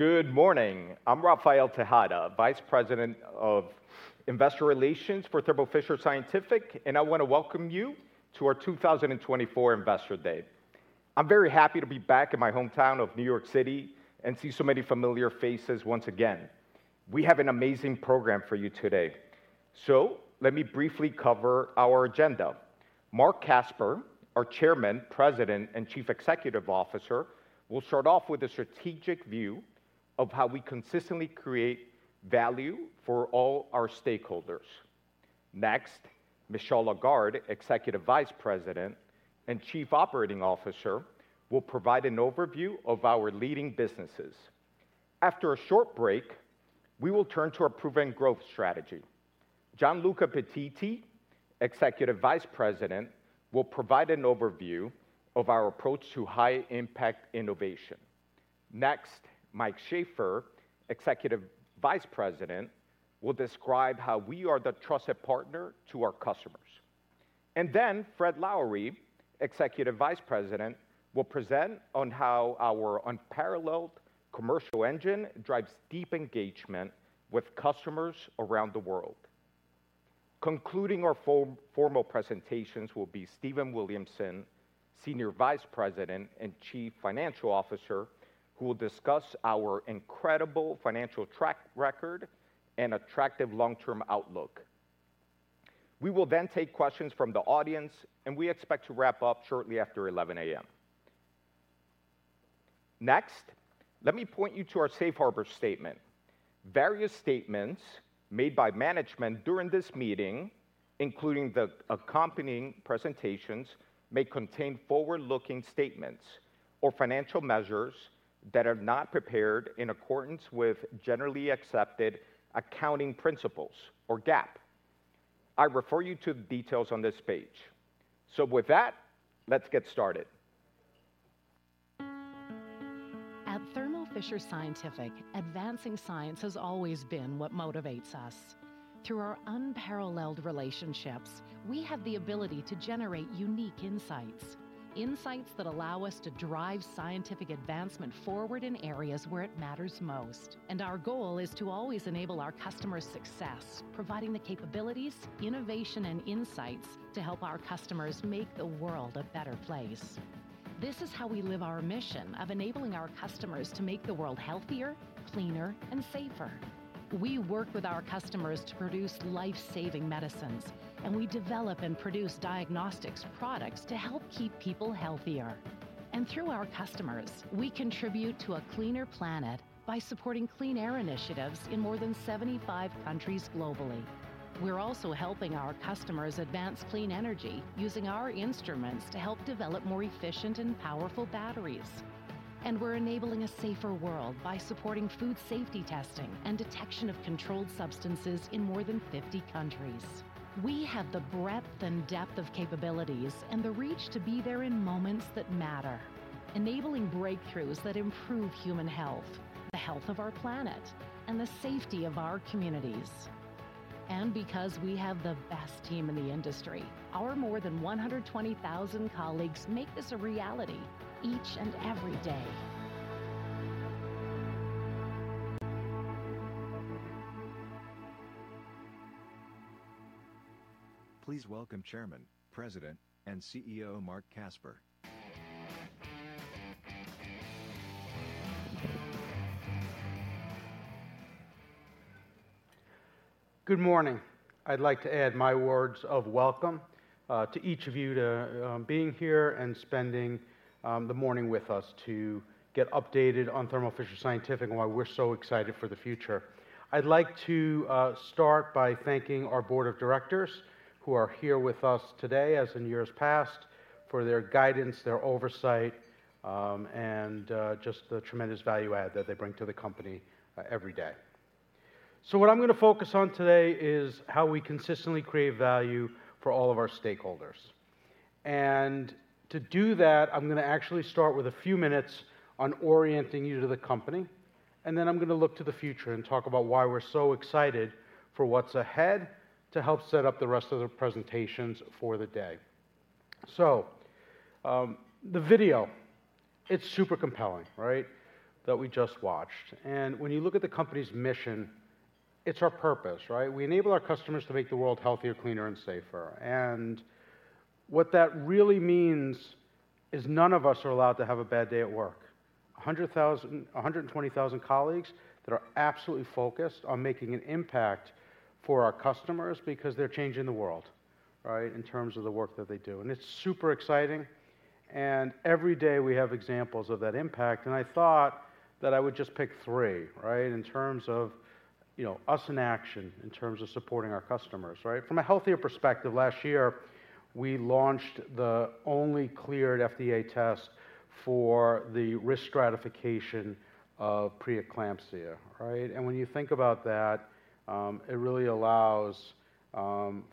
Good morning. I'm Rafael Tejada, Vice President of Investor Relations for Thermo Fisher Scientific, and I wanna welcome you to our 2024 Investor Day. I'm very happy to be back in my hometown of New York City and see so many familiar faces once again. We have an amazing program for you today, so let me briefly cover our agenda. Marc Casper, our Chairman, President, and Chief Executive Officer, will start off with a strategic view of how we consistently create value for all our stakeholders. Next, Michel Lagarde, Executive Vice President and Chief Operating Officer, will provide an overview of our leading businesses. After a short break, we will turn to our proven growth strategy. Gianluca Pettiti, Executive Vice President, will provide an overview of our approach to high-impact innovation. Next, Mike Shafer, Executive Vice President, will describe how we are the trusted partner to our customers. And then Fred Lowery, Executive Vice President, will present on how our unparalleled commercial engine drives deep engagement with customers around the world. Concluding our formal presentations will be Stephen Williamson, Senior Vice President and Chief Financial Officer, who will discuss our incredible financial track record and attractive long-term outlook. We will then take questions from the audience, and we expect to wrap up shortly after 11 A.M. Next, let me point you to our safe harbor statement. Various statements made by management during this meeting, including the accompanying presentations, may contain forward-looking statements or financial measures that are not prepared in accordance with generally accepted accounting principles, or GAAP. I refer you to the details on this page. So with that, let's get started. At Thermo Fisher Scientific, advancing science has always been what motivates us. Through our unparalleled relationships, we have the ability to generate unique insights, insights that allow us to drive scientific advancement forward in areas where it matters most, and our goal is to always enable our customers' success, providing the capabilities, innovation, and insights to help our customers make the world a better place. This is how we live our mission of enabling our customers to make the world healthier, cleaner, and safer. We work with our customers to produce life-saving medicines, and we develop and produce diagnostics products to help keep people healthier, and through our customers, we contribute to a cleaner planet by supporting clean air initiatives in more than seventy-five countries globally. We're also helping our customers advance clean energy, using our instruments to help develop more efficient and powerful batteries. And we're enabling a safer world by supporting food safety testing and detection of controlled substances in more than 50 countries. We have the breadth and depth of capabilities and the reach to be there in moments that matter, enabling breakthroughs that improve human health, the health of our planet, and the safety of our communities. And because we have the best team in the industry, our more than 120,000 colleagues make this a reality each and every day. Please welcome Chairman, President, and CEO, Marc Casper. Good morning. I'd like to add my words of welcome to each of you to being here and spending the morning with us to get updated on Thermo Fisher Scientific and why we're so excited for the future. I'd like to start by thanking our board of directors, who are here with us today, as in years past, for their guidance, their oversight, and just the tremendous value add that they bring to the company every day. So what I'm gonna focus on today is how we consistently create value for all of our stakeholders, and to do that, I'm gonna actually start with a few minutes on orienting you to the company, and then I'm gonna look to the future and talk about why we're so excited for what's ahead, to help set up the rest of the presentations for the day. The video, it's super compelling, right? That we just watched. When you look at the company's mission, it's our purpose, right? We enable our customers to make the world healthier, cleaner, and safer. What that really means is none of us are allowed to have a bad day at work. A hundred and twenty thousand colleagues that are absolutely focused on making an impact for our customers because they're changing the world, right, in terms of the work that they do. It's super exciting, and every day we have examples of that impact, and I thought that I would just pick three, right, in terms of, you know, us in action, in terms of supporting our customers, right? From a healthier perspective, last year, we launched the only cleared FDA test for the risk stratification of preeclampsia, right? When you think about that, it really allows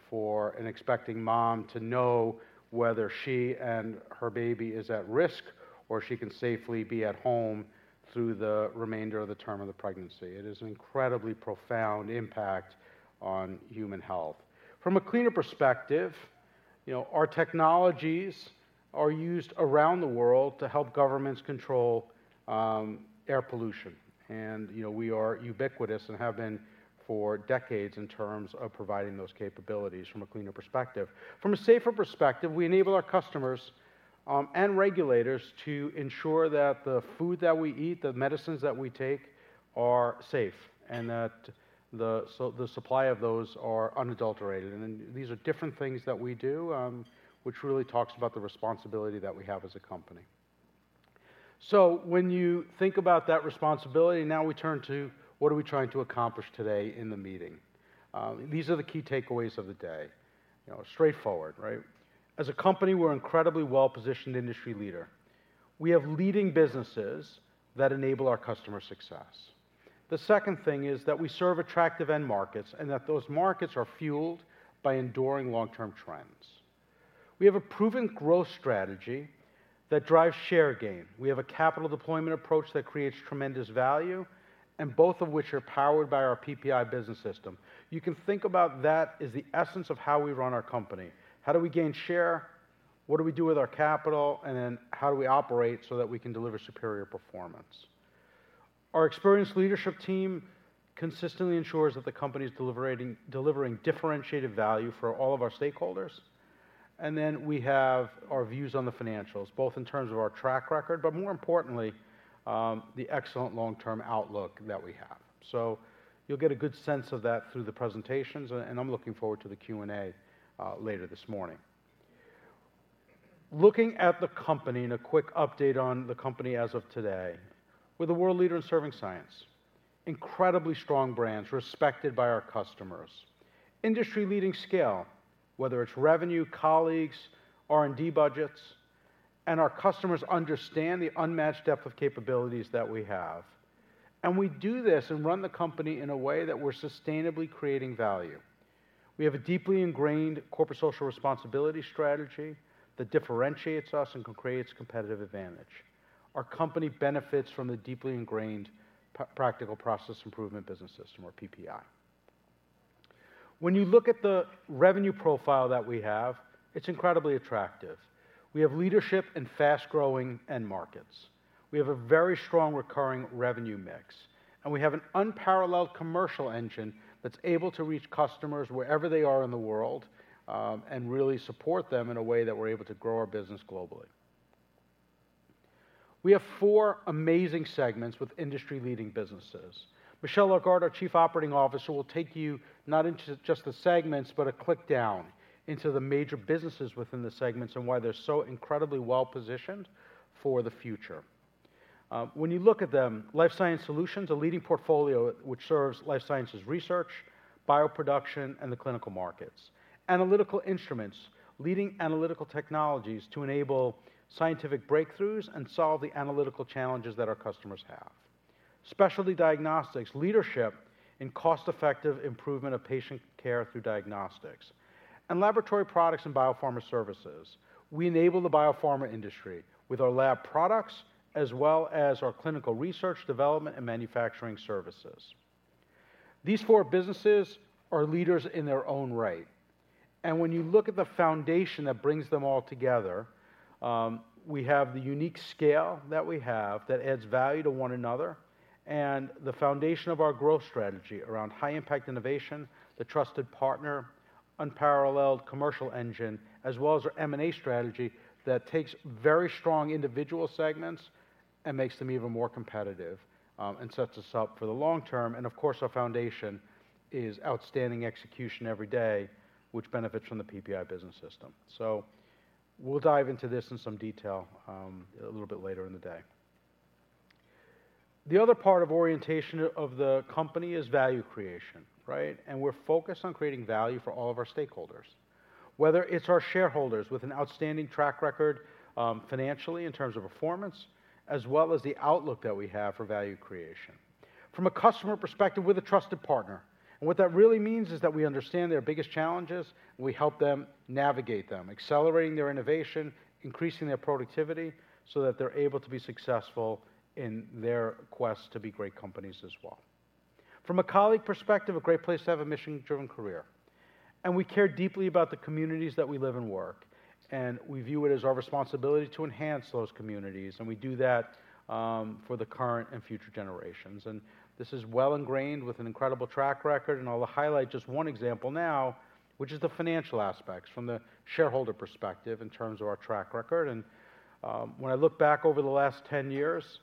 for an expecting mom to know whether she and her baby is at risk, or she can safely be at home through the remainder of the term of the pregnancy. It is an incredibly profound impact on human health. From a clinician's perspective... ... You know, our technologies are used around the world to help governments control air pollution. You know, we are ubiquitous and have been for decades in terms of providing those capabilities from a cleaner perspective. From a safer perspective, we enable our customers and regulators to ensure that the food that we eat, the medicines that we take, are safe, and that the supply of those are unadulterated. These are different things that we do which really talks about the responsibility that we have as a company. When you think about that responsibility, now we turn to what are we trying to accomplish today in the meeting. These are the key takeaways of the day. You know, straightforward, right? As a company, we're an incredibly well-positioned industry leader. We have leading businesses that enable our customer success. The second thing is that we serve attractive end markets and that those markets are fueled by enduring long-term trends. We have a proven growth strategy that drives share gain. We have a capital deployment approach that creates tremendous value, and both of which are powered by our PPI Business System. You can think about that as the essence of how we run our company. How do we gain share? What do we do with our capital? And then how do we operate so that we can deliver superior performance? Our experienced leadership team consistently ensures that the company is delivering differentiated value for all of our stakeholders. And then we have our views on the financials, both in terms of our track record, but more importantly, the excellent long-term outlook that we have. So you'll get a good sense of that through the presentations, and I'm looking forward to the Q&A later this morning. Looking at the company and a quick update on the company as of today, we're the world leader in serving science. Incredibly strong brands, respected by our customers. Industry-leading scale, whether it's revenue, colleagues, R&D budgets, and our customers understand the unmatched depth of capabilities that we have. We do this and run the company in a way that we're sustainably creating value. We have a deeply ingrained Corporate Social Responsibility strategy that differentiates us and creates competitive advantage. Our company benefits from the deeply ingrained Practical Process Improvement business system, or PPI. When you look at the revenue profile that we have, it's incredibly attractive. We have leadership in fast-growing end markets. We have a very strong recurring revenue mix, and we have an unparalleled commercial engine that's able to reach customers wherever they are in the world, and really support them in a way that we're able to grow our business globally. We have four amazing segments with industry-leading businesses. Michel Lagarde, our Chief Operating Officer, will take you not into just the segments, but a click down into the major businesses within the segments and why they're so incredibly well-positioned for the future. When you look at them, Life Sciences Solutions, a leading portfolio which serves life sciences research, bioproduction, and the clinical markets. Analytical Instruments, leading analytical technologies to enable scientific breakthroughs and solve the analytical challenges that our customers have. Specialty Diagnostics, leadership in cost-effective improvement of patient care through diagnostics. And Laboratory Products and Biopharma Services, we enable the biopharma industry with our lab products as well as our Clinical Research, Development and Manufacturing services. These four businesses are leaders in their own right, and when you look at the foundation that brings them all together, we have the unique scale that we have that adds value to one another, and the foundation of our growth strategy around high-impact innovation, the trusted partner, unparalleled commercial engine, as well as our M&A strategy that takes very strong individual segments and makes them even more competitive, and sets us up for the long term. And of course, our foundation is outstanding execution every day, which benefits from the PPI Business System. So we'll dive into this in some detail, a little bit later in the day. The other part of orientation of the company is value creation, right? And we're focused on creating value for all of our stakeholders, whether it's our shareholders, with an outstanding track record, financially in terms of performance, as well as the outlook that we have for value creation. From a customer perspective, we're a trusted partner, and what that really means is that we understand their biggest challenges, and we help them navigate them, accelerating their innovation, increasing their productivity, so that they're able to be successful in their quest to be great companies as well. From a colleague perspective, a great place to have a mission-driven career. And we care deeply about the communities that we live and work, and we view it as our responsibility to enhance those communities, and we do that, for the current and future generations. This is well ingrained with an incredible track record, and I'll highlight just one example now, which is the financial aspects from the shareholder perspective in terms of our track record. When I look back over the last 10 years,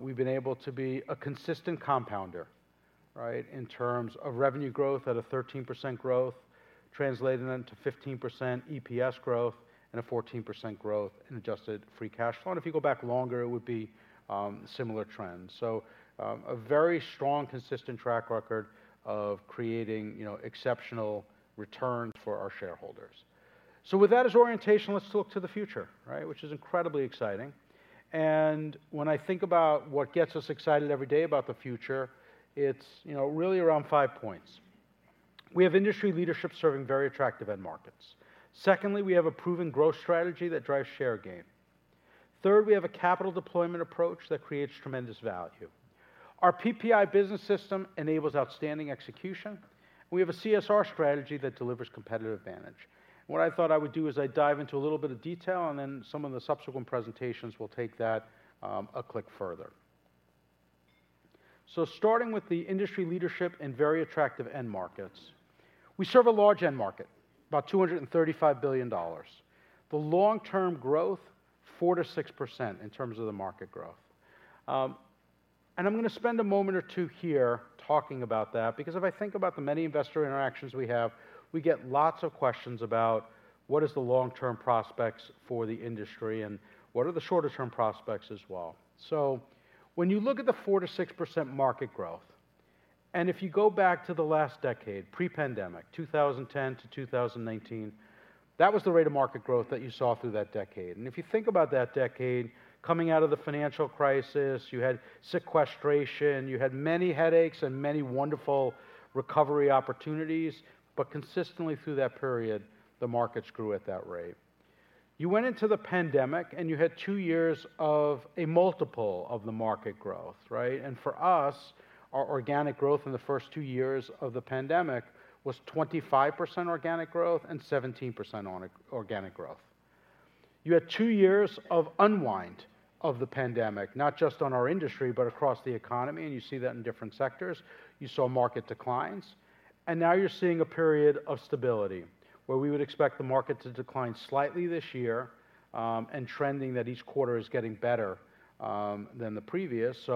we've been able to be a consistent compounder, right, in terms of revenue growth at a 13% growth, translating into 15% EPS growth and a 14% growth in adjusted free cash flow. If you go back longer, it would be similar trends. A very strong, consistent track record of creating, you know, exceptional return for our shareholders. With that as orientation, let's look to the future, right, which is incredibly exciting. When I think about what gets us excited every day about the future, it's, you know, really around five points. We have industry leadership serving very attractive end markets. Secondly, we have a proven growth strategy that drives share gain. Third, we have a capital deployment approach that creates tremendous value. Our PPI Business System enables outstanding execution. We have a CSR strategy that delivers competitive advantage. What I thought I would do is I'd dive into a little bit of detail, and then some of the subsequent presentations will take that, a click further. So starting with the industry leadership and very attractive end markets, we serve a large end market, about $235 billion. The long-term growth, 4%-6% in terms of the market growth. And I'm going to spend a moment or two here talking about that, because if I think about the many investor interactions we have, we get lots of questions about: What is the long-term prospects for the industry, and what are the shorter-term prospects as well? So when you look at the 4%-6% market growth, and if you go back to the last decade, pre-pandemic, 2010 to 2019, that was the rate of market growth that you saw through that decade. And if you think about that decade, coming out of the financial crisis, you had sequestration, you had many headaches and many wonderful recovery opportunities, but consistently through that period, the markets grew at that rate. You went into the pandemic, and you had two years of a multiple of the market growth, right? For us, our organic growth in the first two years of the pandemic was 25% organic growth and 17% organic growth. You had two years of unwind of the pandemic, not just on our industry, but across the economy, and you see that in different sectors. You saw market declines, and now you're seeing a period of stability, where we would expect the market to decline slightly this year, and trending that each quarter is getting better than the previous.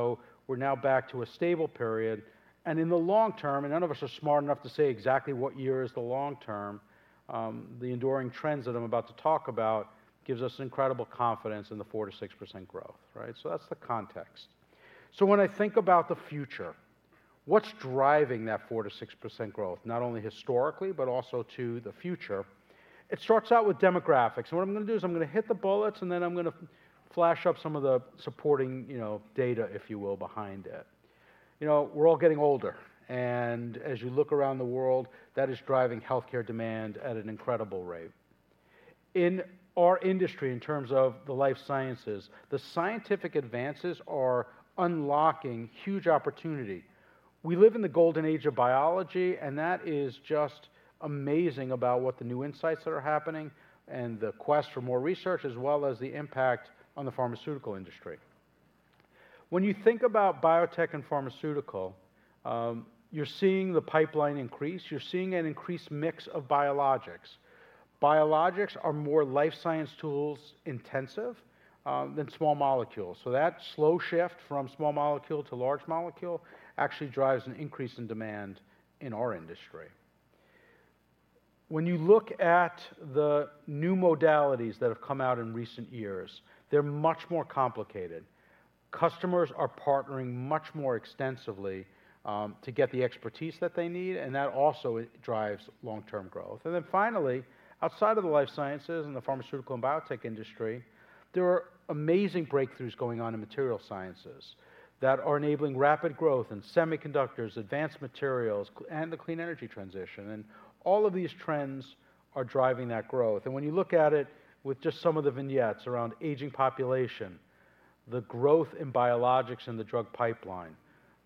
We're now back to a stable period, and in the long term, and none of us are smart enough to say exactly what year is the long term, the enduring trends that I'm about to talk about gives us incredible confidence in the 4% to 6% growth, right? That's the context. So when I think about the future, what's driving that 4-6% growth, not only historically, but also to the future? It starts out with demographics. And what I'm going to do is I'm going to hit the bullets, and then I'm going to flash up some of the supporting, you know, data, if you will, behind it. You know, we're all getting older, and as you look around the world, that is driving healthcare demand at an incredible rate. In our industry, in terms of the life sciences, the scientific advances are unlocking huge opportunity. We live in the golden age of biology, and that is just amazing about what the new insights that are happening and the quest for more research, as well as the impact on the pharmaceutical industry. When you think about biotech and pharmaceutical, you're seeing the pipeline increase, you're seeing an increased mix of biologics. Biologics are more Life Science tools intensive than small molecules. So that slow shift from small molecule to large molecule actually drives an increase in demand in our industry. When you look at the new modalities that have come out in recent years, they're much more complicated. Customers are partnering much more extensively to get the expertise that they need, and that also drives long-term growth. And then finally, outside of the Life Sciences and the pharmaceutical and biotech industry, there are amazing breakthroughs going on in material sciences that are enabling rapid growth in semiconductors, advanced materials, and the clean energy transition, and all of these trends are driving that growth. And when you look at it with just some of the vignettes around aging population, the growth in biologics and the drug pipeline,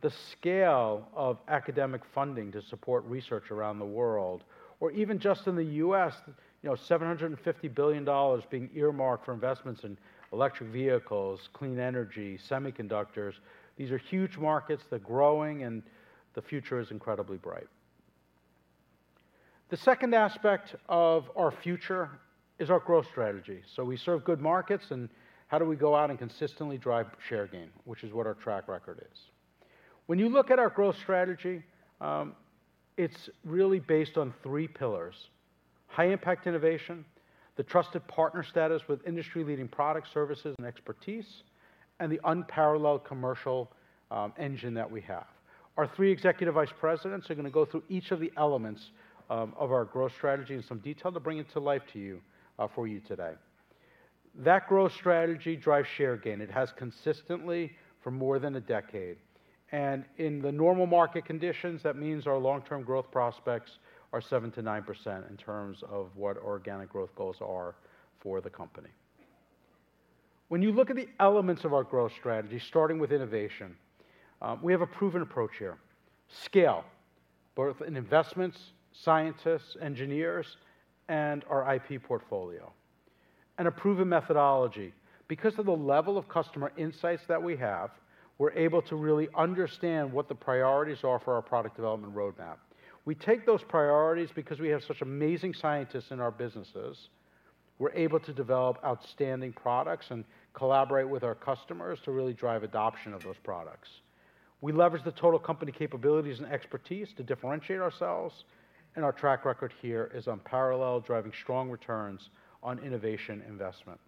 the scale of academic funding to support research around the world, or even just in the U.S., you know, $750 billion being earmarked for investments in electric vehicles, clean energy, semiconductors. These are huge markets. They're growing, and the future is incredibly bright. The second aspect of our future is our growth strategy. So we serve good markets, and how do we go out and consistently drive share gain? Which is what our track record is. When you look at our growth strategy, it's really based on three pillars: high-impact innovation, the trusted partner status with industry-leading products, services, and expertise, and the unparalleled commercial engine that we have. Our three Executive Vice Presidents are going to go through each of the elements of our growth strategy in some detail to bring it to life to you, for you today. That growth strategy drives share gain. It has consistently for more than a decade, and in the normal market conditions, that means our long-term growth prospects are seven to nine% in terms of what organic growth goals are for the company. When you look at the elements of our growth strategy, starting with innovation, we have a proven approach here. Scale, both in investments, scientists, engineers, and our IP portfolio, and a proven methodology. Because of the level of customer insights that we have, we're able to really understand what the priorities are for our product development roadmap. We take those priorities because we have such amazing scientists in our businesses. We're able to develop outstanding products and collaborate with our customers to really drive adoption of those products. We leverage the total company capabilities and expertise to differentiate ourselves, and our track record here is unparalleled, driving strong returns on innovation investment.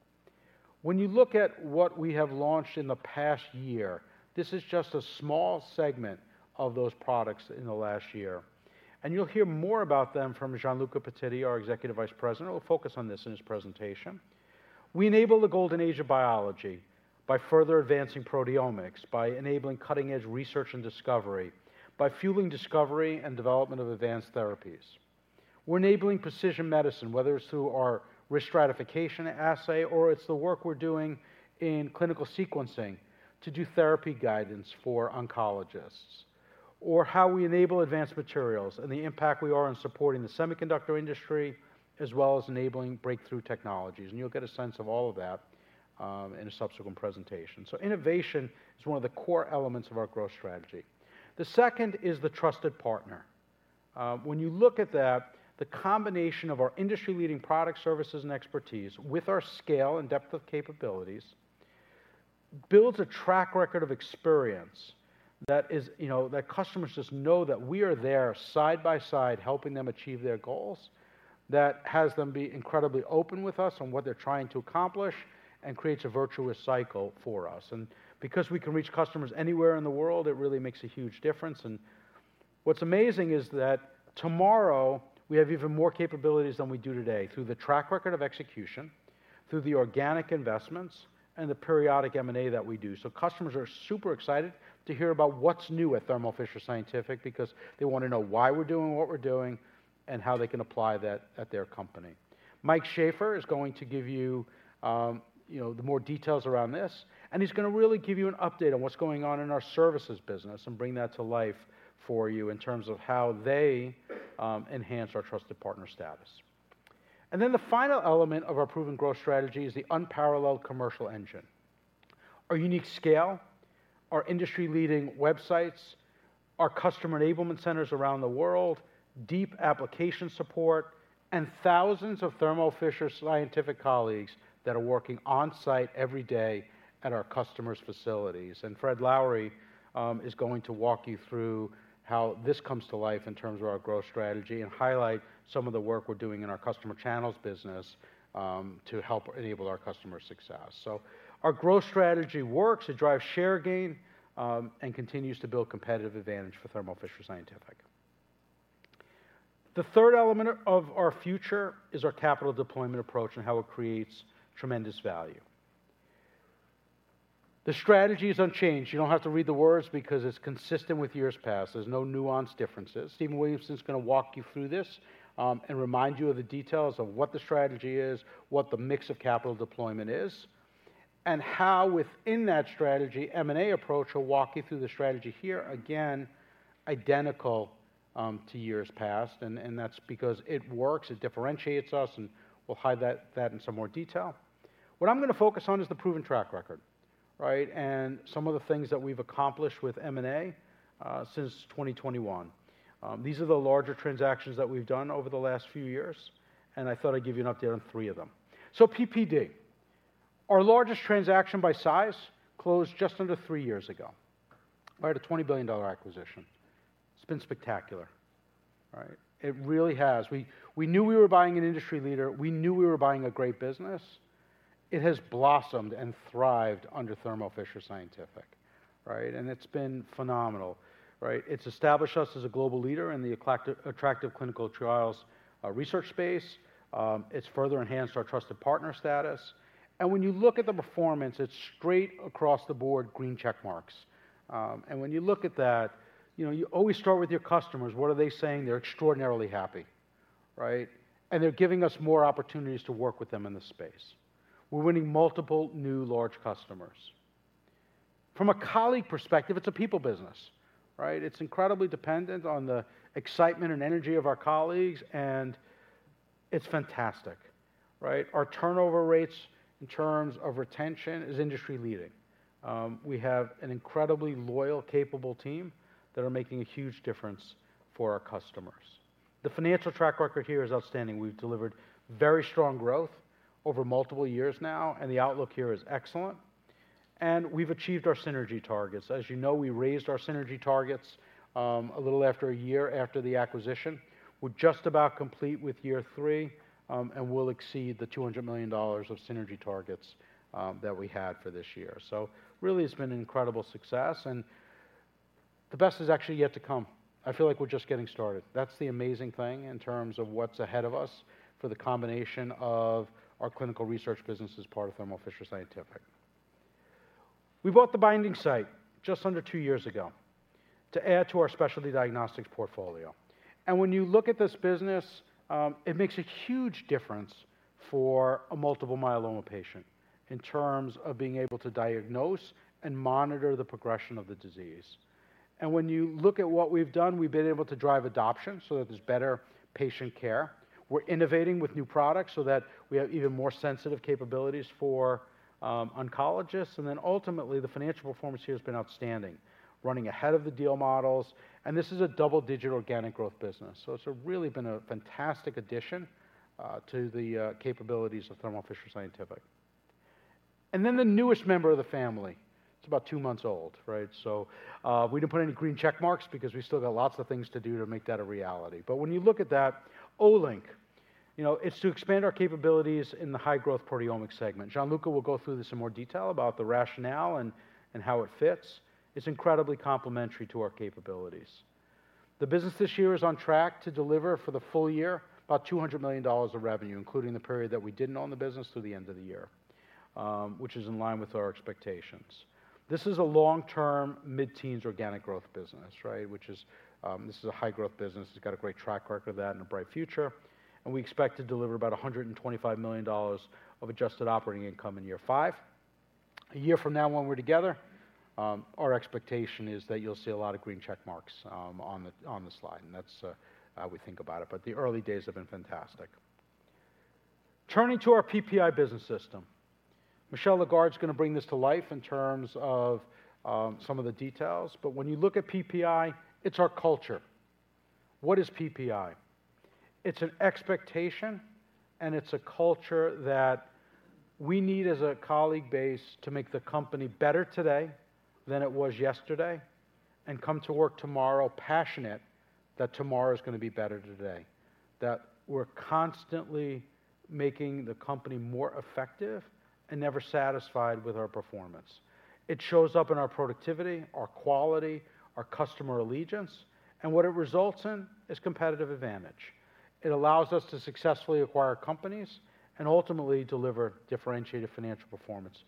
When you look at what we have launched in the past year, this is just a small segment of those products in the last year, and you'll hear more about them from Gianluca Pettiti, our Executive Vice President, who will focus on this in his presentation. We enable the golden age of biology by further advancing proteomics, by enabling cutting-edge research and discovery, by fueling discovery and development of advanced therapies.... We're enabling precision medicine, whether it's through our risk stratification assay, or it's the work we're doing in clinical sequencing to do therapy guidance for oncologists, or how we enable advanced materials and the impact we are in supporting the semiconductor industry, as well as enabling breakthrough technologies. And you'll get a sense of all of that, in a subsequent presentation. So innovation is one of the core elements of our growth strategy. The second is the trusted partner. When you look at that, the combination of our industry-leading product, services, and expertise with our scale and depth of capabilities, builds a track record of experience that is, you know, that customers just know that we are there side by side, helping them achieve their goals, that has them be incredibly open with us on what they're trying to accomplish and creates a virtuous cycle for us. And because we can reach customers anywhere in the world, it really makes a huge difference, and what's amazing is that tomorrow we have even more capabilities than we do today through the track record of execution, through the organic investments, and the periodic M&A that we do, so customers are super excited to hear about what's new at Thermo Fisher Scientific, because they want to know why we're doing what we're doing and how they can apply that at their company. Mike Shafer is going to give you, you know, the more details around this, and he's going to really give you an update on what's going on in our services business and bring that to life for you in terms of how they enhance our trusted partner status, and then the final element of our proven growth strategy is the unparalleled commercial engine. Our unique scale, our industry-leading websites, our customer enablement centers around the world, deep application support, and thousands of Thermo Fisher Scientific colleagues that are working on-site every day at our customers' facilities. And Fred Lowery is going to walk you through how this comes to life in terms of our growth strategy and highlight some of the work we're doing in our Customer Channels business to help enable our customer success. So our growth strategy works, it drives share gain, and continues to build competitive advantage for Thermo Fisher Scientific. The third element of our future is our capital deployment approach and how it creates tremendous value. The strategy is unchanged. You don't have to read the words because it's consistent with years past. There's no nuance differences. Stephen Williamson is going to walk you through this, and remind you of the details of what the strategy is, what the mix of capital deployment is, and how within that strategy, M&A approach, he'll walk you through the strategy here, again, identical to years past, and that's because it works, it differentiates us, and we'll hide that in some more detail. What I'm going to focus on is the proven track record, right? And some of the things that we've accomplished with M&A since 2021. These are the larger transactions that we've done over the last few years, and I thought I'd give you an update on three of them. So PPD, our largest transaction by size, closed just under three years ago, right? A $20 billion acquisition. It's been spectacular, right? It really has. We knew we were buying an industry leader. We knew we were buying a great business. It has blossomed and thrived under Thermo Fisher Scientific, right? And it's been phenomenal, right? It's established us as a global leader in the attractive clinical trials research space. It's further enhanced our trusted partner status. And when you look at the performance, it's straight across the board, green check marks. And when you look at that, you know, you always start with your customers. What are they saying? They're extraordinarily happy, right? And they're giving us more opportunities to work with them in this space. We're winning multiple new large customers. From a colleague perspective, it's a people business, right? It's incredibly dependent on the excitement and energy of our colleagues, and it's fantastic, right? Our turnover rates in terms of retention is industry-leading. We have an incredibly loyal, capable team that are making a huge difference for our customers. The financial track record here is outstanding. We've delivered very strong growth over multiple years now, and the outlook here is excellent, and we've achieved our synergy targets. As you know, we raised our synergy targets a little after a year after the acquisition. We're just about complete with year three, and we'll exceed the $200 million of synergy targets that we had for this year. So really, it's been an incredible success, and the best is actually yet to come. I feel like we're just getting started. That's the amazing thing in terms of what's ahead of us for the combination of our Clinical Research business as part of Thermo Fisher Scientific. We bought The Binding Site just under two years ago to add to our Specialty Diagnostics portfolio. And when you look at this business, it makes a huge difference for a multiple myeloma patient in terms of being able to diagnose and monitor the progression of the disease. And when you look at what we've done, we've been able to drive adoption so that there's better patient care. We're innovating with new products so that we have even more sensitive capabilities for oncologists. And then ultimately, the financial performance here has been outstanding, running ahead of the deal models. And this is a double-digit organic growth business, so it's really been a fantastic addition to the capabilities of Thermo Fisher Scientific. And then the newest member of the family, it's about two months old, right? So, we didn't put any green check marks because we still got lots of things to do to make that a reality. But when you look at that, Olink, you know, it's to expand our capabilities in the high-growth proteomics segment. Gianluca will go through this in more detail about the rationale and how it fits. It's incredibly complementary to our capabilities. The business this year is on track to deliver for the full year, about $200 million of revenue, including the period that we didn't own the business through the end of the year... which is in line with our expectations. This is a long-term, mid-teens organic growth business, right? Which is, this is a high-growth business. It's got a great track record of that and a bright future, and we expect to deliver about $125 million of adjusted operating income in year five. A year from now when we're together, our expectation is that you'll see a lot of green check marks on the slide, and that's how we think about it, but the early days have been fantastic. Turning to our PPI Business System, Michel Lagarde is going to bring this to life in terms of some of the details. When you look at PPI, it's our culture. What is PPI? It's an expectation, and it's a culture that we need as a colleague base to make the company better today than it was yesterday, and come to work tomorrow passionate that tomorrow is going to be better today, that we're constantly making the company more effective and never satisfied with our performance. It shows up in our productivity, our quality, our customer allegiance, and what it results in is competitive advantage. It allows us to successfully acquire companies and ultimately deliver differentiated financial performance.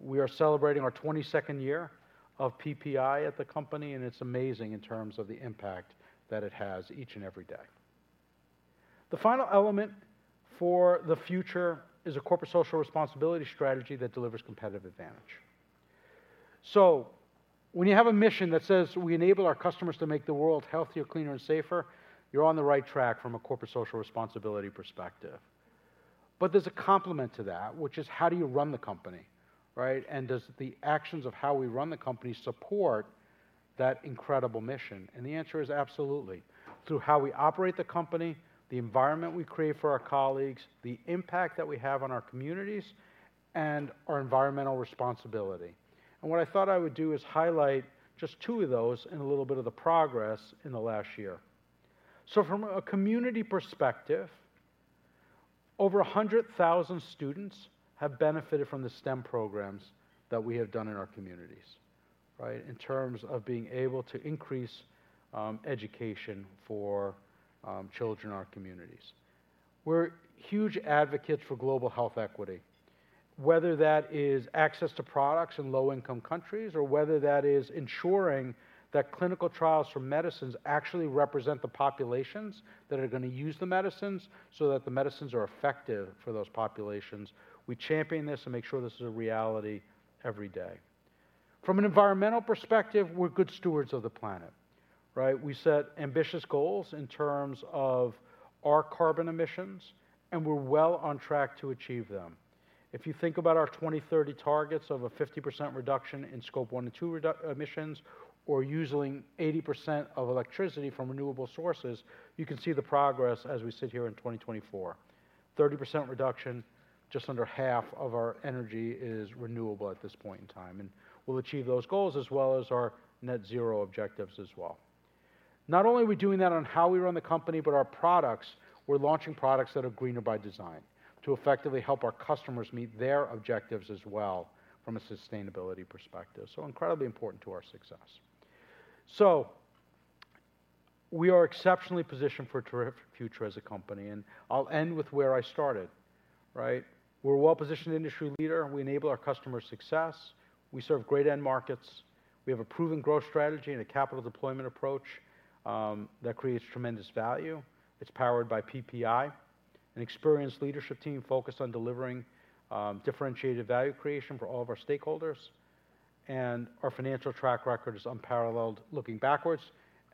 We are celebrating our twenty-second year of PPI at the company, and it's amazing in terms of the impact that it has each and every day. The final element for the future is a corporate social responsibility strategy that delivers competitive advantage. So when you have a mission that says, "We enable our customers to make the world healthier, cleaner and safer," you're on the right track from a corporate social responsibility perspective. But there's a complement to that, which is how do you run the company, right? And does the actions of how we run the company support that incredible mission? And the answer is absolutely. Through how we operate the company, the environment we create for our colleagues, the impact that we have on our communities, and our environmental responsibility. And what I thought I would do is highlight just two of those and a little bit of the progress in the last year. So from a community perspective, over 100,000 students have benefited from the STEM programs that we have done in our communities, right? In terms of being able to increase education for children in our communities. We're huge advocates for global health equity, whether that is access to products in low-income countries, or whether that is ensuring that clinical trials for medicines actually represent the populations that are going to use the medicines so that the medicines are effective for those populations. We champion this and make sure this is a reality every day. From an environmental perspective, we're good stewards of the planet, right? We set ambitious goals in terms of our carbon emissions, and we're well on track to achieve them. If you think about our 2030 targets of a 50% reduction in Scope 1 and 2 emissions, or using 80% of electricity from renewable sources, you can see the progress as we sit here in 2024. 30% reduction, just under half of our energy is renewable at this point in time, and we'll achieve those goals as well as our net zero objectives as well. Not only are we doing that on how we run the company, but our products. We're launching products that are greener by design to effectively help our customers meet their objectives as well from a sustainability perspective, so incredibly important to our success. So we are exceptionally positioned for a terrific future as a company, and I'll end with where I started, right? We're a well-positioned industry leader, and we enable our customers' success. We serve great end markets. We have a proven growth strategy and a capital deployment approach that creates tremendous value. It's powered by PPI, an experienced leadership team focused on delivering differentiated value creation for all of our stakeholders. Our financial track record is unparalleled looking backwards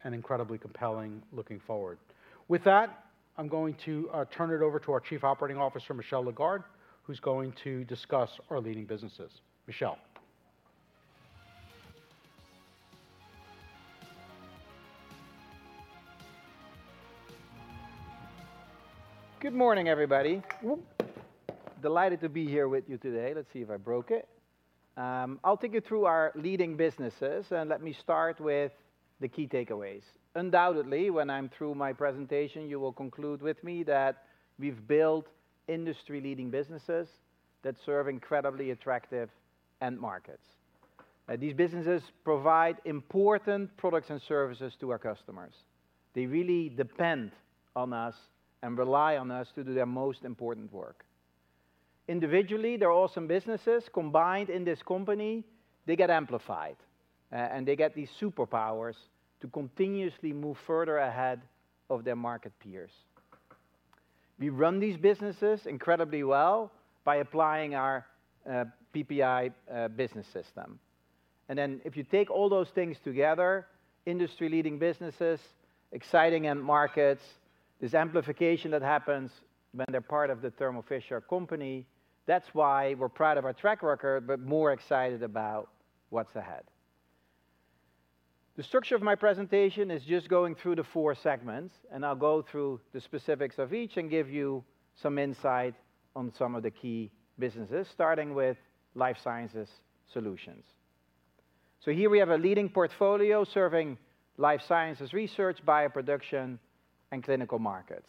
and incredibly compelling looking forward. With that, I'm going to turn it over to our Chief Operating Officer, Michel Lagarde, who's going to discuss our leading businesses. Michel. Good morning, everybody. Whoop! Delighted to be here with you today. Let's see if I broke it. I'll take you through our leading businesses, and let me start with the key takeaways. Undoubtedly, when I'm through my presentation, you will conclude with me that we've built industry-leading businesses that serve incredibly attractive end markets. These businesses provide important products and services to our customers. They really depend on us and rely on us to do their most important work. Individually, they're awesome businesses. Combined in this company, they get amplified, and they get these superpowers to continuously move further ahead of their market peers. We run these businesses incredibly well by applying our PPI Business System. And then if you take all those things together, industry-leading businesses, exciting end markets, this amplification that happens when they're part of the Thermo Fisher company, that's why we're proud of our track record, but more excited about what's ahead. The structure of my presentation is just going through the four segments, and I'll go through the specifics of each and give you some insight on some of the key businesses, starting with Life Sciences Solutions. So here we have a leading portfolio serving life sciences research, bioproduction, and clinical markets.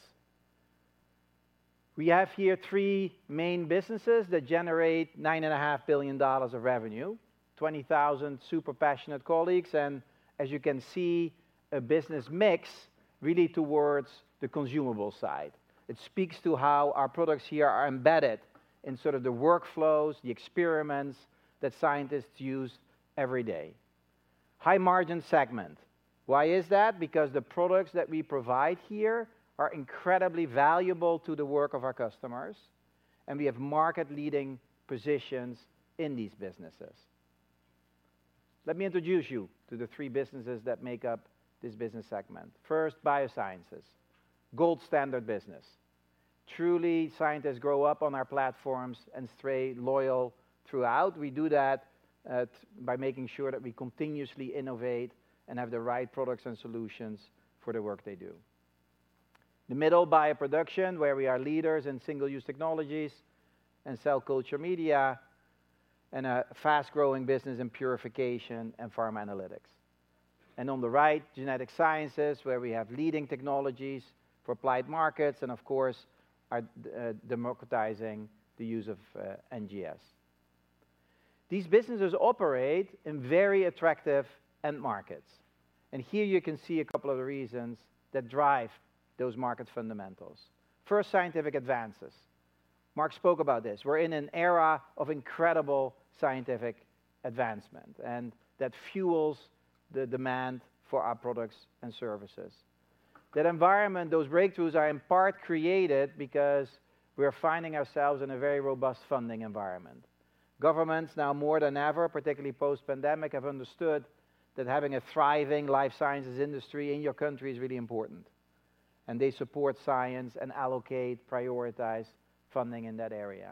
We have here three main businesses that generate $9.5 billion of revenue, 20,000 super passionate colleagues, and as you can see, a business mix really towards the consumable side. It speaks to how our products here are embedded in sort of the workflows, the experiments that scientists use every day.... high-margin segment. Why is that? Because the products that we provide here are incredibly valuable to the work of our customers, and we have market-leading positions in these businesses. Let me introduce you to the three businesses that make up this business segment. First, Biosciences, gold standard business. Truly, scientists grow up on our platforms and stay loyal throughout. We do that by making sure that we continuously innovate and have the right products and solutions for the work they do. The middle, Bioproduction, where we are leaders in single-use technologies and cell culture media, and a fast-growing business in purification and pharma analytics. And on the right, Genetic Sciences, where we have leading technologies for applied markets and, of course, are democratizing the use of NGS. These businesses operate in very attractive end markets, and here you can see a couple of the reasons that drive those market fundamentals. First, scientific advances. Marc spoke about this. We're in an era of incredible scientific advancement, and that fuels the demand for our products and services. That environment, those breakthroughs, are in part created because we are finding ourselves in a very robust funding environment. Governments, now more than ever, particularly post-pandemic, have understood that having a thriving life sciences industry in your country is really important, and they support science and allocate, prioritize funding in that area.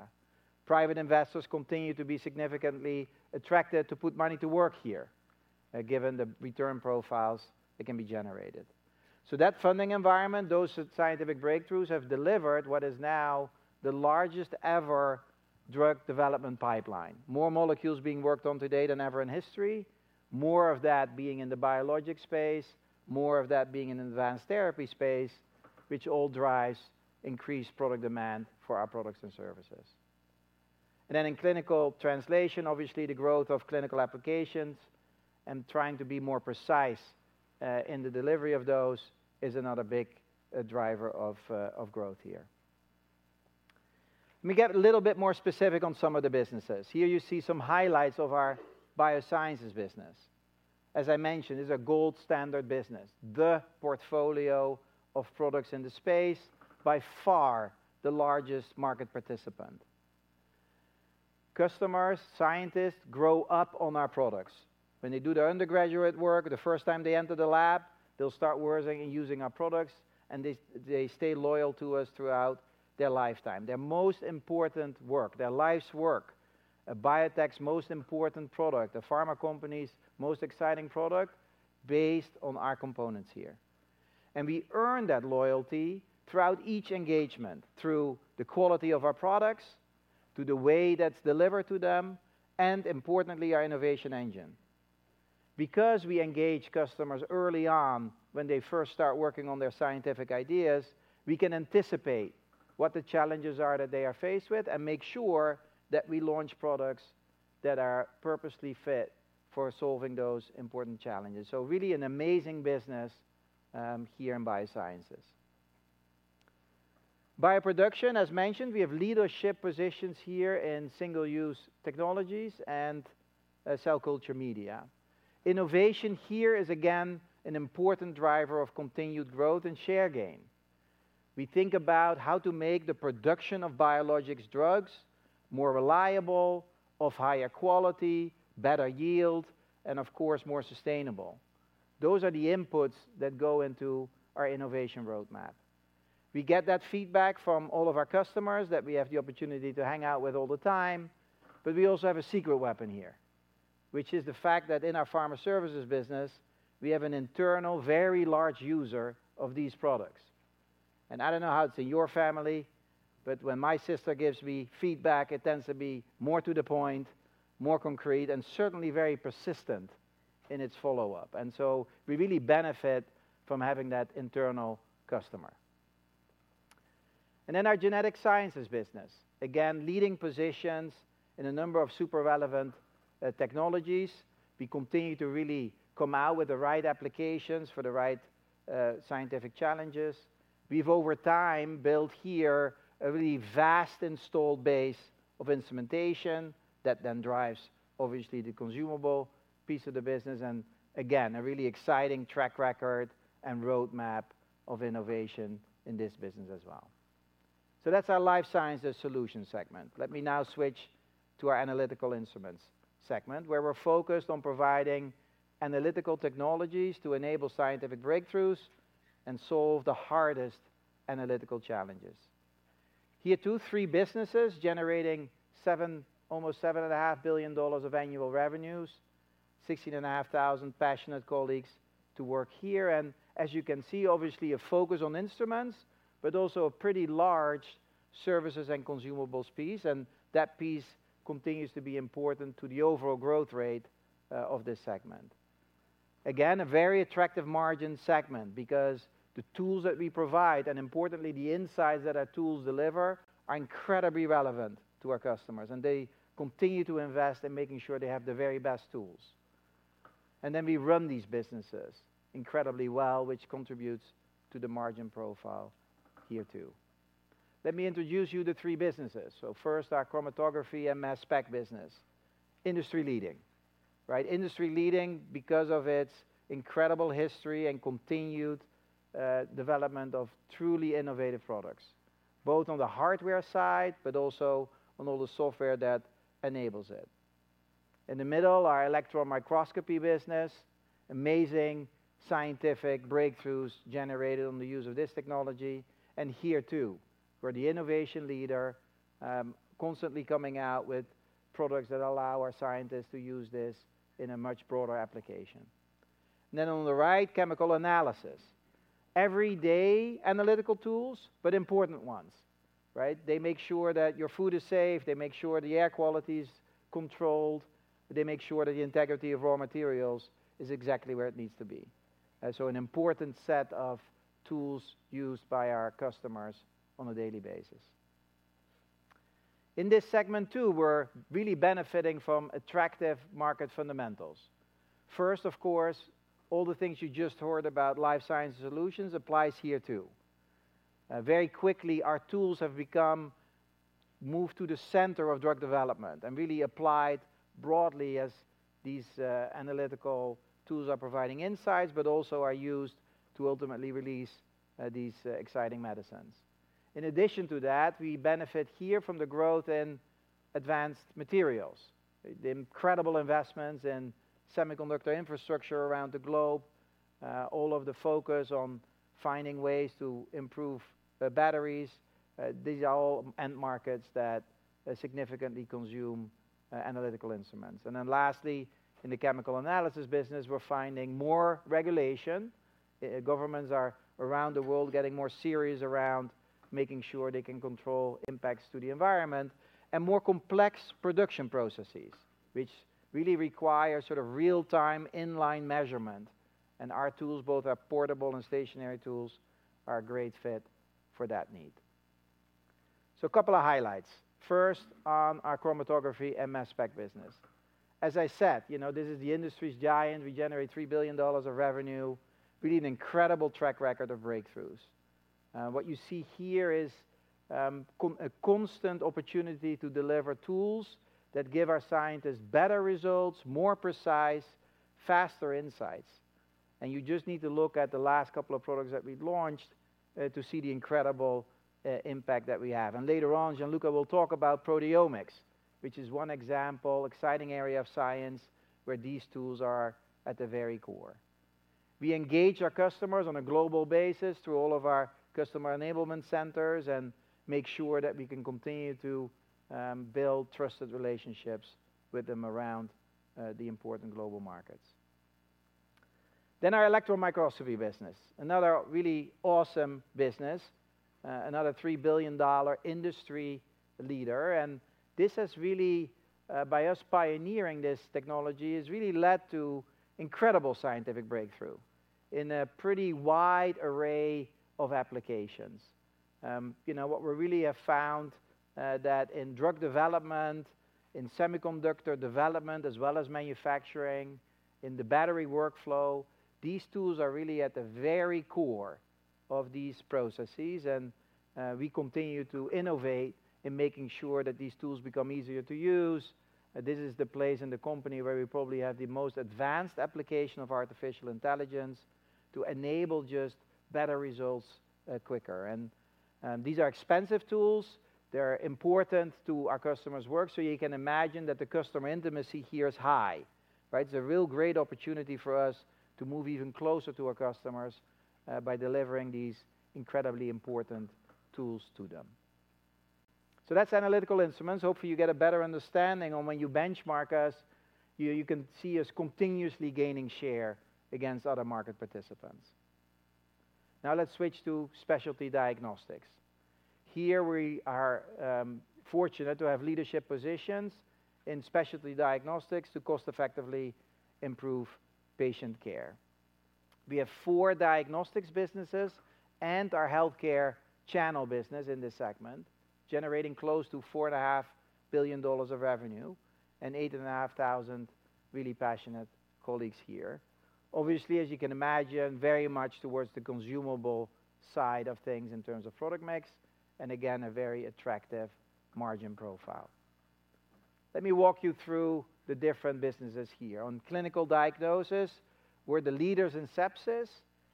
Private investors continue to be significantly attracted to put money to work here, given the return profiles that can be generated. So that funding environment, those scientific breakthroughs, have delivered what is now the largest ever drug development pipeline. More molecules being worked on today than ever in history, more of that being in the biologics space, more of that being in advanced therapy space, which all drives increased product demand for our products and services, and then in clinical translation, obviously, the growth of clinical applications and trying to be more precise in the delivery of those is another big driver of growth here. Let me get a little bit more specific on some of the businesses. Here you see some highlights of our Biosciences business. As I mentioned, it's a gold standard business. The portfolio of products in the space, by far the largest market participant. Customers, scientists, grow up on our products. When they do their undergraduate work, the first time they enter the lab, they'll start working and using our products, and they stay loyal to us throughout their lifetime. Their most important work, their life's work, a biotech's most important product, a pharma company's most exciting product, based on our components here. And we earn that loyalty throughout each engagement, through the quality of our products, to the way that's delivered to them, and importantly, our innovation engine. Because we engage customers early on when they first start working on their scientific ideas, we can anticipate what the challenges are that they are faced with and make sure that we launch products that are purposely fit for solving those important challenges. So really an amazing business here in Biosciences. Bioproduction, as mentioned, we have leadership positions here in single-use technologies and cell culture media. Innovation here is, again, an important driver of continued growth and share gain. We think about how to make the production of biologics drugs more reliable, of higher quality, better yield, and of course, more sustainable. Those are the inputs that go into our innovation roadmap. We get that feedback from all of our customers that we have the opportunity to hang out with all the time, but we also have a secret weapon here, which is the fact that in our Pharma Services business, we have an internal, very large user of these products. And I don't know how it's in your family, but when my sister gives me feedback, it tends to be more to the point, more concrete, and certainly very persistent in its follow-up. And so we really benefit from having that internal customer. And then our Genetic Sciences business, again, leading positions in a number of super relevant, technologies. We continue to really come out with the right applications for the right, scientific challenges. We've, over time, built here a really vast installed base of instrumentation that then drives, obviously, the consumable piece of the business, and again, a really exciting track record and roadmap of innovation in this business as well. So that's our Life Sciences Solutions segment. Let me now switch to our Analytical Instruments segment, where we're focused on providing analytical technologies to enable scientific breakthroughs and solve the hardest analytical challenges. Here, too, three businesses generating $7 billion-almost $7.5 billion of annual revenues, 16,500 passionate colleagues to work here, and as you can see, obviously, a focus on instruments, but also a pretty large services and consumables piece, and that piece continues to be important to the overall growth rate of this segment. Again, a very attractive margin segment because the tools that we provide, and importantly, the insights that our tools deliver, are incredibly relevant to our customers, and they continue to invest in making sure they have the very best tools. And then we run these businesses incredibly well, which contributes to the margin profile here, too. Let me introduce you to the three businesses. So first, our Chromatography and Mass Spec business. Industry-leading, right? Industry-leading because of its incredible history and continued development of truly innovative products, both on the hardware side, but also on all the software that enables it. In the middle, our Electron Microscopy business, amazing scientific breakthroughs generated on the use of this technology, and here, too, we're the innovation leader, constantly coming out with products that allow our scientists to use this in a much broader application. Then on the right, Chemical Analysis. Everyday analytical tools, but important ones, right? They make sure that your food is safe, they make sure the air quality is controlled, they make sure that the integrity of raw materials is exactly where it needs to be. So an important set of tools used by our customers on a daily basis. In this segment, too, we're really benefiting from attractive market fundamentals. First, of course, all the things you just heard about life science solutions applies here, too. Very quickly, our tools have moved to the center of drug development and really applied broadly as these analytical tools are providing insights, but also are used to ultimately release these exciting medicines. In addition to that, we benefit here from the growth in advanced materials. The incredible investments in semiconductor infrastructure around the globe, all of the focus on finding ways to improve batteries, these are all end markets that significantly consume Analytical Instruments, and then lastly, in the Chemical Analysis business, we're finding more regulation. Governments are around the world getting more serious around making sure they can control impacts to the environment and more complex production processes, which really require sort of real-time, in-line measurement, and our tools, both our portable and stationary tools, are a great fit for that need, so a couple of highlights. First, on our Chromatography and Mass Spec business. As I said, you know, this is the industry's giant. We generate $3 billion of revenue, with an incredible track record of breakthroughs. What you see here is a constant opportunity to deliver tools that give our scientists better results, more precise, faster insights. And you just need to look at the last couple of products that we've launched to see the incredible impact that we have. And later on, Gianluca will talk about proteomics, which is one example, exciting area of science, where these tools are at the very core. We engage our customers on a global basis through all of our customer enablement centers and make sure that we can continue to build trusted relationships with them around the important global markets. Then our Electron Microscopy business, another really awesome business, another $3 billion industry leader, and this has really, by us pioneering this technology, has really led to incredible scientific breakthrough in a pretty wide array of applications. You know, what we really have found that in drug development, in semiconductor development, as well as manufacturing, in the battery workflow, these tools are really at the very core of these processes, and we continue to innovate in making sure that these tools become easier to use. This is the place in the company where we probably have the most advanced application of artificial intelligence to enable just better results, quicker. And these are expensive tools. They're important to our customers' work, so you can imagine that the customer intimacy here is high, right? It's a real great opportunity for us to move even closer to our customers, by delivering these incredibly important tools to them. So that's Analytical Instruments. Hopefully, you get a better understanding on when you benchmark us, you can see us continuously gaining share against other market participants. Now, let's switch to Specialty Diagnostics. Here, we are fortunate to have leadership positions in Specialty Diagnostics to cost-effectively improve patient care. We have four diagnostics businesses and our healthcare channel business in this segment, generating close to $4.5 billion of revenue and 8,500 really passionate colleagues here. Obviously, as you can imagine, very much towards the consumable side of things in terms of product mix, and again, a very attractive margin profile. Let me walk you through the different businesses here. On Clinical Diagnosis, we're the leaders in sepsis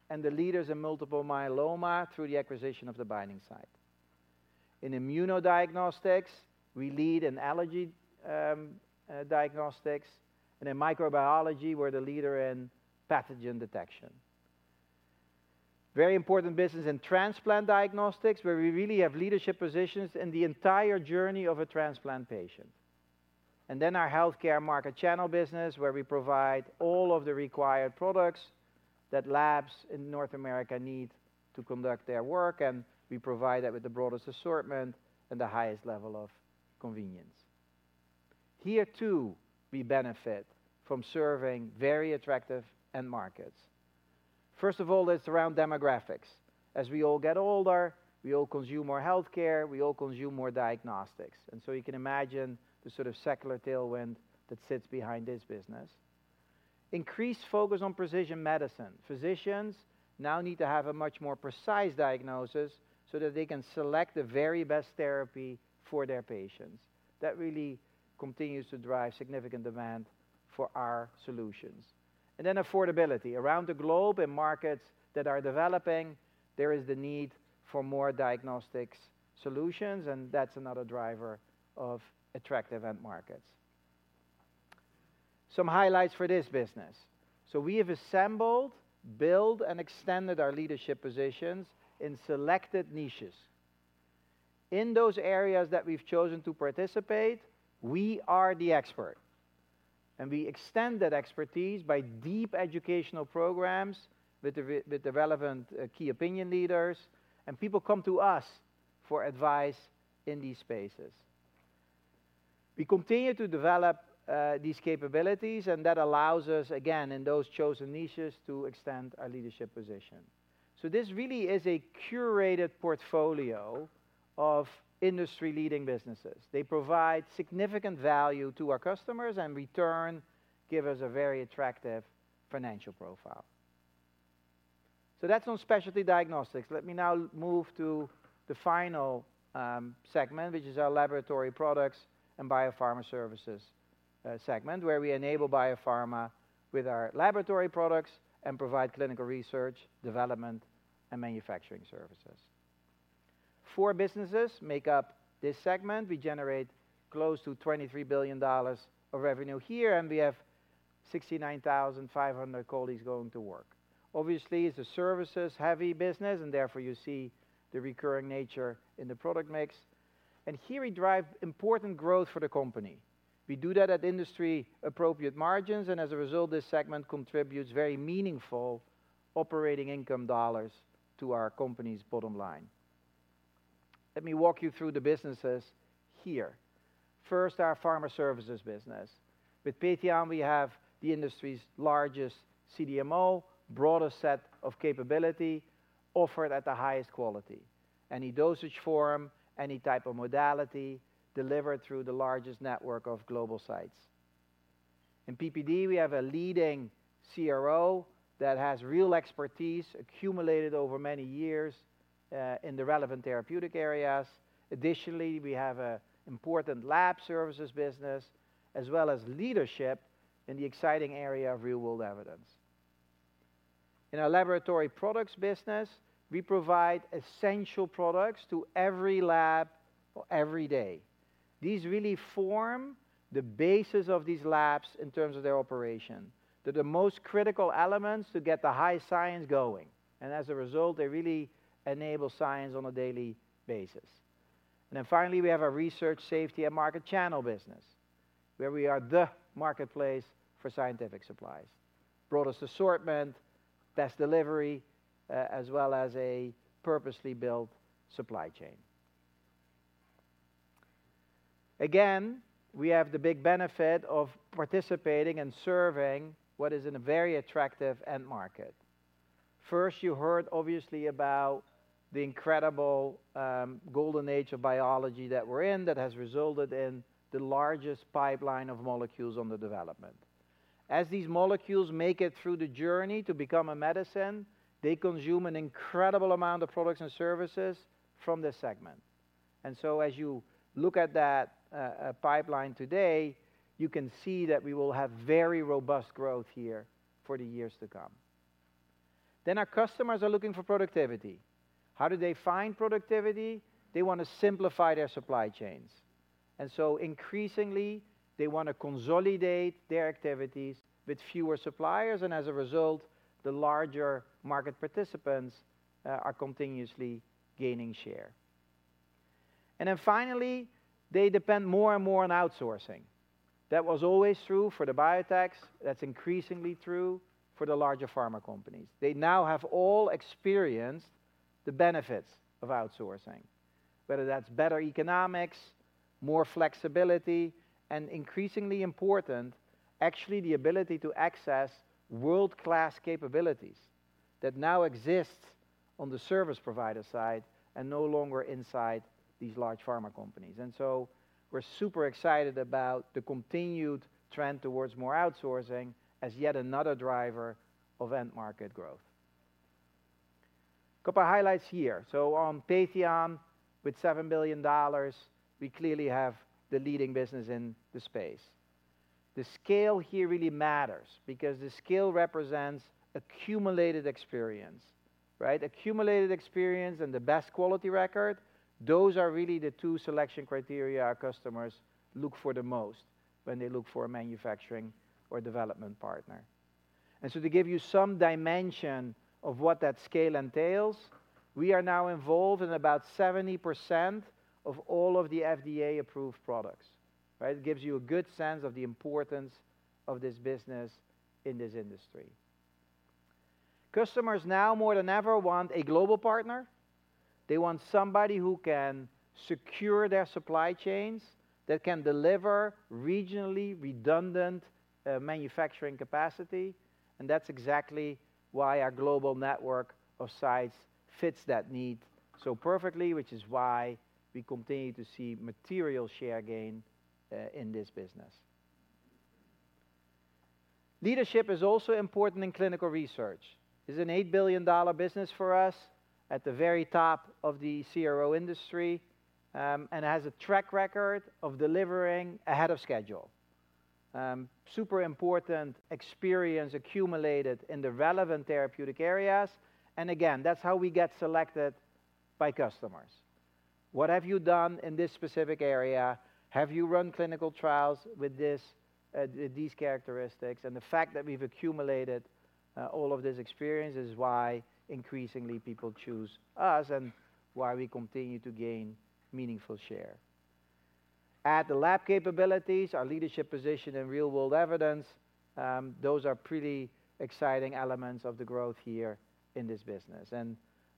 and the leaders in multiple myeloma through the acquisition of The Binding Site. In Immunodiagnostics, we lead in Allergy Diagnostics, and in Microbiology, we're the leader in pathogen detection. Very important business in Transplant Diagnostics, where we really have leadership positions in the entire journey of a transplant patient. And then our Healthcare Market Channel business, where we provide all of the required products that labs in North America need to conduct their work, and we provide that with the broadest assortment and the highest level of convenience. Here, too, we benefit from serving very attractive end markets. First of all, it's around demographics. As we all get older, we all consume more healthcare, we all consume more diagnostics, and so you can imagine the sort of secular tailwind that sits behind this business.... increased focus on precision medicine. Physicians now need to have a much more precise diagnosis so that they can select the very best therapy for their patients. That really continues to drive significant demand for our solutions. And then affordability. Around the globe, in markets that are developing, there is the need for more diagnostics solutions, and that's another driver of attractive end markets. Some highlights for this business: so we have assembled, built, and extended our leadership positions in selected niches. In those areas that we've chosen to participate, we are the expert, and we extend that expertise by deep educational programs with the relevant, key opinion leaders, and people come to us for advice in these spaces. We continue to develop these capabilities, and that allows us, again, in those chosen niches, to extend our leadership position. So this really is a curated portfolio of industry-leading businesses. They provide significant value to our customers and in return, give us a very attractive financial profile. So that's on Specialty Diagnostics. Let me now move to the final segment, which is our Laboratory Products and Biopharma Services segment, where we enable biopharma with our Laboratory Products and provide Clinical Research, Development, and Manufacturing Services. Four businesses make up this segment. We generate close to $23 billion of revenue here, and we have 69,500 colleagues going to work. Obviously, it's a services-heavy business, and therefore, you see the recurring nature in the product mix, and here we drive important growth for the company. We do that at industry-appropriate margins, and as a result, this segment contributes very meaningful operating income dollars to our company's bottom line. Let me walk you through the businesses here. First, our Pharma Services business. With Patheon, we have the industry's largest CDMO, broadest set of capability, offered at the highest quality. Any dosage form, any type of modality, delivered through the largest network of global sites. In PPD, we have a leading CRO that has real expertise accumulated over many years in the relevant therapeutic areas. Additionally, we have an important lab services business, as well as leadership in the exciting area of real-world evidence. In our Laboratory Products business, we provide essential products to every lab or every day. These really form the basis of these labs in terms of their operation. They're the most critical elements to get the high science going, and as a result, they really enable science on a daily basis. And then finally, we have our Research, Safety and Market Channel business, where we are the marketplace for scientific supplies. Broadest assortment, best delivery, as well as a purposely built supply chain. Again, we have the big benefit of participating and serving what is in a very attractive end market. First, you heard obviously about the incredible, golden age of biology that we're in, that has resulted in the largest pipeline of molecules under development. As these molecules make it through the journey to become a medicine, they consume an incredible amount of products and services from this segment, and so as you look at that pipeline today, you can see that we will have very robust growth here for the years to come, then our customers are looking for productivity. How do they find productivity? They wanna simplify their supply chains, and so increasingly, they wanna consolidate their activities with fewer suppliers, and as a result, the larger market participants are continuously gaining share, and then finally, they depend more and more on outsourcing. That was always true for the biotechs. That's increasingly true for the larger pharma companies. They now have all experienced the benefits of outsourcing, whether that's better economics, more flexibility, and increasingly important, actually, the ability to access world-class capabilities that now exist on the service provider side and no longer inside these large pharma companies. And so we're super excited about the continued trend towards more outsourcing as yet another driver of end market growth. Couple of highlights here. So on Patheon, with $7 billion, we clearly have the leading business in the space. The scale here really matters because the scale represents accumulated experience, right? Accumulated experience and the best quality record, those are really the two selection criteria our customers look for the most when they look for a manufacturing or development partner. And so to give you some dimension of what that scale entails, we are now involved in about 70% of all of the FDA-approved products, right? It gives you a good sense of the importance of this business in this industry. Customers now, more than ever, want a global partner. They want somebody who can secure their supply chains, that can deliver regionally redundant manufacturing capacity and that's exactly why our global network of sites fits that need so perfectly, which is why we continue to see material share gain in this business. Leadership is also important in Clinical Research. It's an $8 billion business for us, at the very top of the CRO industry, and has a track record of delivering ahead of schedule. Super important experience accumulated in the relevant therapeutic areas, and again, that's how we get selected by customers. "What have you done in this specific area? Have you run clinical trials with this, with these characteristics?" and the fact that we've accumulated all of this experience is why increasingly people choose us, and why we continue to gain meaningful share. Add the lab capabilities, our leadership position in real-world evidence, those are pretty exciting elements of the growth here in this business,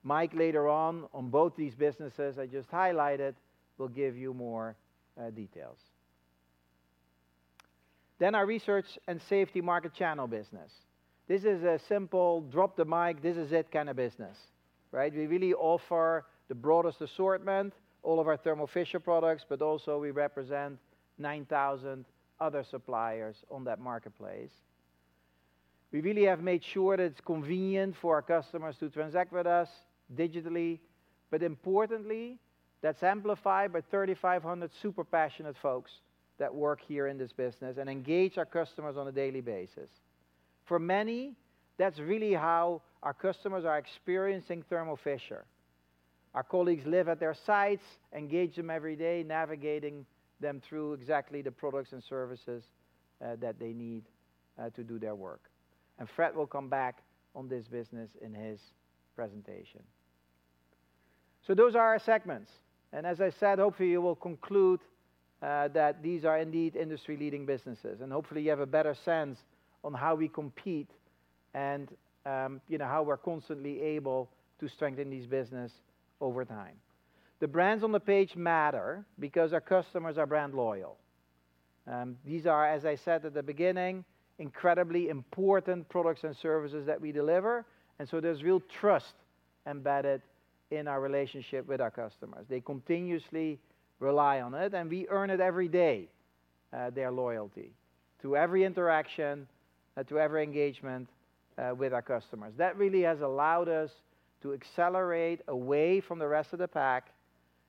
and Mike, later on, on both these businesses I just highlighted, will give you more details, then our research and safety market channel business. This is a simple drop-the-mic, this-is-it kind of business, right? We really offer the broadest assortment, all of our Thermo Fisher products, but also we represent nine thousand other suppliers on that marketplace. We really have made sure that it's convenient for our customers to transact with us digitally, but importantly, that's amplified by 3,500 super passionate folks that work here in this business and engage our customers on a daily basis. For many, that's really how our customers are experiencing Thermo Fisher. Our colleagues live at their sites, engage them every day, navigating them through exactly the products and services that they need to do their work, and Fred will come back on this business in his presentation. So those are our segments, and as I said, hopefully, you will conclude that these are indeed industry-leading businesses, and hopefully, you have a better sense on how we compete and, you know, how we're constantly able to strengthen this business over time. The brands on the page matter because our customers are brand loyal. These are, as I said at the beginning, incredibly important products and services that we deliver, and so there's real trust embedded in our relationship with our customers. They continuously rely on it, and we earn it every day, their loyalty, through every interaction and through every engagement with our customers. That really has allowed us to accelerate away from the rest of the pack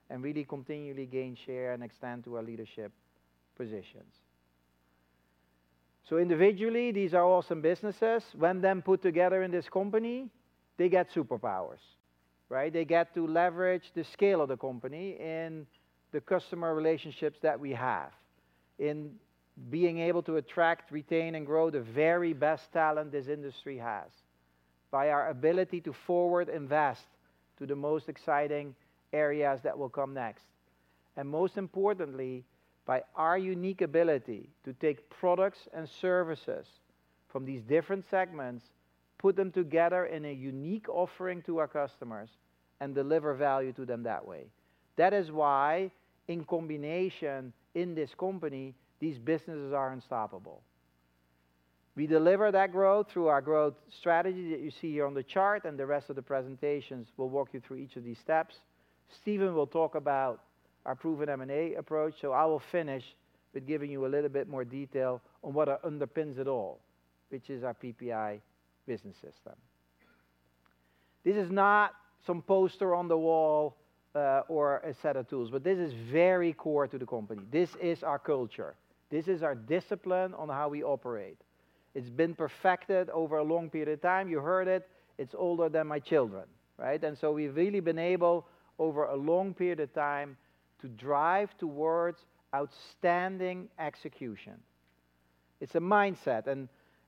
and really continually gain share and extend to our leadership positions. Individually, these are awesome businesses. When they're put together in this company, they get superpowers, right? They get to leverage the scale of the company and the customer relationships that we have in being able to attract, retain, and grow the very best talent this industry has, by our ability to forward invest to the most exciting areas that will come next, and most importantly, by our unique ability to take products and services from these different segments, put them together in a unique offering to our customers, and deliver value to them that way. That is why, in combination in this company, these businesses are unstoppable. We deliver that growth through our growth strategy that you see here on the chart, and the rest of the presentations will walk you through each of these steps. Stephen will talk about our proven M&A approach, so I will finish with giving you a little bit more detail on what underpins it all, which is our PPI Business System. This is not some poster on the wall, or a set of tools, but this is very core to the company. This is our culture. This is our discipline on how we operate. It's been perfected over a long period of time. You heard it. It's older than my children, right? And so we've really been able, over a long period of time, to drive towards outstanding execution. It's a mindset,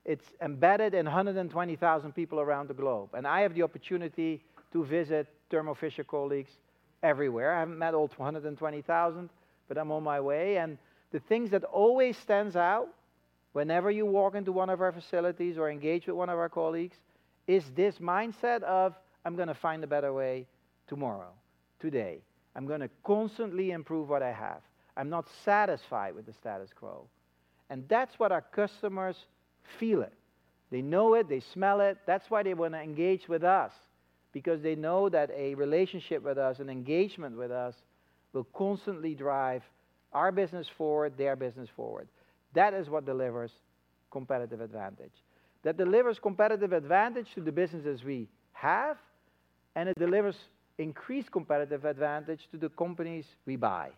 and it's embedded in 120,000 people around the globe, and I have the opportunity to visit Thermo Fisher colleagues everywhere. I haven't met all 120,000, but I'm on my way, and the things that always stands out whenever you walk into one of our facilities or engage with one of our colleagues, is this mindset of, "I'm gonna find a better way tomorrow, today. I'm gonna constantly improve what I have. I'm not satisfied with the status quo." And that's what our customers feel it. They know it. They smell it. That's why they want to engage with us, because they know that a relationship with us and engagement with us will constantly drive our business forward, their business forward. That is what delivers competitive advantage. That delivers competitive advantage to the businesses we have, and it delivers increased competitive advantage to the companies we buy,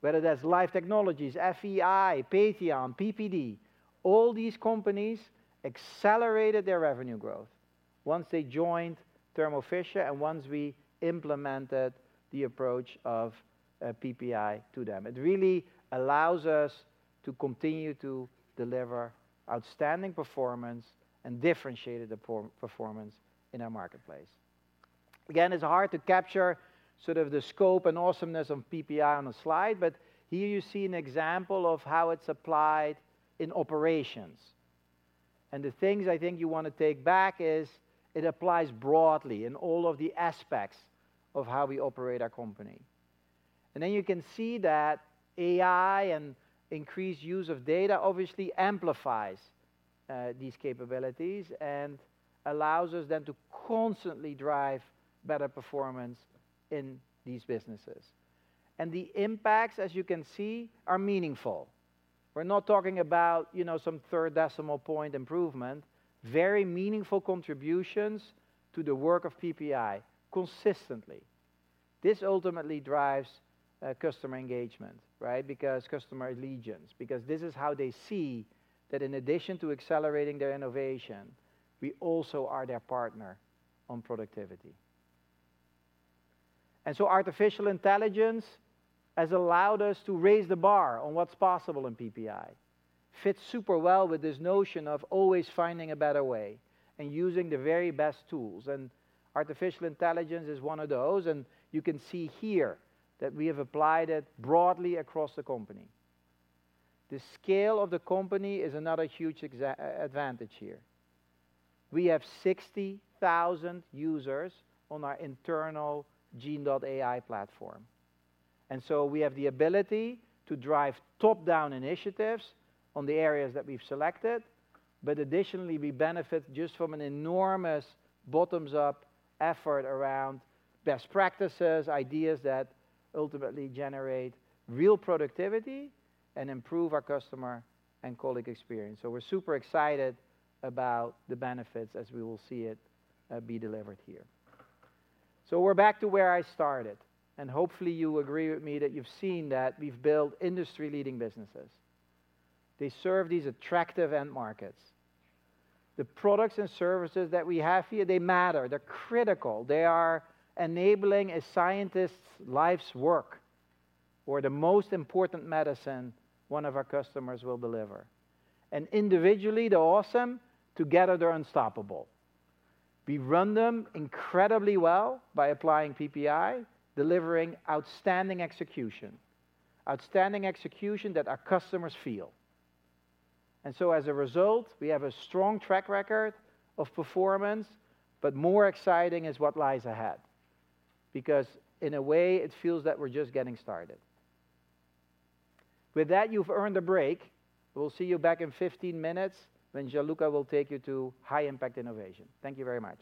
whether that's Life Technologies, FEI, Patheon, PPD. All these companies accelerated their revenue growth once they joined Thermo Fisher and once we implemented the approach of, PPI to them. It really allows us to continue to deliver outstanding performance and differentiated performance in our marketplace. Again, it's hard to capture sort of the scope and awesomeness of PPI on a slide, but here you see an example of how it's applied in operations. And the things I think you wanna take back is, it applies broadly in all of the aspects of how we operate our company. And then you can see that AI and increased use of data obviously amplifies these capabilities and allows us then to constantly drive better performance in these businesses. And the impacts, as you can see, are meaningful. We're not talking about, you know, some third decimal point improvement, very meaningful contributions to the work of PPI consistently. This ultimately drives customer engagement, right? Because customer allegiance, because this is how they see that in addition to accelerating their innovation, we also are their partner on productivity, and so artificial intelligence has allowed us to raise the bar on what's possible in PPI. Fits super well with this notion of always finding a better way and using the very best tools, and artificial intelligence is one of those, and you can see here that we have applied it broadly across the company. The scale of the company is another huge advantage here. We have 60,000 users on our internal GenAI platform, and so we have the ability to drive top-down initiatives on the areas that we've selected, but additionally, we benefit just from an enormous bottoms-up effort around best practices, ideas that ultimately generate real productivity and improve our customer and colleague experience. So we're super excited about the benefits as we will see it be delivered here. So we're back to where I started, and hopefully, you agree with me that you've seen that we've built industry-leading businesses. They serve these attractive end markets. The products and services that we have here, they matter. They're critical. They are enabling a scientist's life's work or the most important medicine one of our customers will deliver. And individually, they're awesome. Together, they're unstoppable. We run them incredibly well by applying PPI, delivering outstanding execution, outstanding execution that our customers feel. And so, as a result, we have a strong track record of performance, but more exciting is what lies ahead. Because in a way, it feels that we're just getting started. With that, you've earned a break. We'll see you back in fifteen minutes, when Gianluca will take you to high-impact innovation. Thank you very much.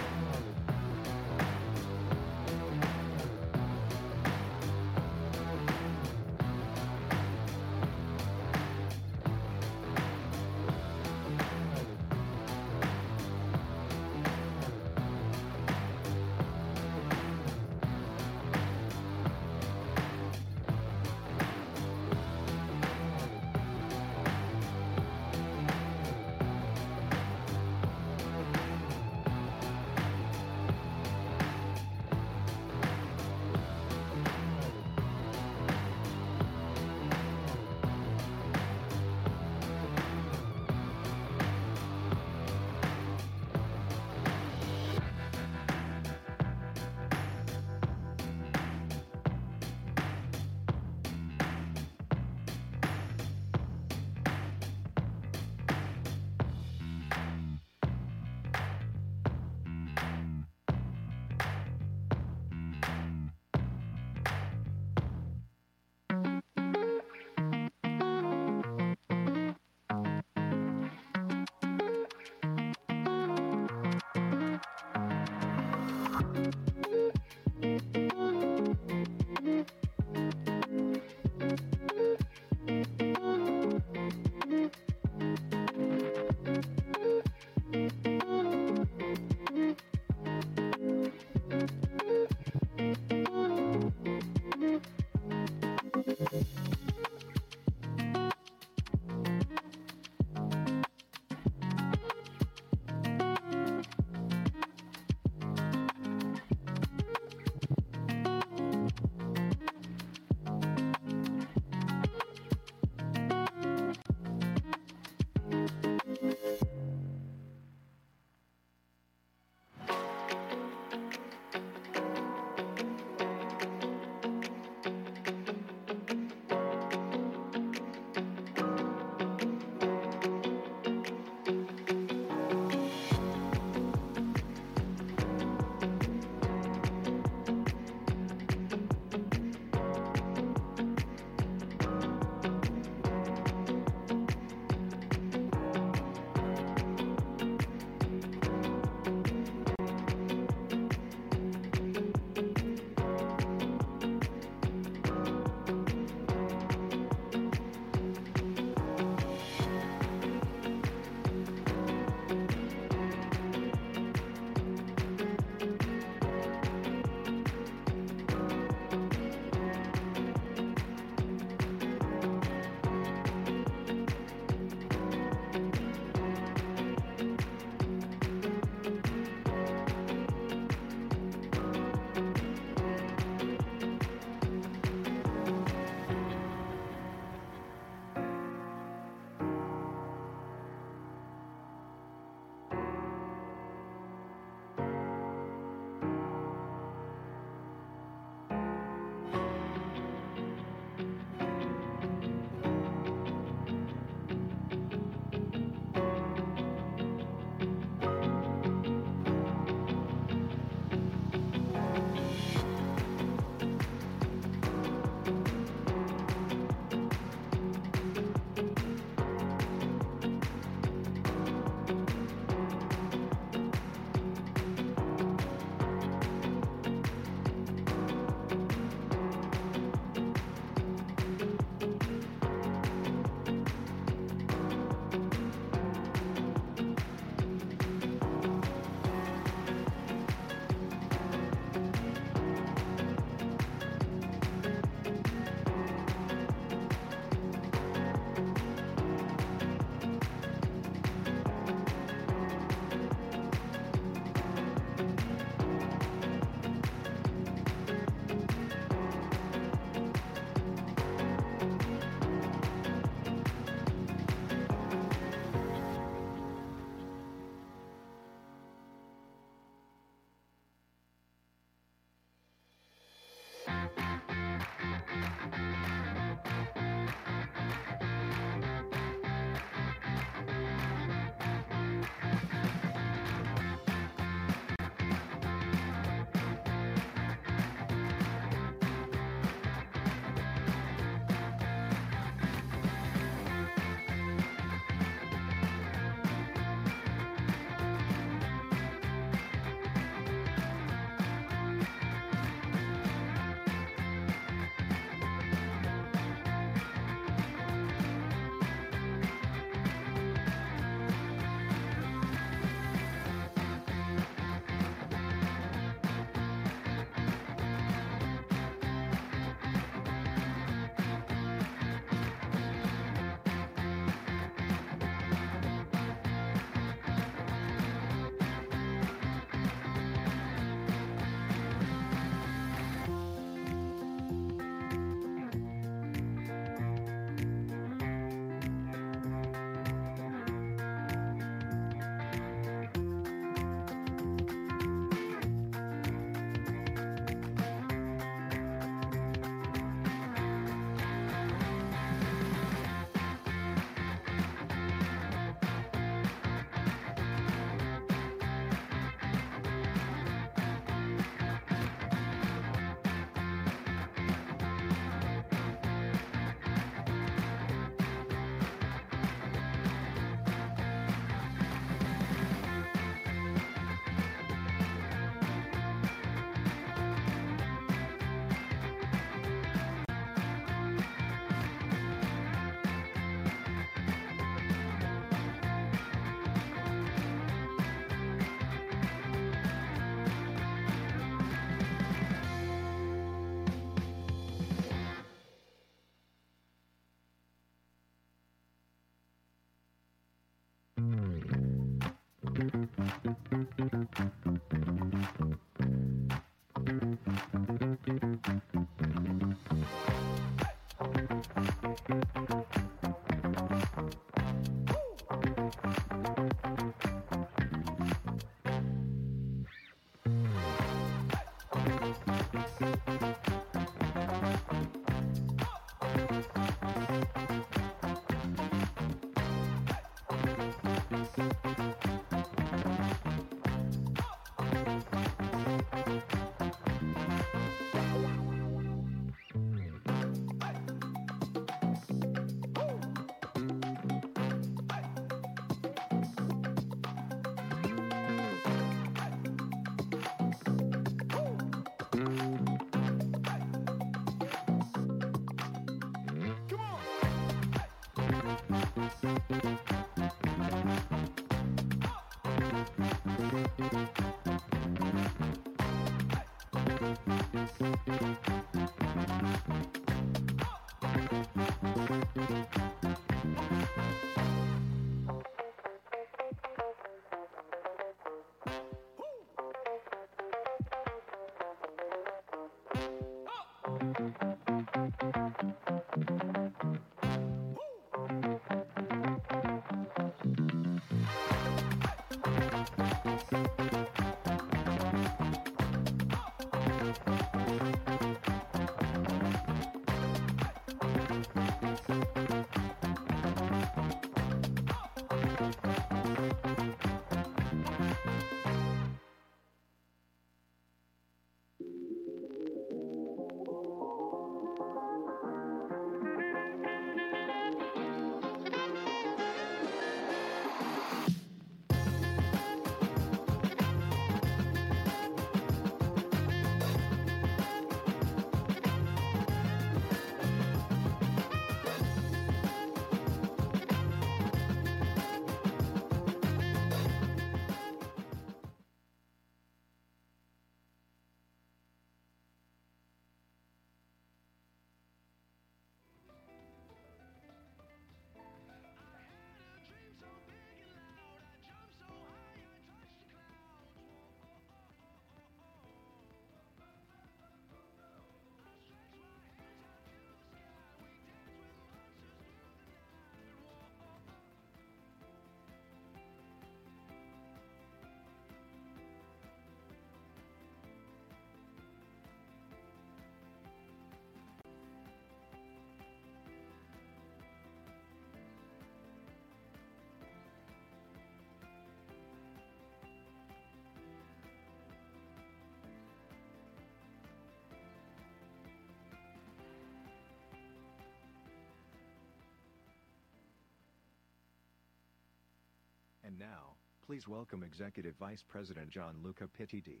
Now, please welcome Executive Vice President, Gianluca Pettiti.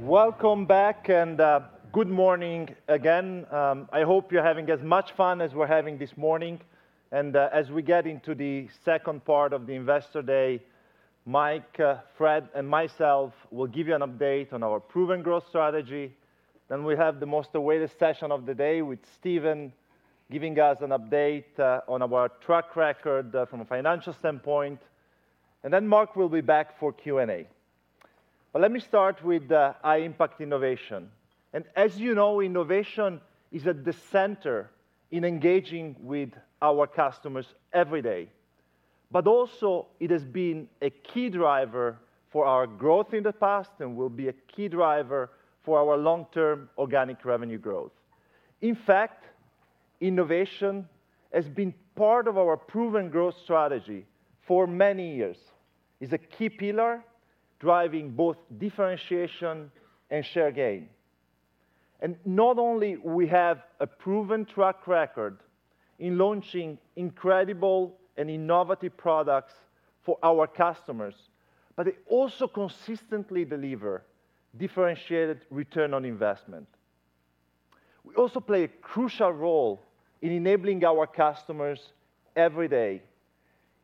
Welcome back, and good morning again. I hope you're having as much fun as we're having this morning. As we get into the second part of the Investor Day, Mike, Fred, and myself will give you an update on our proven growth strategy. Then we have the most awaited session of the day, with Stephen giving us an update on our track record from a financial standpoint, and then Marc will be back for Q&A. Let me start with high impact innovation. As you know, innovation is at the center in engaging with our customers every day. Also, it has been a key driver for our growth in the past and will be a key driver for our long-term organic revenue growth. In fact, innovation has been part of our proven growth strategy for many years. It's a key pillar driving both differentiation and share gain. And not only we have a proven track record in launching incredible and innovative products for our customers, but they also consistently deliver differentiated return on investment. We also play a crucial role in enabling our customers every day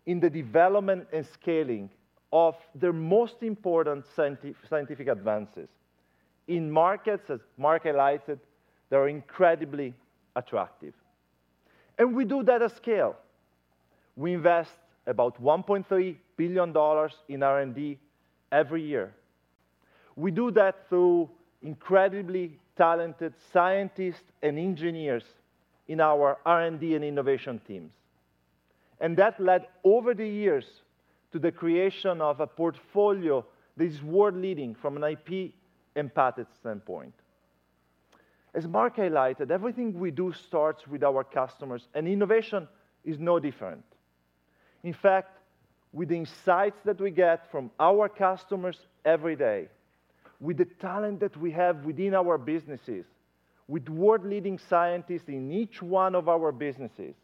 in the development and scaling of their most important scientific advances, in markets, as Marc highlighted, that are incredibly attractive. And we do that at scale. We invest about $1.3 billion in R&D every year. We do that through incredibly talented scientists and engineers in our R&D and innovation teams, and that led over the years to the creation of a portfolio that is world-leading from an IP and patent standpoint. As Marc highlighted, everything we do starts with our customers, and innovation is no different. In fact, with the insights that we get from our customers every day, with the talent that we have within our businesses, with world-leading scientists in each one of our businesses,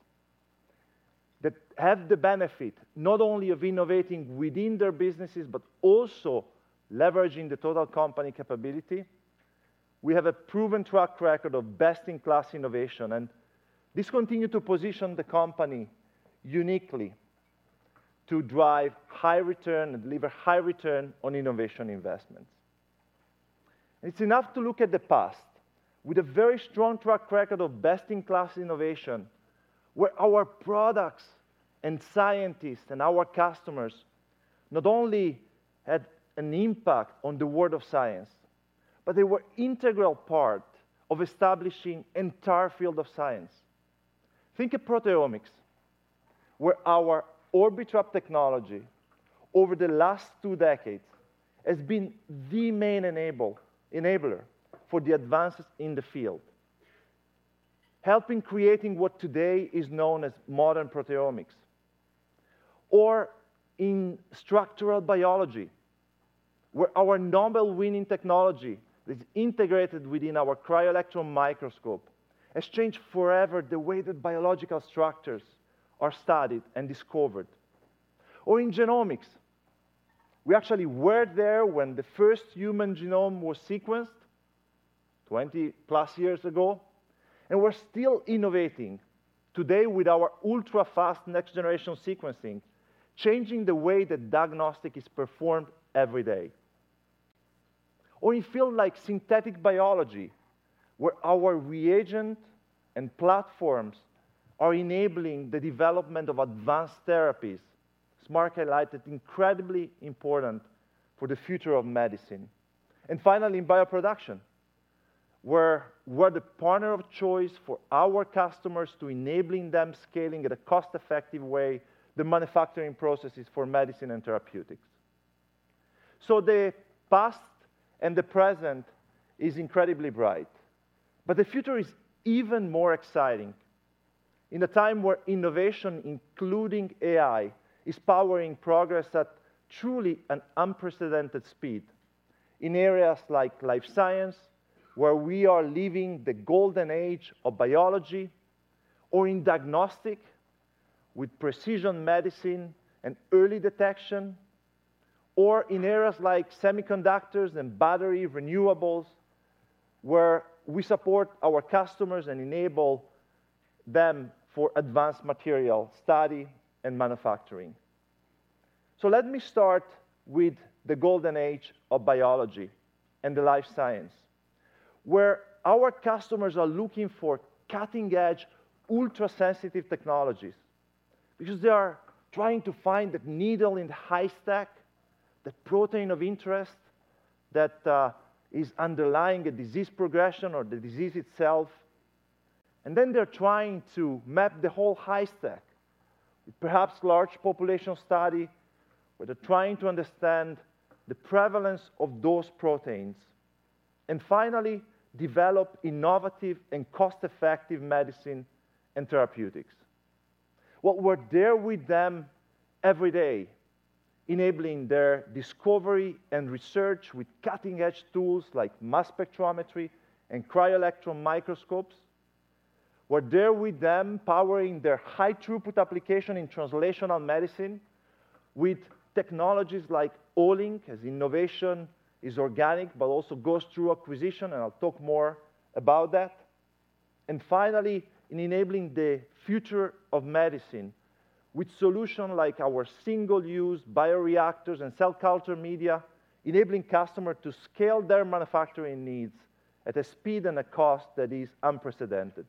that have the benefit not only of innovating within their businesses, but also leveraging the total company capability, we have a proven track record of best-in-class innovation, and this continue to position the company uniquely to drive high return and deliver high return on innovation investments. It's enough to look at the past, with a very strong track record of best-in-class innovation, where our products and scientists and our customers not only had an impact on the world of science, but they were integral part of establishing entire field of science. Think of proteomics, where our Orbitrap technology over the last two decades has been the main enabler for the advances in the field, helping create what today is known as modern proteomics. Or in structural biology, where our Nobel-winning technology is integrated within our cryo-electron microscope has changed forever the way that biological structures are studied and discovered. Or in genomics, we actually were there when the first human genome was sequenced twenty-plus years ago, and we're still innovating today with our ultra-fast next-generation sequencing, changing the way that diagnostics is performed every day. Or in fields like synthetic biology, where our reagents and platforms are enabling the development of advanced therapies. As Marc highlighted, incredibly important for the future of medicine. Finally, in bioproduction, we're the partner of choice for our customers to enabling them scaling at a cost-effective way, the manufacturing processes for medicine and therapeutics. The past and the present is incredibly bright, but the future is even more exciting. In a time where innovation, including AI, is powering progress at truly an unprecedented speed in areas like life science, where we are living the golden age of biology, or in diagnostics, with precision medicine and early detection, or in areas like semiconductors and battery renewables, where we support our customers and enable them for advanced material study and manufacturing. So let me start with the golden age of biology and the life science, where our customers are looking for cutting-edge, ultra-sensitive technologies, because they are trying to find the needle in the haystack, the protein of interest that is underlying a disease progression or the disease itself, and then they're trying to map the whole haystack. Perhaps large population study, where they're trying to understand the prevalence of those proteins, and finally, develop innovative and cost-effective medicine and therapeutics. Well, we're there with them every day, enabling their discovery and research with cutting-edge tools like mass spectrometry and cryo-electron microscopes. We're there with them, powering their high-throughput application in translational medicine with technologies like Olink, as innovation is organic, but also goes through acquisition, and I'll talk more about that. Finally, in enabling the future of medicine with solutions like our single-use bioreactors and cell culture media, enabling customers to scale their manufacturing needs at a speed and a cost that is unprecedented.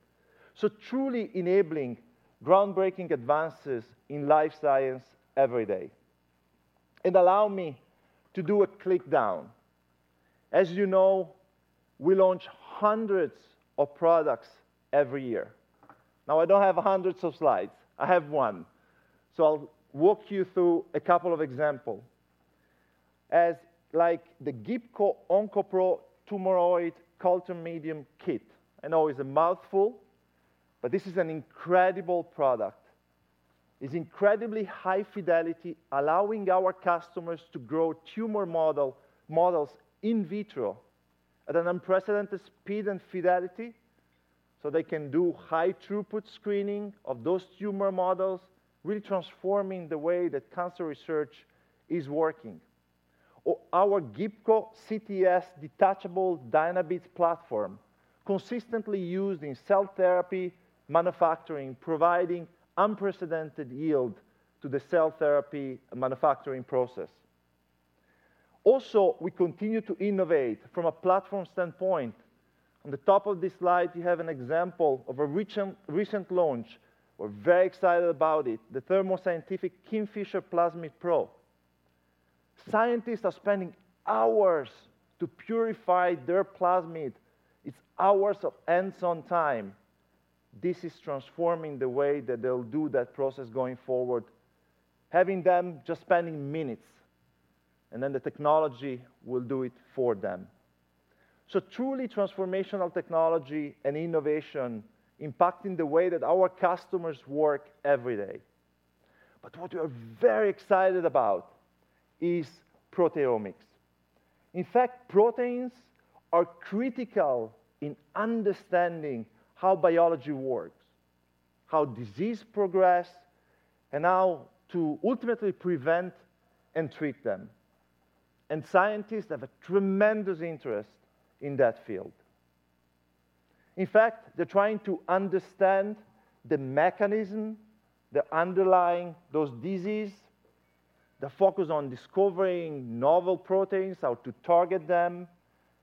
Truly enabling groundbreaking advances in life sciences every day. Allow me to do a quick rundown. As you know, we launch hundreds of products every year. Now, I don't have hundreds of slides, I have one, so I'll walk you through a couple of examples. Like the Gibco OncoPro Tumoroid Culture Medium Kit. I know it's a mouthful, but this is an incredible product. It is incredibly high fidelity, allowing our customers to grow tumor models in vitro at an unprecedented speed and fidelity, so they can do high-throughput screening of those tumor models, really transforming the way that cancer research is working. Or our Gibco CTS Detachable Dynabeads platform, consistently used in cell therapy manufacturing, providing unprecedented yield to the cell therapy manufacturing process. Also, we continue to innovate from a platform standpoint. On the top of this slide, we have an example of a recent, recent launch. We're very excited about it, the Thermo Scientific KingFisher PlasmidPro. Scientists are spending hours to purify their plasmid. It's hours of hands-on time. This is transforming the way that they'll do that process going forward, having them just spending minutes, and then the technology will do it for them. So truly transformational technology and innovation impacting the way that our customers work every day. But what we are very excited about is proteomics. In fact, proteins are critical in understanding how biology works, how disease progress, and how to ultimately prevent and treat them, and scientists have a tremendous interest in that field. In fact, they're trying to understand the mechanism, the underlying those diseases, the focus on discovering novel proteins, how to target them,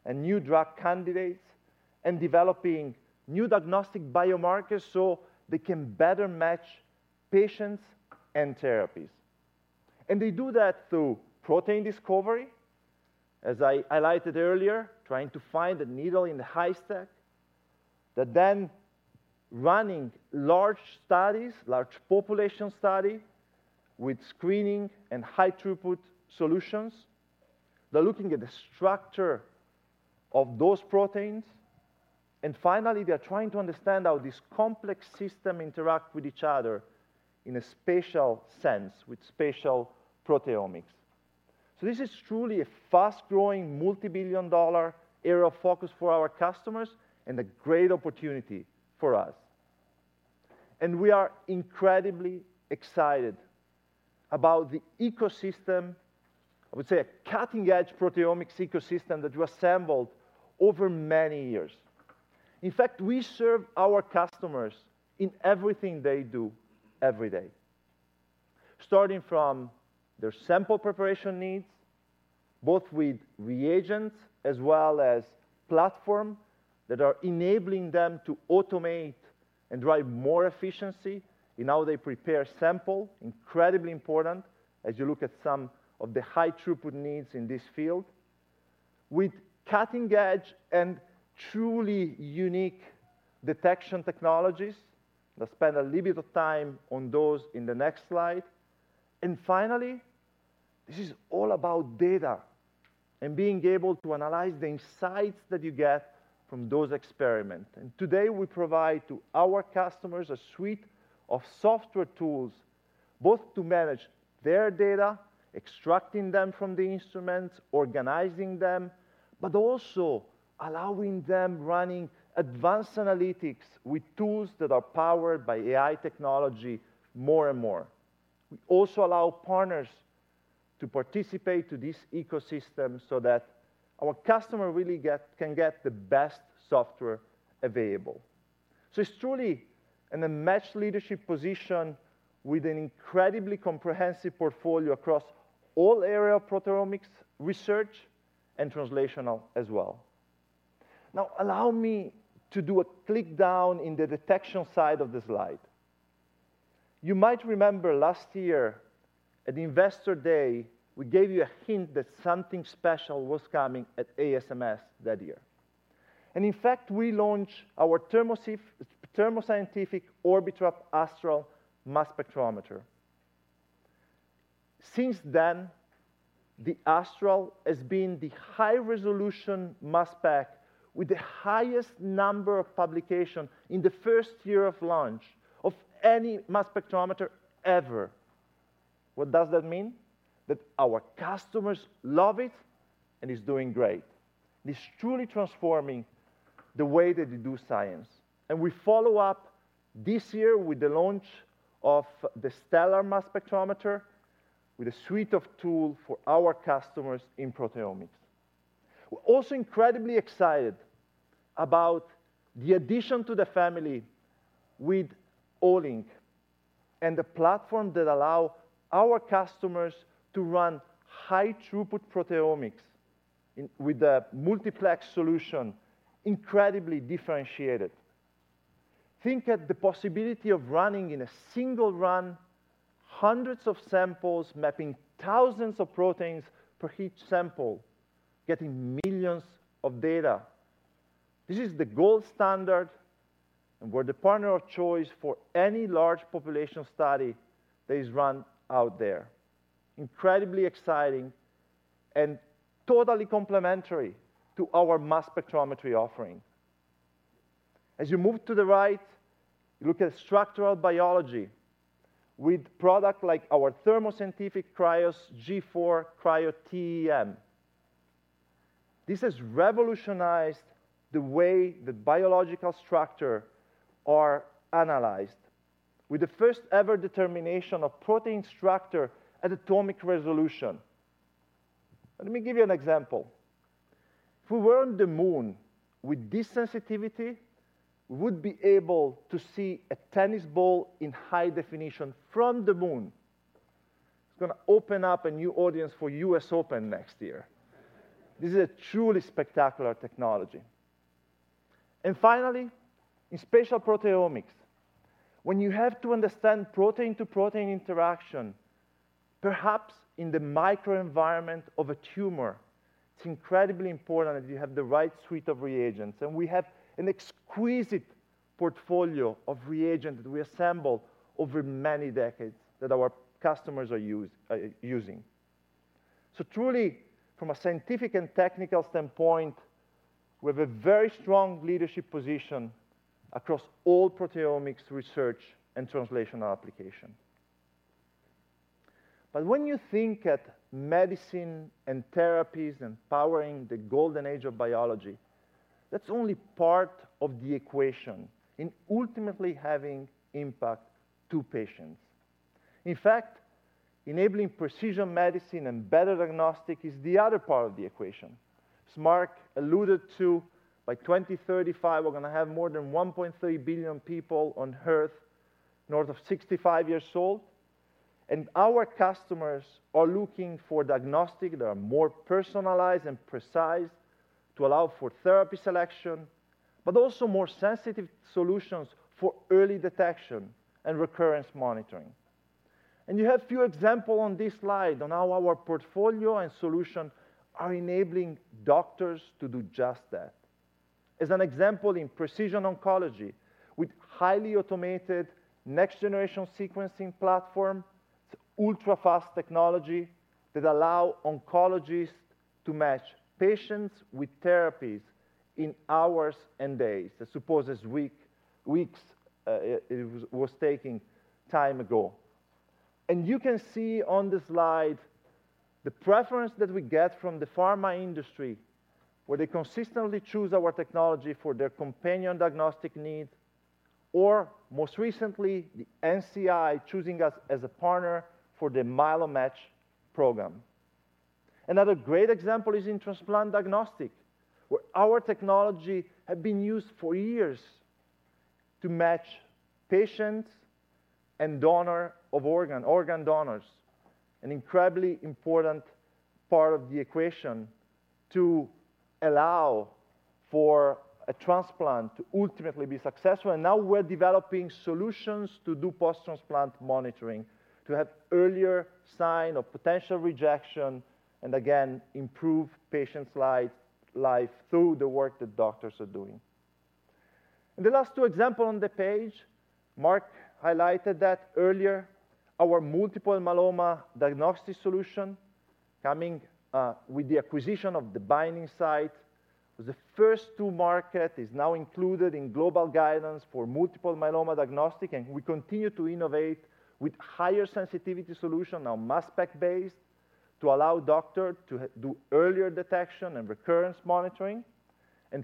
and new drug candidates, and developing new diagnostic biomarkers so they can better match patients and therapies. And they do that through protein discovery, as I highlighted earlier, trying to find a needle in the haystack. They're then running large studies, large population study, with screening and high-throughput solutions. They're looking at the structure of those proteins, and finally, they are trying to understand how this complex systems interact with each other in a spatial sense, with spatial proteomics. So this is truly a fast-growing, multi-billion dollar area of focus for our customers and a great opportunity for us. And we are incredibly excited about the ecosystem, I would say a cutting-edge proteomics ecosystem, that we assembled over many years. In fact, we serve our customers in everything they do every day, starting from their sample preparation needs, both with reagents as well as platform, that are enabling them to automate and drive more efficiency in how they prepare sample. Incredibly important as you look at some of the high-throughput needs in this field. With cutting-edge and truly unique detection technologies, I'll spend a little bit of time on those in the next slide, and finally, this is all about data and being able to analyze the insights that you get from those experiment, and today, we provide to our customers a suite of software tools, both to manage their data, extracting them from the instruments, organizing them, but also allowing them running advanced analytics with tools that are powered by AI technology more and more. We also allow partners to participate in this ecosystem so that our customers really can get the best software available. So it's truly in a market leadership position with an incredibly comprehensive portfolio across all areas of proteomics research and translational as well. Now, allow me to do a drill down in the detection side of the slide. You might remember last year at Investor Day, we gave you a hint that something special was coming at ASMS that year. And in fact, we launched our Thermo Scientific Orbitrap Astral mass spectrometer. Since then, the Astral has been the high-resolution mass spec with the highest number of publications in the first year of launch of any mass spectrometer ever. What does that mean? That our customers love it and it's doing great. It's truly transforming the way that they do science. We follow up this year with the launch of the Stellar mass spectrometer, with a suite of tool for our customers in proteomics. We're also incredibly excited about the addition to the family with Olink and the platform that allow our customers to run high-throughput proteomics in, with a multiplex solution, incredibly differentiated. Think at the possibility of running in a single run, hundreds of samples, mapping thousands of proteins per each sample, getting millions of data. This is the gold standard, and we're the partner of choice for any large population study that is run out there. Incredibly exciting and totally complementary to our mass spectrometry offering. As you move to the right, you look at structural biology with product like our Thermo Scientific Krios G4 Cryo-TEM. This has revolutionized the way the biological structure are analyzed, with the first ever determination of protein structure at atomic resolution. Let me give you an example. If we were on the moon, with this sensitivity, we would be able to see a tennis ball in high definition from the moon. It's gonna open up a new audience for U.S. Open next year. This is a truly spectacular technology. And finally, in spatial proteomics, when you have to understand protein-to-protein interaction, perhaps in the microenvironment of a tumor, it's incredibly important that you have the right suite of reagents, and we have an exquisite portfolio of reagent that we assembled over many decades, that our customers are using. So truly, from a scientific and technical standpoint, we have a very strong leadership position across all proteomics research and translational application. But when you think at medicine and therapies and powering the golden age of biology, that's only part of the equation in ultimately having impact to patients. In fact, enabling precision medicine and better diagnostics is the other part of the equation. As Marc alluded to, by 2035, we're gonna have more than 1.3 billion people on Earth north of 65 years old, and our customers are looking for diagnostics that are more personalized and precise to allow for therapy selection, but also more sensitive solutions for early detection and recurrence monitoring. You have few examples on this slide on how our portfolio and solutions are enabling doctors to do just that. As an example, in precision oncology, with highly automated next-generation sequencing platform, it's ultra-fast technology that allows oncologists to match patients with therapies in hours and days, as opposed to weeks, it was taking time ago. You can see on the slide, the preference that we get from the pharma industry, where they consistently choose our technology for their companion diagnostic needs, or most recently, the NCI choosing us as a partner for the MyeloMatch program. Another great example is in transplant diagnostic, where our technology have been used for years to match patients and donor of organ, organ donors, an incredibly important part of the equation to allow for a transplant to ultimately be successful. Now we're developing solutions to do post-transplant monitoring, to have earlier sign of potential rejection, and again, improve patients' life through the work that doctors are doing. The last two examples on the page, Marc highlighted that earlier, our multiple myeloma diagnostic solution, coming with the acquisition of The Binding Site, was the first to market, is now included in global guidance for multiple myeloma diagnostic, and we continue to innovate with higher sensitivity solution, now mass spec-based, to allow doctors to do earlier detection and recurrence monitoring.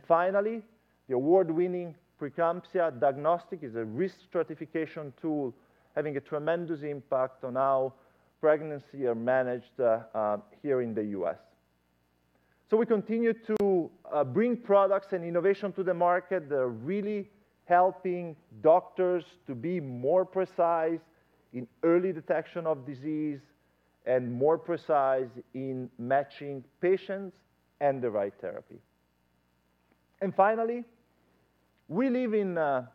Finally, the award-winning preeclampsia diagnostic is a risk stratification tool, having a tremendous impact on how pregnancies are managed here in the U.S. We continue to bring products and innovation to the market that are really helping doctors to be more precise in early detection of disease and more precise in matching patients and the right therapy. Finally, we live in an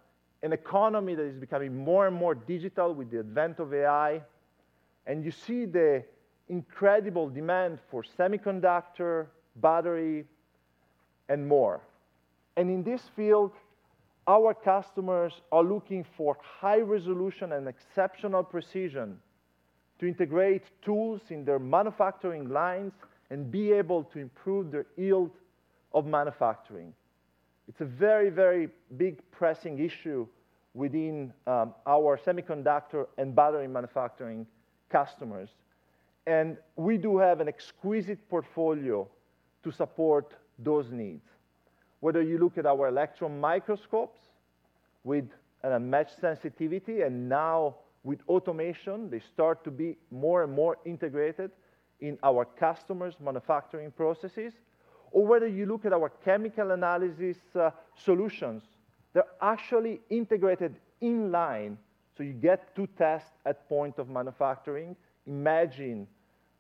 economy that is becoming more and more digital with the advent of AI, and you see the incredible demand for semiconductor, battery, and more. In this field, our customers are looking for high resolution and exceptional precision to integrate tools in their manufacturing lines and be able to improve their yield of manufacturing. It's a very, very big, pressing issue within our semiconductor and battery manufacturing customers, and we do have an exquisite portfolio to support those needs. Whether you look at our electron microscopes, with unmatched sensitivity, and now with automation, they start to be more and more integrated in our customers' manufacturing processes, or whether you look at our Chemical Analysis solutions, they're actually integrated in line, so you get to test at point of manufacturing. Imagine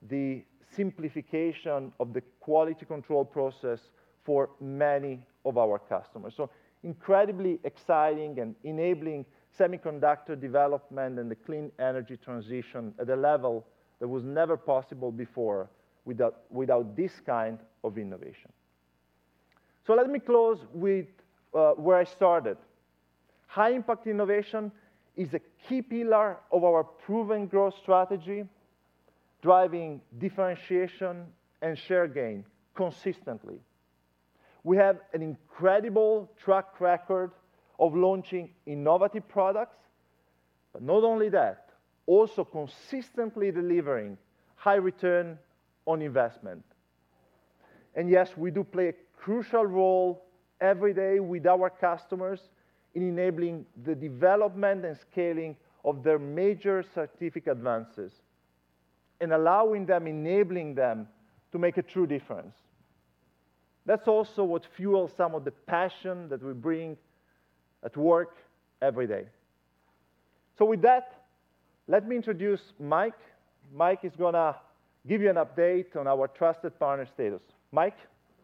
the simplification of the quality control process for many of our customers, so incredibly exciting and enabling semiconductor development and the clean energy transition at a level that was never possible before without this kind of innovation, so let me close with where I started. High-impact innovation is a key pillar of our proven growth strategy, driving differentiation and share gain consistently. We have an incredible track record of launching innovative products, but not only that, also consistently delivering high return on investment, and yes, we do play a crucial role every day with our customers in enabling the development and scaling of their major scientific advances, and allowing them, enabling them, to make a true difference. That's also what fuels some of the passion that we bring at work every day, so with that, let me introduce Mike Shafer. Mike is gonna give you an update on our trusted partner status. Mike.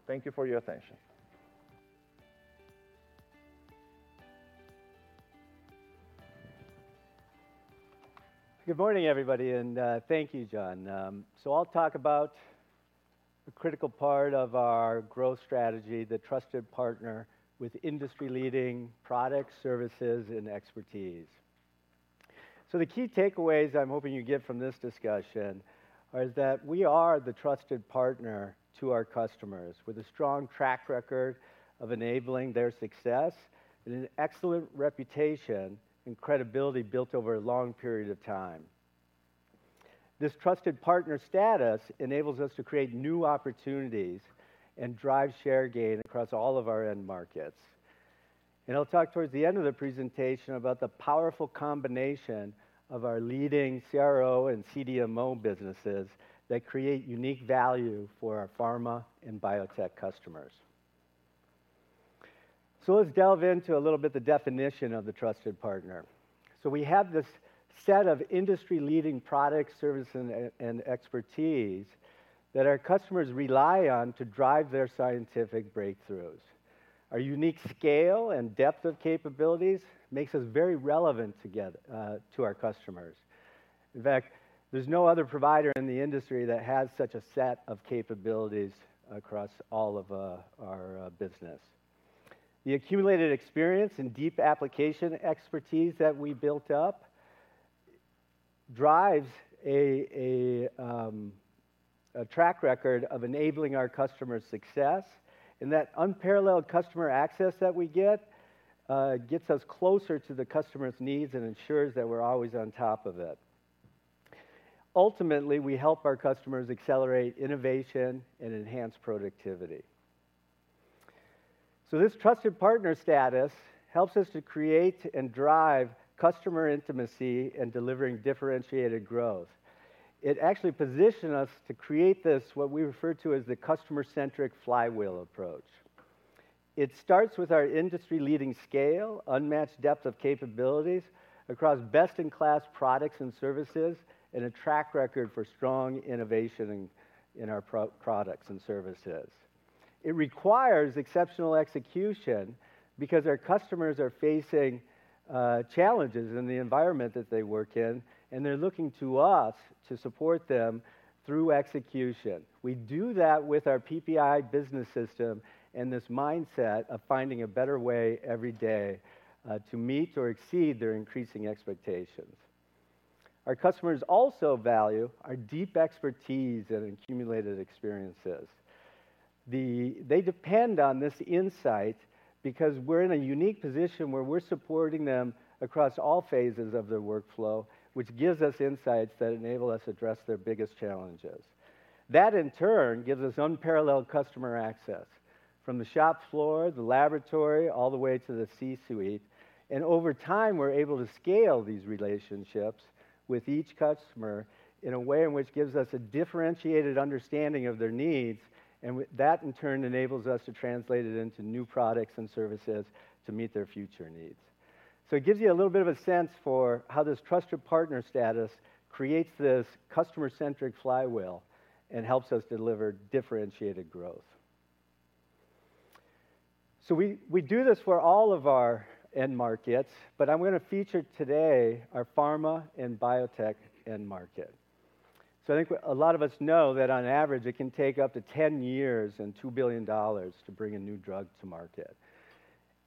Thank you for your attention. Good morning, everybody, and thank you, John. So I'll talk about the critical part of our growth strategy, the trusted partner with industry-leading products, services, and expertise. So the key takeaways I'm hoping you get from this discussion is that we are the trusted partner to our customers, with a strong track record of enabling their success and an excellent reputation and credibility built over a long period of time. This trusted partner status enables us to create new opportunities and drive share gain across all of our end markets. And I'll talk towards the end of the presentation about the powerful combination of our leading CRO and CDMO businesses that create unique value for our pharma and biotech customers. So let's delve into a little bit the definition of the trusted partner. So we have this set of industry-leading products, services, and expertise that our customers rely on to drive their scientific breakthroughs. Our unique scale and depth of capabilities makes us very relevant together to our customers. In fact, there's no other provider in the industry that has such a set of capabilities across all of our business. The accumulated experience and deep application expertise that we built up drives a track record of enabling our customers' success, and that unparalleled customer access that we get gets us closer to the customer's needs and ensures that we're always on top of it. Ultimately, we help our customers accelerate innovation and enhance productivity. So this trusted partner status helps us to create and drive customer intimacy and delivering differentiated growth. It actually position us to create this, what we refer to as the customer-centric flywheel approach. It starts with our industry-leading scale, unmatched depth of capabilities across best-in-class products and services, and a track record for strong innovation in our products and services. It requires exceptional execution because our customers are facing challenges in the environment that they work in, and they're looking to us to support them through execution. We do that with our PPI Business System and this mindset of finding a better way every day to meet or exceed their increasing expectations. Our customers also value our deep expertise and accumulated experiences. They depend on this insight because we're in a unique position where we're supporting them across all phases of their workflow, which gives us insights that enable us to address their biggest challenges. That, in turn, gives us unparalleled customer access, from the shop floor, the laboratory, all the way to the C-suite, and over time, we're able to scale these relationships with each customer in a way in which gives us a differentiated understanding of their needs, and that, in turn, enables us to translate it into new products and services to meet their future needs. So it gives you a little bit of a sense for how this trusted partner status creates this customer-centric flywheel and helps us deliver differentiated growth. So we do this for all of our end markets, but I'm gonna feature today our pharma and biotech end market. So I think a lot of us know that on average, it can take up to 10 years and $2 billion to bring a new drug to market,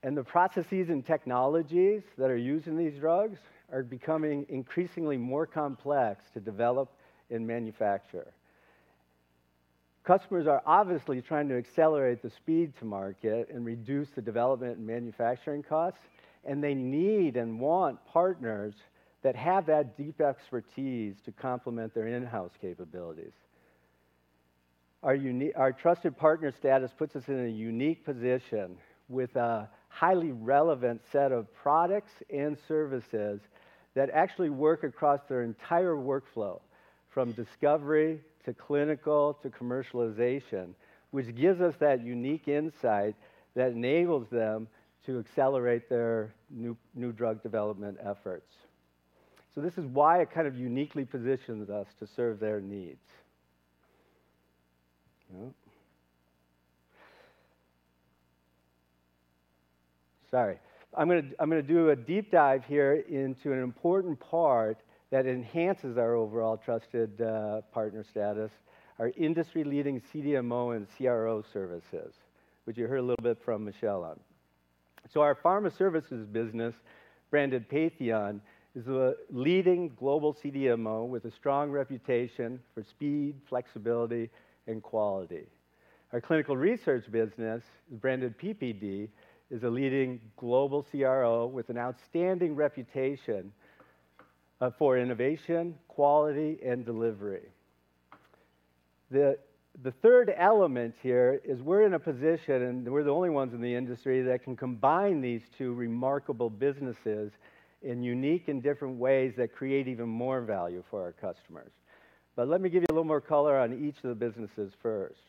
and the processes and technologies that are used in these drugs are becoming increasingly more complex to develop and manufacture. Customers are obviously trying to accelerate the speed to market and reduce the development and manufacturing costs, and they need and want partners that have that deep expertise to complement their in-house capabilities. Our trusted partner status puts us in a unique position with a highly relevant set of products and services that actually work across their entire workflow, from discovery to clinical to commercialization, which gives us that unique insight that enables them to accelerate their new drug development efforts. So this is why it kind of uniquely positions us to serve their needs. Oh. Sorry. I'm gonna do a deep dive here into an important part that enhances our overall trusted partner status, our industry-leading CDMO and CRO services, which you heard a little bit from Michel on. So our pharma services business, branded Patheon, is the leading global CDMO with a strong reputation for speed, flexibility, and quality. Our Clinical Research business, branded PPD, is a leading global CRO with an outstanding reputation for innovation, quality, and delivery. The third element here is we're in a position, and we're the only ones in the industry, that can combine these two remarkable businesses in unique and different ways that create even more value for our customers. But let me give you a little more color on each of the businesses first.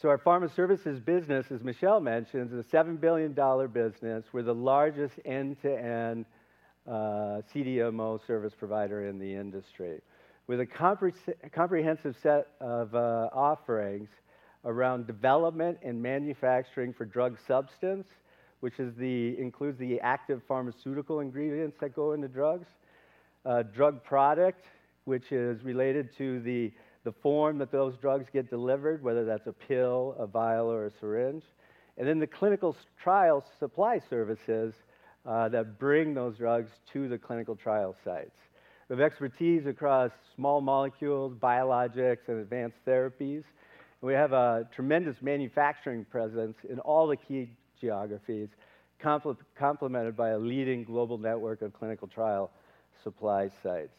So our pharma services business, as Michel mentioned, is a $7 billion business. We're the largest end-to-end CDMO service provider in the industry, with a comprehensive set of offerings around development and manufacturing for drug substance, which includes the active pharmaceutical ingredients that go into drugs, drug product, which is related to the form that those drugs get delivered, whether that's a pill, a vial, or a syringe, and then the clinical trial supply services that bring those drugs to the clinical trial sites. We have expertise across small molecules, biologics, and advanced therapies. We have a tremendous manufacturing presence in all the key geographies, complemented by a leading global network of clinical trial supply sites.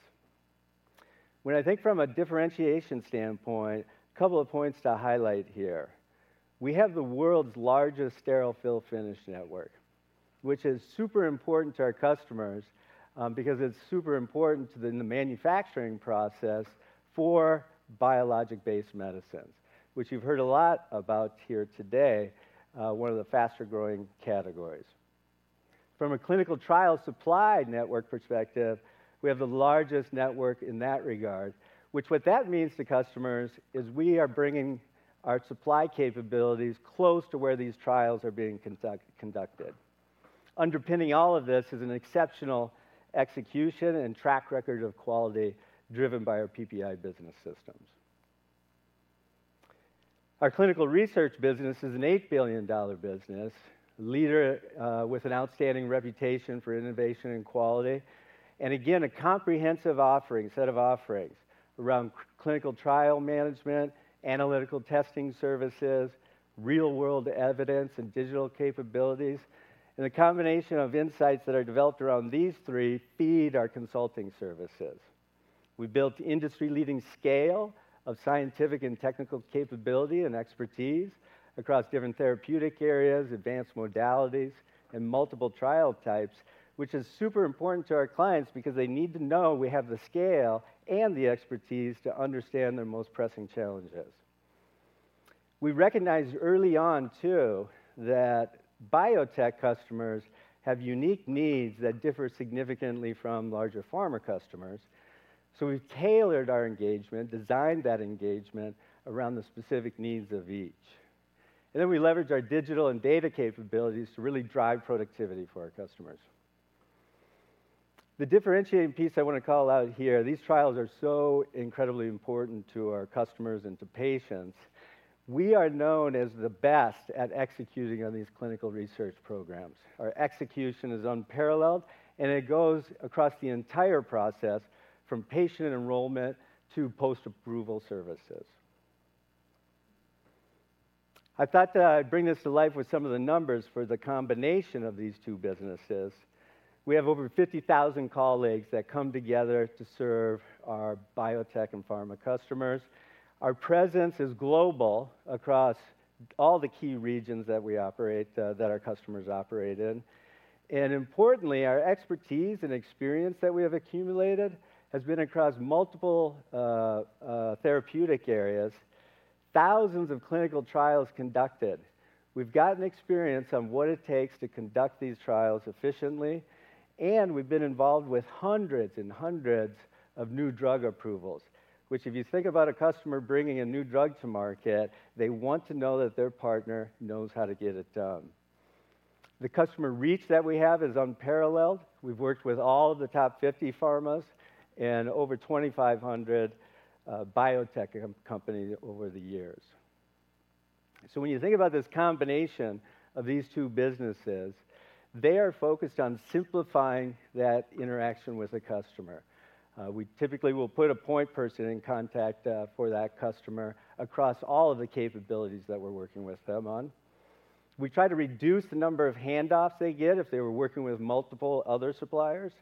When I think from a differentiation standpoint, a couple of points to highlight here. We have the world's largest sterile fill finish network, which is super important to our customers, because it's super important to the manufacturing process for biologic-based medicines, which you've heard a lot about here today, one of the faster-growing categories. From a clinical trial supply network perspective, we have the largest network in that regard, which means to customers is we are bringing our supply capabilities close to where these trials are being conducted. Underpinning all of this is an exceptional execution and track record of quality driven by our PPI Business Systems. Our Clinical Research business is an $8 billion business leader with an outstanding reputation for innovation and quality, and again, a comprehensive offering, set of offerings around clinical trial management, analytical testing services, real-world evidence, and digital capabilities. And the combination of insights that are developed around these three feed our consulting services. We built industry-leading scale of scientific and technical capability and expertise across different therapeutic areas, advanced modalities, and multiple trial types, which is super important to our clients because they need to know we have the scale and the expertise to understand their most pressing challenges. We recognized early on, too, that biotech customers have unique needs that differ significantly from larger pharma customers. So we've tailored our engagement, designed that engagement, around the specific needs of each. And then we leverage our digital and data capabilities to really drive productivity for our customers. The differentiating piece I want to call out here, these trials are so incredibly important to our customers and to patients. We are known as the best at executing on these Clinical Research programs. Our execution is unparalleled, and it goes across the entire process, from patient enrollment to post-approval services. I thought that I'd bring this to life with some of the numbers for the combination of these two businesses. We have over 50,000 colleagues that come together to serve our biotech and pharma customers. Our presence is global across all the key regions that we operate, that our customers operate in. And importantly, our expertise and experience that we have accumulated has been across multiple therapeutic areas, thousands of clinical trials conducted. We've gotten experience on what it takes to conduct these trials efficiently, and we've been involved with hundreds and hundreds of new drug approvals, which, if you think about a customer bringing a new drug to market, they want to know that their partner knows how to get it done. The customer reach that we have is unparalleled. We've worked with all of the top fifty pharmas and over twenty-five hundred biotech companies over the years. So when you think about this combination of these two businesses, they are focused on simplifying that interaction with the customer. We typically will put a point person in contact for that customer across all of the capabilities that we're working with them on. We try to reduce the number of handoffs they get if they were working with multiple other suppliers,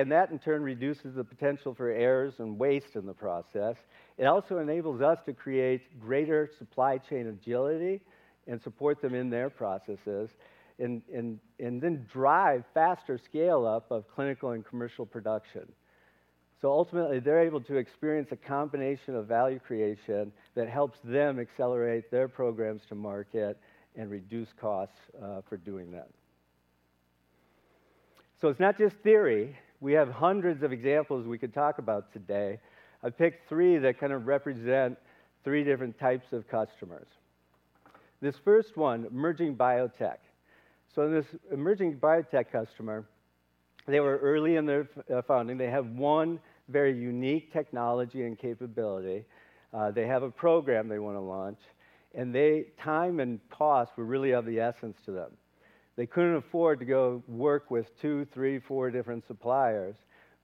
and that, in turn, reduces the potential for errors and waste in the process. It also enables us to create greater supply chain agility and support them in their processes and then drive faster scale-up of clinical and commercial production. So ultimately, they're able to experience a combination of value creation that helps them accelerate their programs to market and reduce costs for doing that. So it's not just theory. We have hundreds of examples we could talk about today. I've picked three that kind of represent three different types of customers. This first one, emerging biotech. So this emerging biotech customer. They were early in their founding. They have one very unique technology and capability. They have a program they wanna launch, and they, time and cost were really of the essence to them. They couldn't afford to go work with two, three, four different suppliers.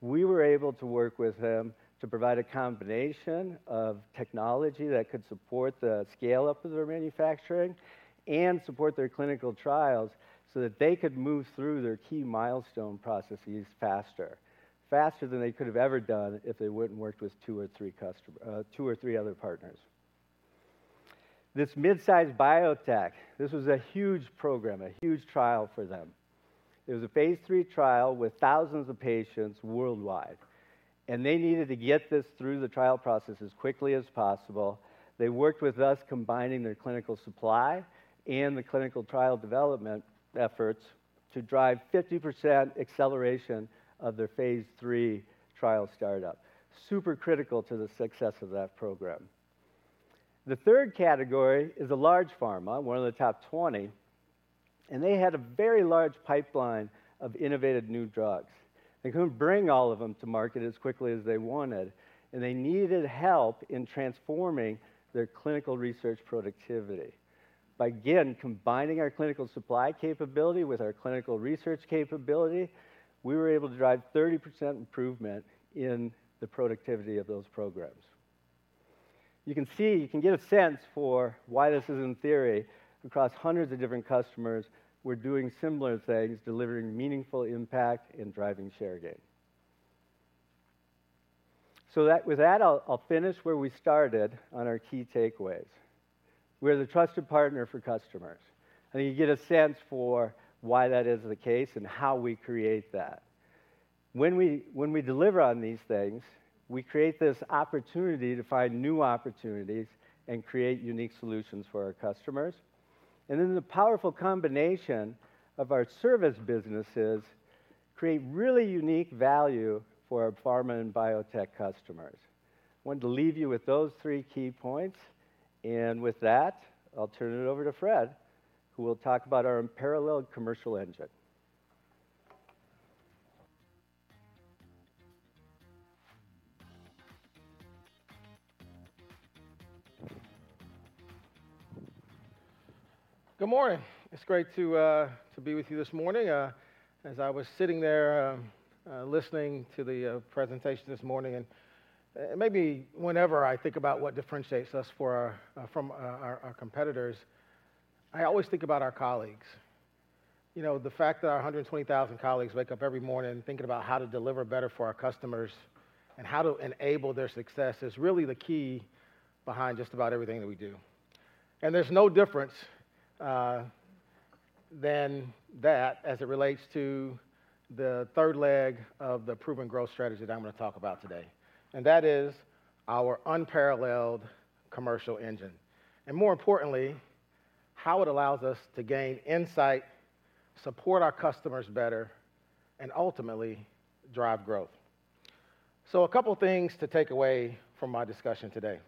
We were able to work with them to provide a combination of technology that could support the scale-up of their manufacturing and support their clinical trials, so that they could move through their key milestone processes faster, faster than they could have ever done if they wouldn't worked with two or three other partners. This mid-sized biotech, this was a huge program, a huge trial for them. It was a Phase III trial with thousands of patients worldwide, and they needed to get this through the trial process as quickly as possible. They worked with us, combining their clinical supply and the clinical trial development efforts to drive 50% acceleration of their Phase III trial startup. Super critical to the success of that program. The third category is a large pharma, one of the top 20, and they had a very large pipeline of innovative new drugs. They couldn't bring all of them to market as quickly as they wanted, and they needed help in transforming their Clinical Research productivity. By again, combining our clinical supply capability with our Clinical Research capability, we were able to drive 30% improvement in the productivity of those programs. You can see, you can get a sense for why this is in theory, across hundreds of different customers, we're doing similar things, delivering meaningful impact and driving share gain. So with that, I'll finish where we started on our key takeaways. We're the trusted partner for customers, and you get a sense for why that is the case and how we create that. When we deliver on these things, we create this opportunity to find new opportunities and create unique solutions for our customers, and then the powerful combination of our service businesses create really unique value for our pharma and biotech customers. Wanted to leave you with those three key points, and with that, I'll turn it over to Fred, who will talk about our unparalleled commercial engine. Good morning! It's great to be with you this morning. As I was sitting there, listening to the presentation this morning, and maybe whenever I think about what differentiates us from our competitors, I always think about our colleagues. You know, the fact that our 120,000 colleagues wake up every morning thinking about how to deliver better for our customers and how to enable their success, is really the key behind just about everything that we do. There's no difference than that as it relates to the third leg of the proven growth strategy that I'm gonna talk about today, and that is our unparalleled commercial engine. More importantly, how it allows us to gain insight, support our customers better, and ultimately drive growth. A couple things to take away from my discussion today.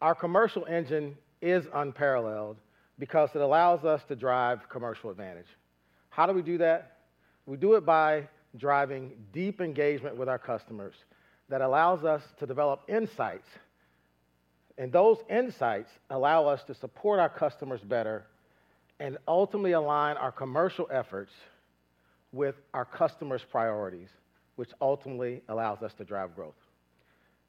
Our commercial engine is unparalleled because it allows us to drive commercial advantage. How do we do that? We do it by driving deep engagement with our customers that allows us to develop insights, and those insights allow us to support our customers better and ultimately align our commercial efforts with our customers' priorities, which ultimately allows us to drive growth.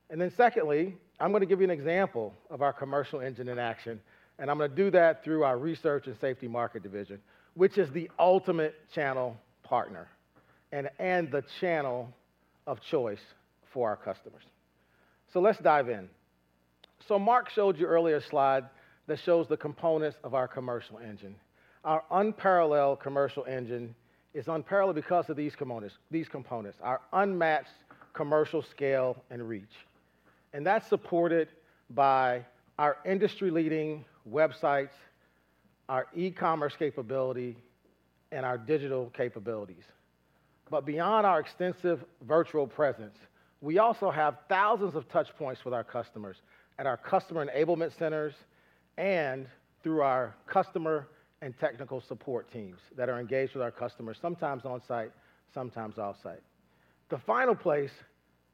And then secondly, I'm gonna give you an example of our commercial engine in action, and I'm gonna do that through our Research and Safety Market Division, which is the ultimate channel partner and the channel of choice for our customers. Let's dive in. Marc showed you earlier a slide that shows the components of our commercial engine. Our unparalleled commercial engine is unparalleled because of these components, our unmatched commercial scale and reach, and that's supported by our industry-leading websites, our e-commerce capability, and our digital capabilities. But beyond our extensive virtual presence, we also have thousands of touch points with our customers at our customer enablement centers and through our customer and technical support teams that are engaged with our customers, sometimes on-site, sometimes off-site. The final place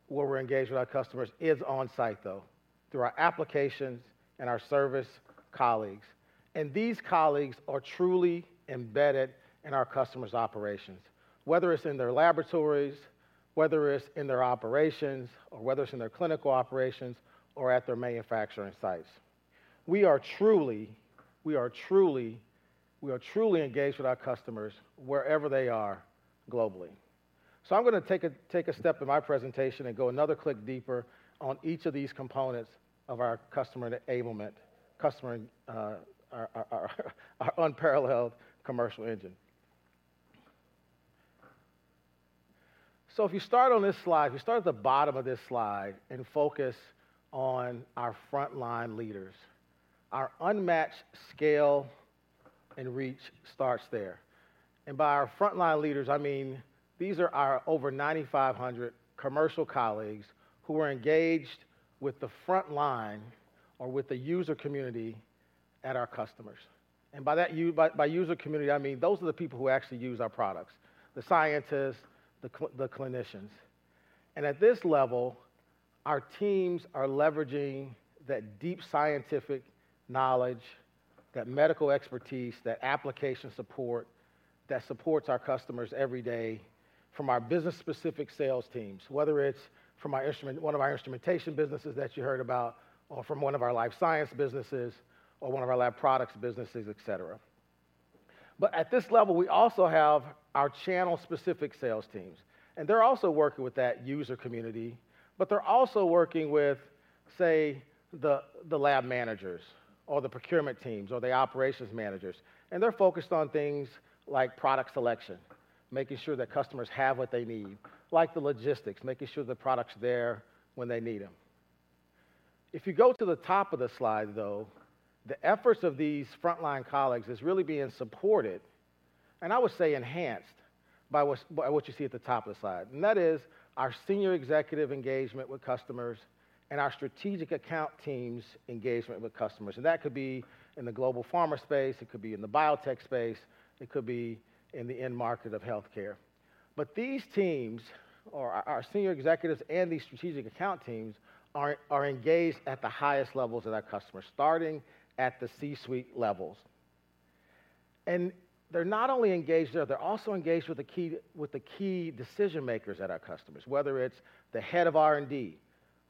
where we're engaged with our customers is on-site, though, through our applications and our service colleagues. And these colleagues are truly embedded in our customers' operations, whether it's in their laboratories, whether it's in their operations, or whether it's in their clinical operations, or at their manufacturing sites. We are truly engaged with our customers wherever they are globally. I'm gonna take a step in my presentation and go another click deeper on each of these components of our customer enablement, our unparalleled commercial engine. If you start on this slide at the bottom of this slide and focus on our frontline leaders, our unmatched scale and reach starts there. By our frontline leaders, I mean these are our over 9,500 commercial colleagues who are engaged with the front line or with the user community at our customers. By that user community, I mean those are the people who actually use our products, the scientists, the clinicians. And at this level, our teams are leveraging that deep scientific knowledge, that medical expertise, that application support that supports our customers every day from our business-specific sales teams, whether it's from our instrumentation - one of our instrumentation businesses that you heard about, or from one of our life science businesses, or one of our lab products businesses, et cetera. But at this level, we also have our channel-specific sales teams, and they're also working with that user community, but they're also working with, say, the lab managers or the procurement teams or the operations managers, and they're focused on things like product selection, making sure that customers have what they need, like the logistics, making sure the product's there when they need them. If you go to the top of the slide, though, the efforts of these frontline colleagues is really being supported, and I would say enhanced, by what you see at the top of the slide, and that is our senior executive engagement with customers and our strategic account teams' engagement with customers, and that could be in the global pharma space, it could be in the biotech space, it could be in the end market of healthcare. But these teams, or our senior executives and these strategic account teams, are engaged at the highest levels of our customers, starting at the C-suite levels. They're not only engaged there. They're also engaged with the key decision makers at our customers, whether it's the head of R&D,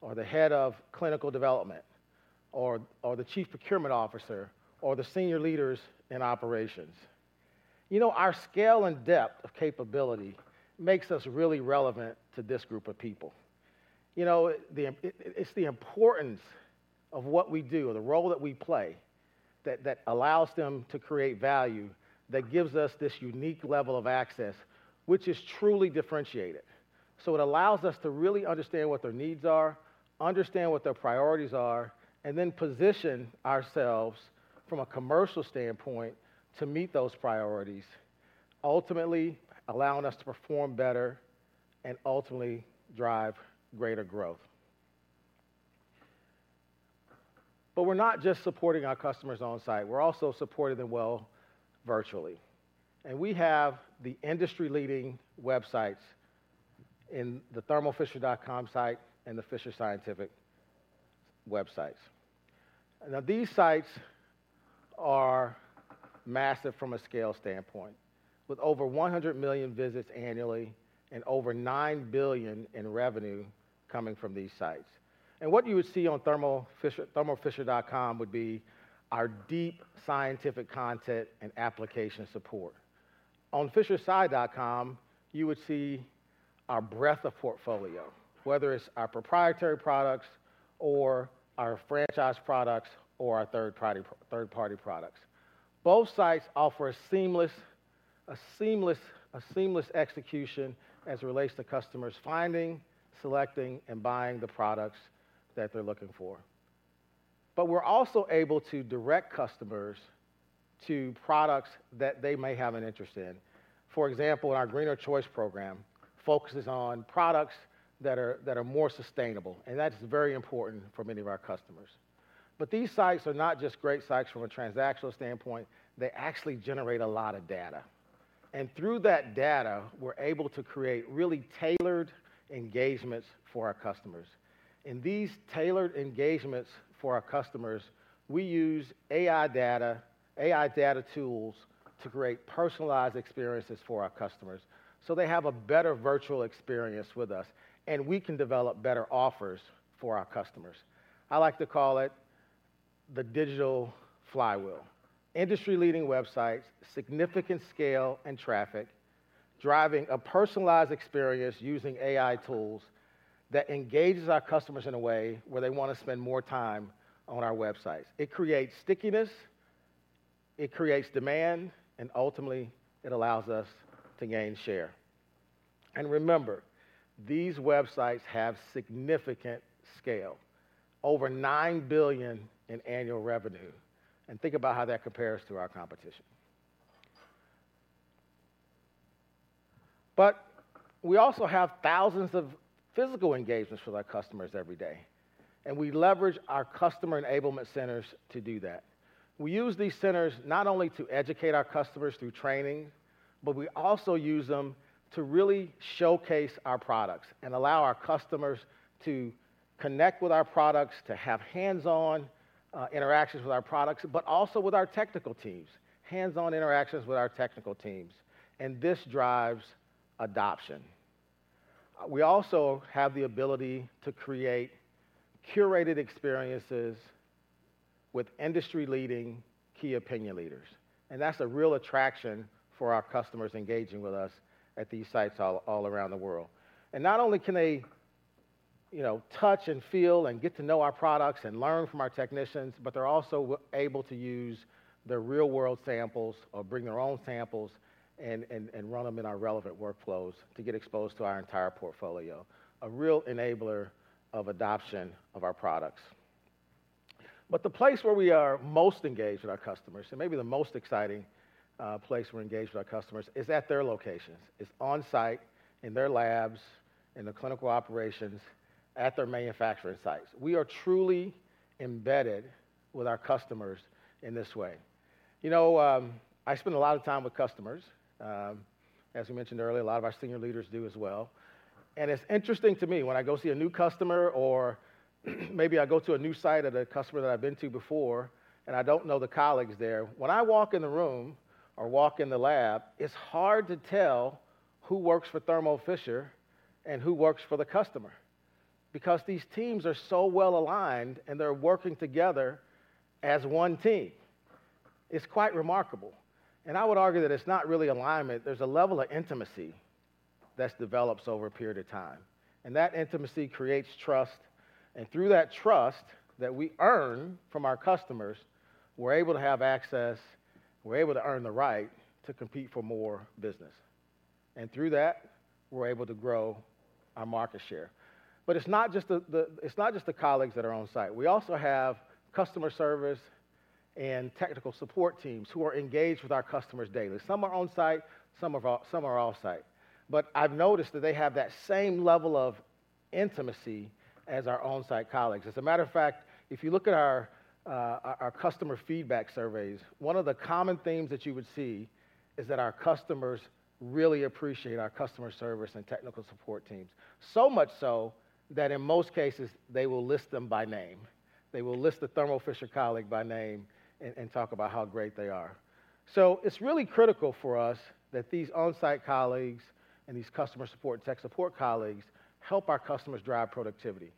or the head of clinical development, or the chief procurement officer, or the senior leaders in operations. You know, our scale and depth of capability makes us really relevant to this group of people. You know, it's the importance of what we do or the role that we play, that allows them to create value, that gives us this unique level of access, which is truly differentiated. It allows us to really understand what their needs are, understand what their priorities are, and then position ourselves from a commercial standpoint to meet those priorities, ultimately allowing us to perform better and ultimately drive greater growth. But we're not just supporting our customers on site. We're also supporting them well virtually. We have the industry-leading websites in the thermofisher.com site and the Fisher Scientific websites. These sites are massive from a scale standpoint, with over 100 million visits annually and over $9 billion in revenue coming from these sites. What you would see on Thermo Fisher, thermofisher.com would be our deep scientific content and application support. On fishersci.com, you would see our breadth of portfolio, whether it's our proprietary products or our franchise products or our third-party products. Both sites offer a seamless execution as it relates to customers finding, selecting, and buying the products that they're looking for. We're also able to direct customers to products that they may have an interest in. For example, our Greener Choice program focuses on products that are more sustainable, and that's very important for many of our customers. But these sites are not just great sites from a transactional standpoint. They actually generate a lot of data. And through that data, we're able to create really tailored engagements for our customers. In these tailored engagements for our customers, we use AI data tools to create personalized experiences for our customers, so they have a better virtual experience with us, and we can develop better offers for our customers. I like to call it the digital flywheel. Industry-leading websites, significant scale and traffic, driving a personalized experience using AI tools that engages our customers in a way where they wanna spend more time on our websites. It creates stickiness, it creates demand, and ultimately, it allows us to gain share. Remember, these websites have significant scale, over $9 billion in annual revenue, and think about how that compares to our competition. We also have thousands of physical engagements with our customers every day, and we leverage our customer enablement centers to do that. We use these centers not only to educate our customers through training, but we also use them to really showcase our products and allow our customers to connect with our products, to have hands-on interactions with our products, but also with our technical teams, hands-on interactions with our technical teams. This drives adoption. We also have the ability to create curated experiences with industry-leading key opinion leaders, and that's a real attraction for our customers engaging with us at these sites all around the world. And not only can they, you know, touch and feel and get to know our products and learn from our technicians, but they're also able to use their real-world samples or bring their own samples and run them in our relevant workflows to get exposed to our entire portfolio, a real enabler of adoption of our products. But the place where we are most engaged with our customers, and maybe the most exciting place we're engaged with our customers, is at their locations, is on-site, in their labs, in the clinical operations at their manufacturing sites. We are truly embedded with our customers in this way. You know, I spend a lot of time with customers. As we mentioned earlier, a lot of our senior leaders do as well. It's interesting to me, when I go see a new customer, or maybe I go to a new site of a customer that I've been to before, and I don't know the colleagues there. When I walk in the room or walk in the lab, it's hard to tell who works for Thermo Fisher and who works for the customer, because these teams are so well aligned, and they're working together as one team. It's quite remarkable, and I would argue that it's not really alignment, there's a level of intimacy that's develops over a period of time, and that intimacy creates trust, and through that trust that we earn from our customers, we're able to have access, we're able to earn the right to compete for more business. And through that, we're able to grow our market share. But it's not just the colleagues that are on site. We also have customer service and technical support teams who are engaged with our customers daily. Some are on site, some are off, some are offsite. But I've noticed that they have that same level of intimacy as our on-site colleagues. As a matter of fact, if you look at our, our customer feedback surveys, one of the common themes that you would see is that our customers really appreciate our customer service and technical support teams. So much so, that in most cases, they will list them by name. They will list the Thermo Fisher colleague by name and talk about how great they are. So it's really critical for us that these on-site colleagues and these customer support, tech support colleagues, help our customers drive productivity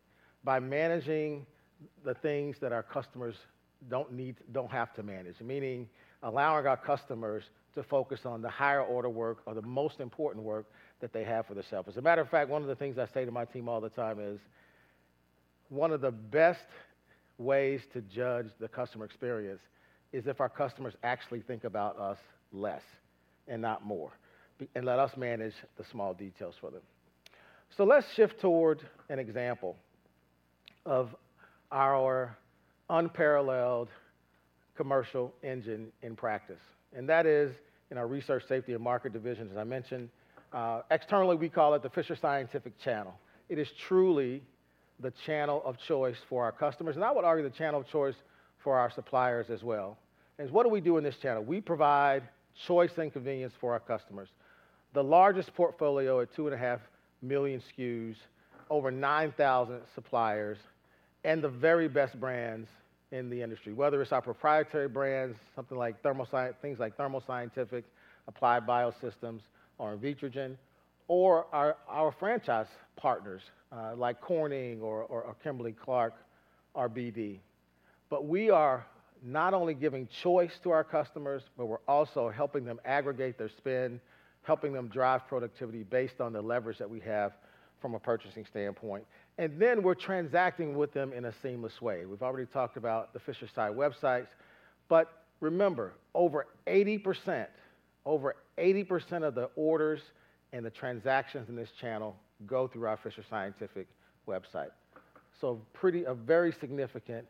by managing the things that our customers don't have to manage. Meaning allowing our customers to focus on the higher order work or the most important work that they have for themselves. As a matter of fact, one of the things I say to my team all the time is: one of the best ways to judge the customer experience is if our customers actually think about us less and not more, and let us manage the small details for them. So let's shift toward an example of our unparalleled commercial engine in practice, and that is in our Research, Safety and Market Divisions, as I mentioned. Externally, we call it the Fisher Scientific Channel. It is truly the channel of choice for our customers, and I would argue, the channel of choice for our suppliers as well. What do we do in this channel? We provide choice and convenience for our customers. The largest portfolio at 2.5 million SKUs, over nine thousand suppliers, and the very best brands in the industry, whether it's our proprietary brands, things like Thermo Scientific, Applied Biosystems or Invitrogen, or our franchise partners, like Corning or Kimberly-Clark, RBD. But we are not only giving choice to our customers, but we're also helping them aggregate their spend, helping them drive productivity based on the leverage that we have from a purchasing standpoint, and then we're transacting with them in a seamless way. We've already talked about the Fisher Sci websites, but remember, over 80%, over 80% of the orders and the transactions in this channel go through our Fisher Scientific website. So, a very significant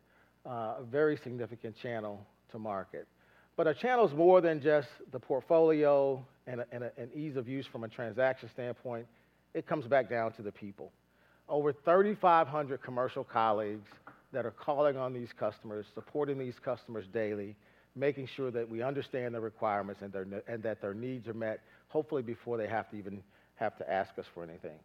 channel to market. But our channel is more than just the portfolio and an ease of use from a transaction standpoint. It comes back down to the people. Over 3,500 commercial colleagues that are calling on these customers, supporting these customers daily, making sure that we understand their requirements and that their needs are met, hopefully before they even have to ask us for anything.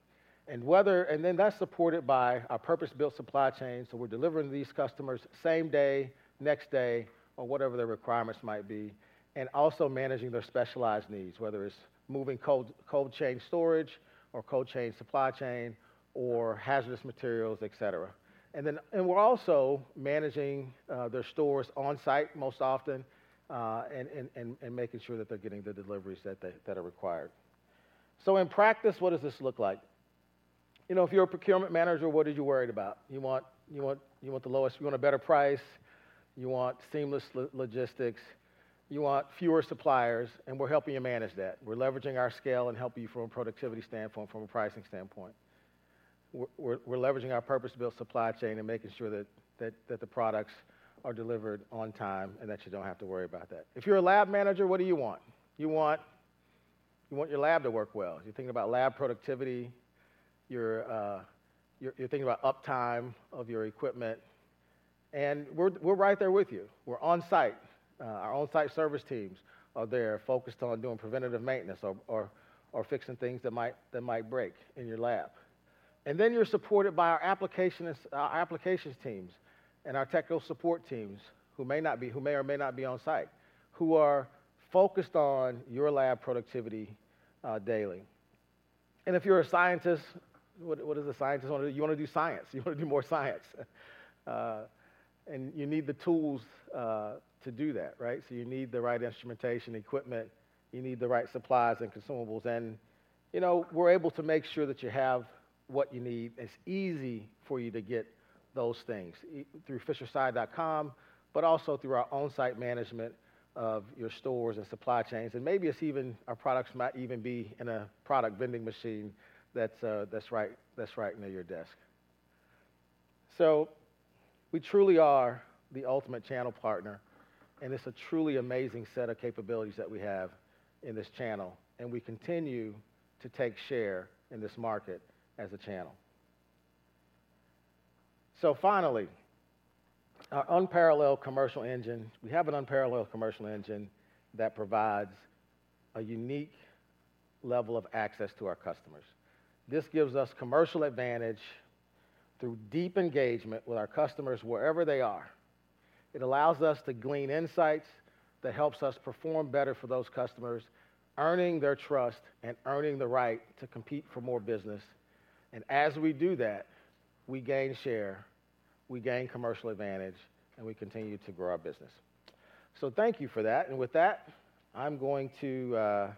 That's supported by our purpose-built supply chain, so we're delivering to these customers same day, next day, or whatever their requirements might be, and also managing their specialized needs, whether it's moving cold chain storage or cold chain supply chain or hazardous materials, et cetera. And then we're also managing their stores on site most often, and making sure that they're getting the deliveries that are required. So in practice, what does this look like? You know, if you're a procurement manager, what are you worried about? You want a better price, you want seamless logistics, you want fewer suppliers, and we're helping you manage that. We're leveraging our scale and helping you from a productivity standpoint, from a pricing standpoint. We're leveraging our purpose-built supply chain and making sure that the products are delivered on time, and that you don't have to worry about that. If you're a lab manager, what do you want? You want your lab to work well. You're thinking about lab productivity, you're thinking about uptime of your equipment, and we're right there with you. We're on site. Our on-site service teams are there, focused on doing preventive maintenance or fixing things that might break in your lab, and then you're supported by our applications teams and our technical support teams, who may or may not be on site, who are focused on your lab productivity daily, and if you're a scientist, what is a scientist wanna do? You wanna do science. You wanna do more science, and you need the tools to do that, right? So you need the right instrumentation, equipment, you need the right supplies and consumables, and, you know, we're able to make sure that you have what you need, and it's easy for you to get those things through fishersci.com, but also through our on-site management of your stores and supply chains. Maybe it's even our products might even be in a product vending machine that's right there near your desk. So we truly are the ultimate channel partner, and it's a truly amazing set of capabilities that we have in this channel, and we continue to take share in this market as a channel. So finally, our unparalleled commercial engine. We have an unparalleled commercial engine that provides a unique level of access to our customers. This gives us commercial advantage through deep engagement with our customers, wherever they are. It allows us to glean insights that helps us perform better for those customers, earning their trust and earning the right to compete for more business. And as we do that, we gain share, we gain commercial advantage, and we continue to grow our business. So thank you for that. And with that, I'm going to.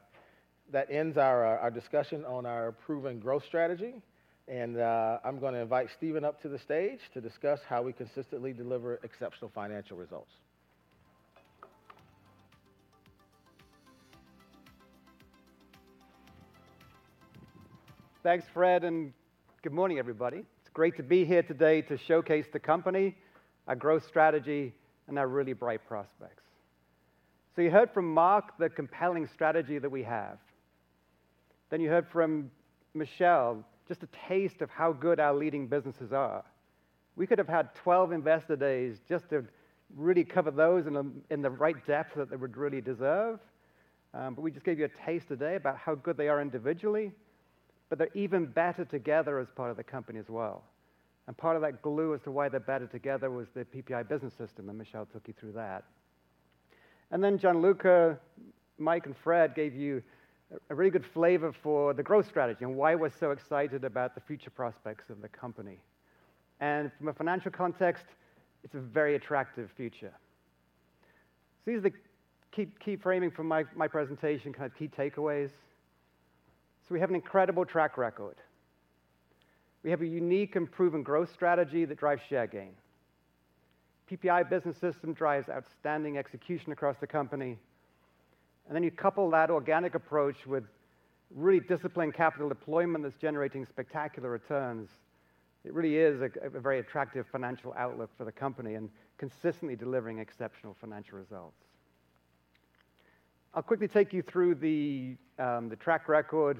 That ends our discussion on our proven growth strategy, and I'm gonna invite Stephen up to the stage to discuss how we consistently deliver exceptional financial results. Thanks, Fred, and good morning, everybody. It's great to be here today to showcase the company, our growth strategy, and our really bright prospects. So you heard from Marc the compelling strategy that we have. Then you heard from Michel, just a taste of how good our leading businesses are. We could have had twelve investor days just to really cover those in the right depth that they would really deserve. But we just gave you a taste today about how good they are individually, but they're even better together as part of the company as well. And part of that glue as to why they're better together was the PPI Business System, and Michel took you through that. Then Gianluca, Mike, and Fred gave you a very good flavor for the growth strategy and why we're so excited about the future prospects of the company. From a financial context, it's a very attractive future. These are the key framing from my presentation, kind of key takeaways. We have an incredible track record. We have a unique and proven growth strategy that drives share gain. PPI Business System drives outstanding execution across the company, and then you couple that organic approach with really disciplined capital deployment that's generating spectacular returns. It really is a very attractive financial outlook for the company and consistently delivering exceptional financial results. I'll quickly take you through the track record,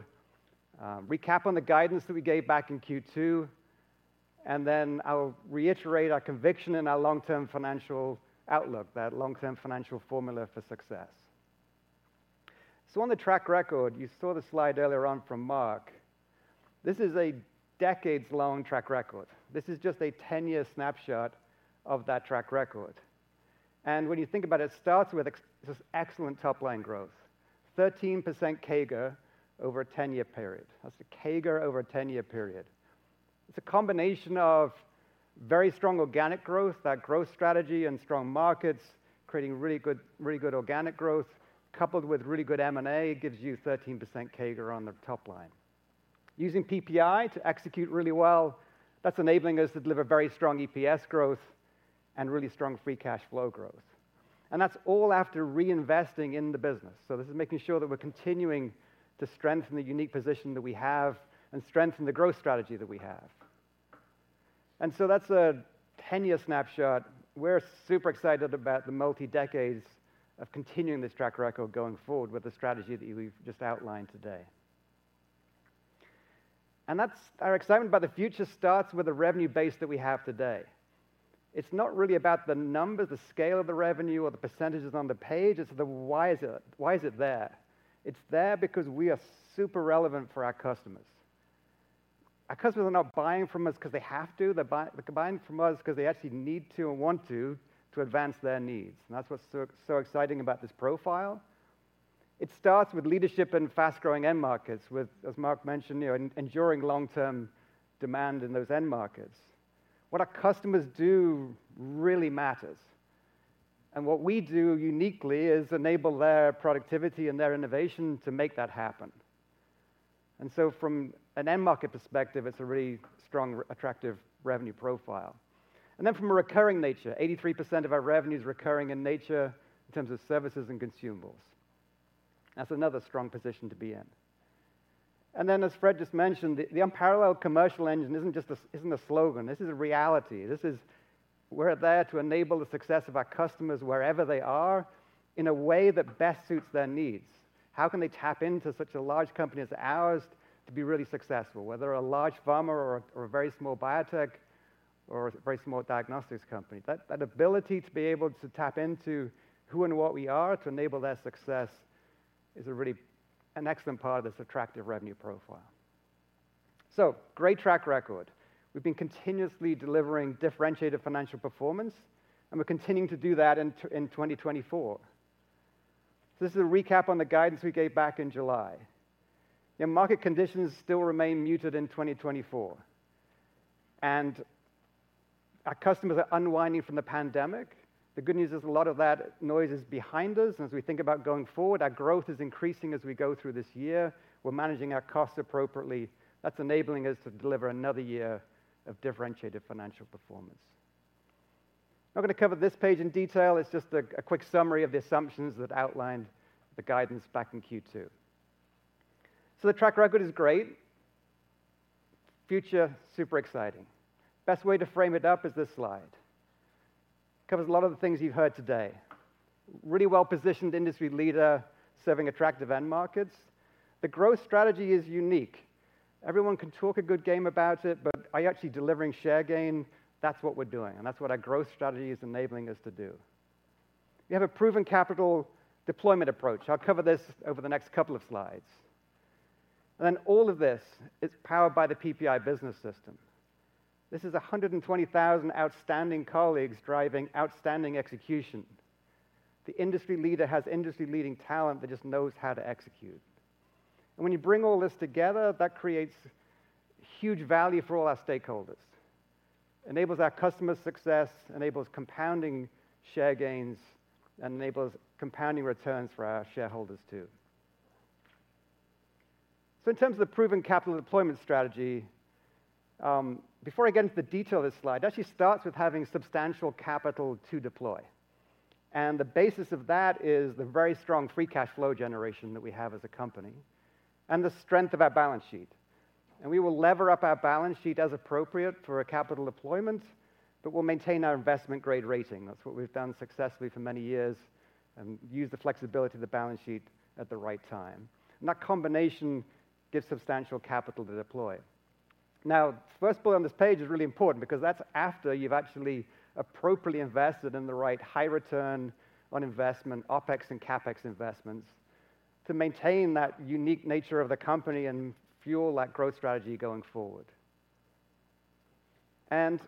recap on the guidance that we gave back in Q2, and then I'll reiterate our conviction in our long-term financial outlook, that long-term financial formula for success. On the track record, you saw the slide earlier on from Marc. This is a decades-long track record. This is just a 10-year snapshot of that track record. And when you think about it, it starts with this excellent top-line growth, 13% CAGR over a 10-year period. That's a CAGR over a 10-year period. It's a combination of very strong organic growth, that growth strategy and strong markets, creating really good, really good organic growth, coupled with really good M&A, gives you 13% CAGR on the top line. Using PPI to execute really well, that's enabling us to deliver very strong EPS growth and really strong free cash flow growth, and that's all after reinvesting in the business, so this is making sure that we're continuing to strengthen the unique position that we have and strengthen the growth strategy that we have, and so that's a ten-year snapshot. We're super excited about the multi-decades of continuing this track record going forward with the strategy that we've just outlined today, and that's our excitement about the future. It starts with the revenue base that we have today. It's not really about the numbers, the scale of the revenue or the percentages on the page. It's the why is it, why is it there? It's there because we are super relevant for our customers. Our customers are not buying from us cause they have to. They're buying from us 'cause they actually need to and want to, to advance their needs, and that's what's so, so exciting about this profile. It starts with leadership in fast-growing end markets, with, as Marc mentioned, you know, enduring long-term demand in those end markets. What our customers do really matters, and what we do uniquely is enable their productivity and their innovation to make that happen. And so from an end market perspective, it's a really strong, attractive revenue profile. And then from a recurring nature, 83% of our revenue's recurring in nature in terms of services and consumables. That's another strong position to be in. And then, as Fred just mentioned, the unparalleled commercial engine isn't just a slogan. This is a reality. This is, we're there to enable the success of our customers wherever they are, in a way that best suits their needs. How can they tap into such a large company as ours to be really successful, whether a large pharma or a very small biotech or a very small diagnostics company? That ability to be able to tap into who and what we are to enable their success is a really excellent part of this attractive revenue profile. So great track record. We've been continuously delivering differentiated financial performance, and we're continuing to do that in 2024. This is a recap on the guidance we gave back in July. The market conditions still remain muted in 2024, and our customers are unwinding from the pandemic. The good news is, a lot of that noise is behind us, and as we think about going forward, our growth is increasing as we go through this year. We're managing our costs appropriately. That's enabling us to deliver another year of differentiated financial performance. I'm not gonna cover this page in detail. It's just a quick summary of the assumptions that outlined the guidance back in Q2. So the track record is great. Future, super exciting. Best way to frame it up is this slide. Covers a lot of the things you've heard today. Really well-positioned industry leader serving attractive end markets. The growth strategy is unique. Everyone can talk a good game about it, but are you actually delivering share gain? That's what we're doing, and that's what our growth strategy is enabling us to do. We have a proven capital deployment approach. I'll cover this over the next couple of slides. And then all of this is powered by the PPI Business System. This is 120,000 outstanding colleagues driving outstanding execution. The industry leader has industry-leading talent that just knows how to execute. And when you bring all this together, that creates huge value for all our stakeholders. Enables our customer success, enables compounding share gains, and enables compounding returns for our shareholders, too. So in terms of the proven capital deployment strategy, before I get into the detail of this slide, it actually starts with having substantial capital to deploy. And the basis of that is the very strong free cash flow generation that we have as a company and the strength of our balance sheet. And we will lever up our balance sheet as appropriate for a capital deployment, but we'll maintain our investment-grade rating. That's what we've done successfully for many years, and use the flexibility of the balance sheet at the right time. And that combination gives substantial capital to deploy. Now, the first bullet on this page is really important because that's after you've actually appropriately invested in the right high return on investment, OpEx and CapEx investments, to maintain that unique nature of the company and fuel that growth strategy going forward. And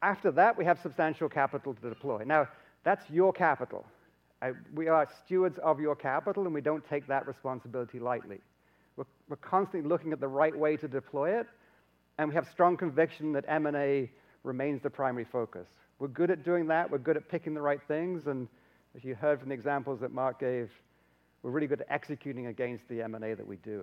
after that, we have substantial capital to deploy. Now, that's your capital. We are stewards of your capital, and we don't take that responsibility lightly. We're constantly looking at the right way to deploy it, and we have strong conviction that M&A remains the primary focus. We're good at doing that. We're good at picking the right things, and as you heard from the examples that Marc gave, we're really good at executing against the M&A that we do.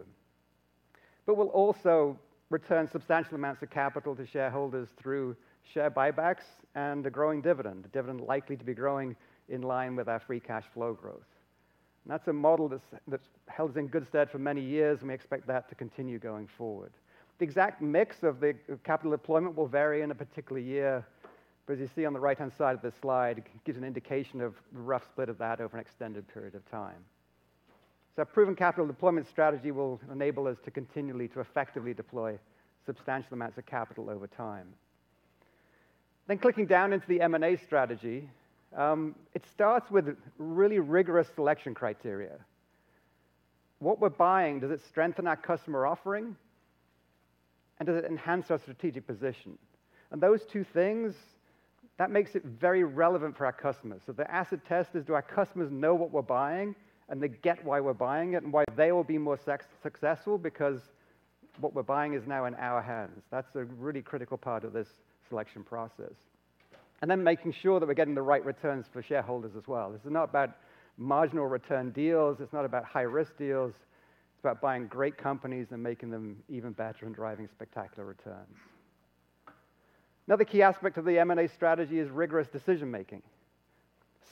But we'll also return substantial amounts of capital to shareholders through share buybacks and a growing dividend, a dividend likely to be growing in line with our free cash flow growth. And that's a model that's, that's held us in good stead for many years, and we expect that to continue going forward. The exact mix of the capital deployment will vary in a particular year, but as you see on the right-hand side of this slide, it gives an indication of the rough split of that over an extended period of time. So a proven capital deployment strategy will enable us to continually to effectively deploy substantial amounts of capital over time. Then clicking down into the M&A strategy, it starts with really rigorous selection criteria. What we're buying, does it strengthen our customer offering? And does it enhance our strategic position? And those two things, that makes it very relevant for our customers. So the acid test is: Do our customers know what we're buying, and they get why we're buying it and why they will be more successful because what we're buying is now in our hands? That's a really critical part of this selection process. And then making sure that we're getting the right returns for shareholders as well. This is not about marginal return deals, it's not about high-risk deals. It's about buying great companies and making them even better and driving spectacular returns. Another key aspect of the M&A strategy is rigorous decision-making.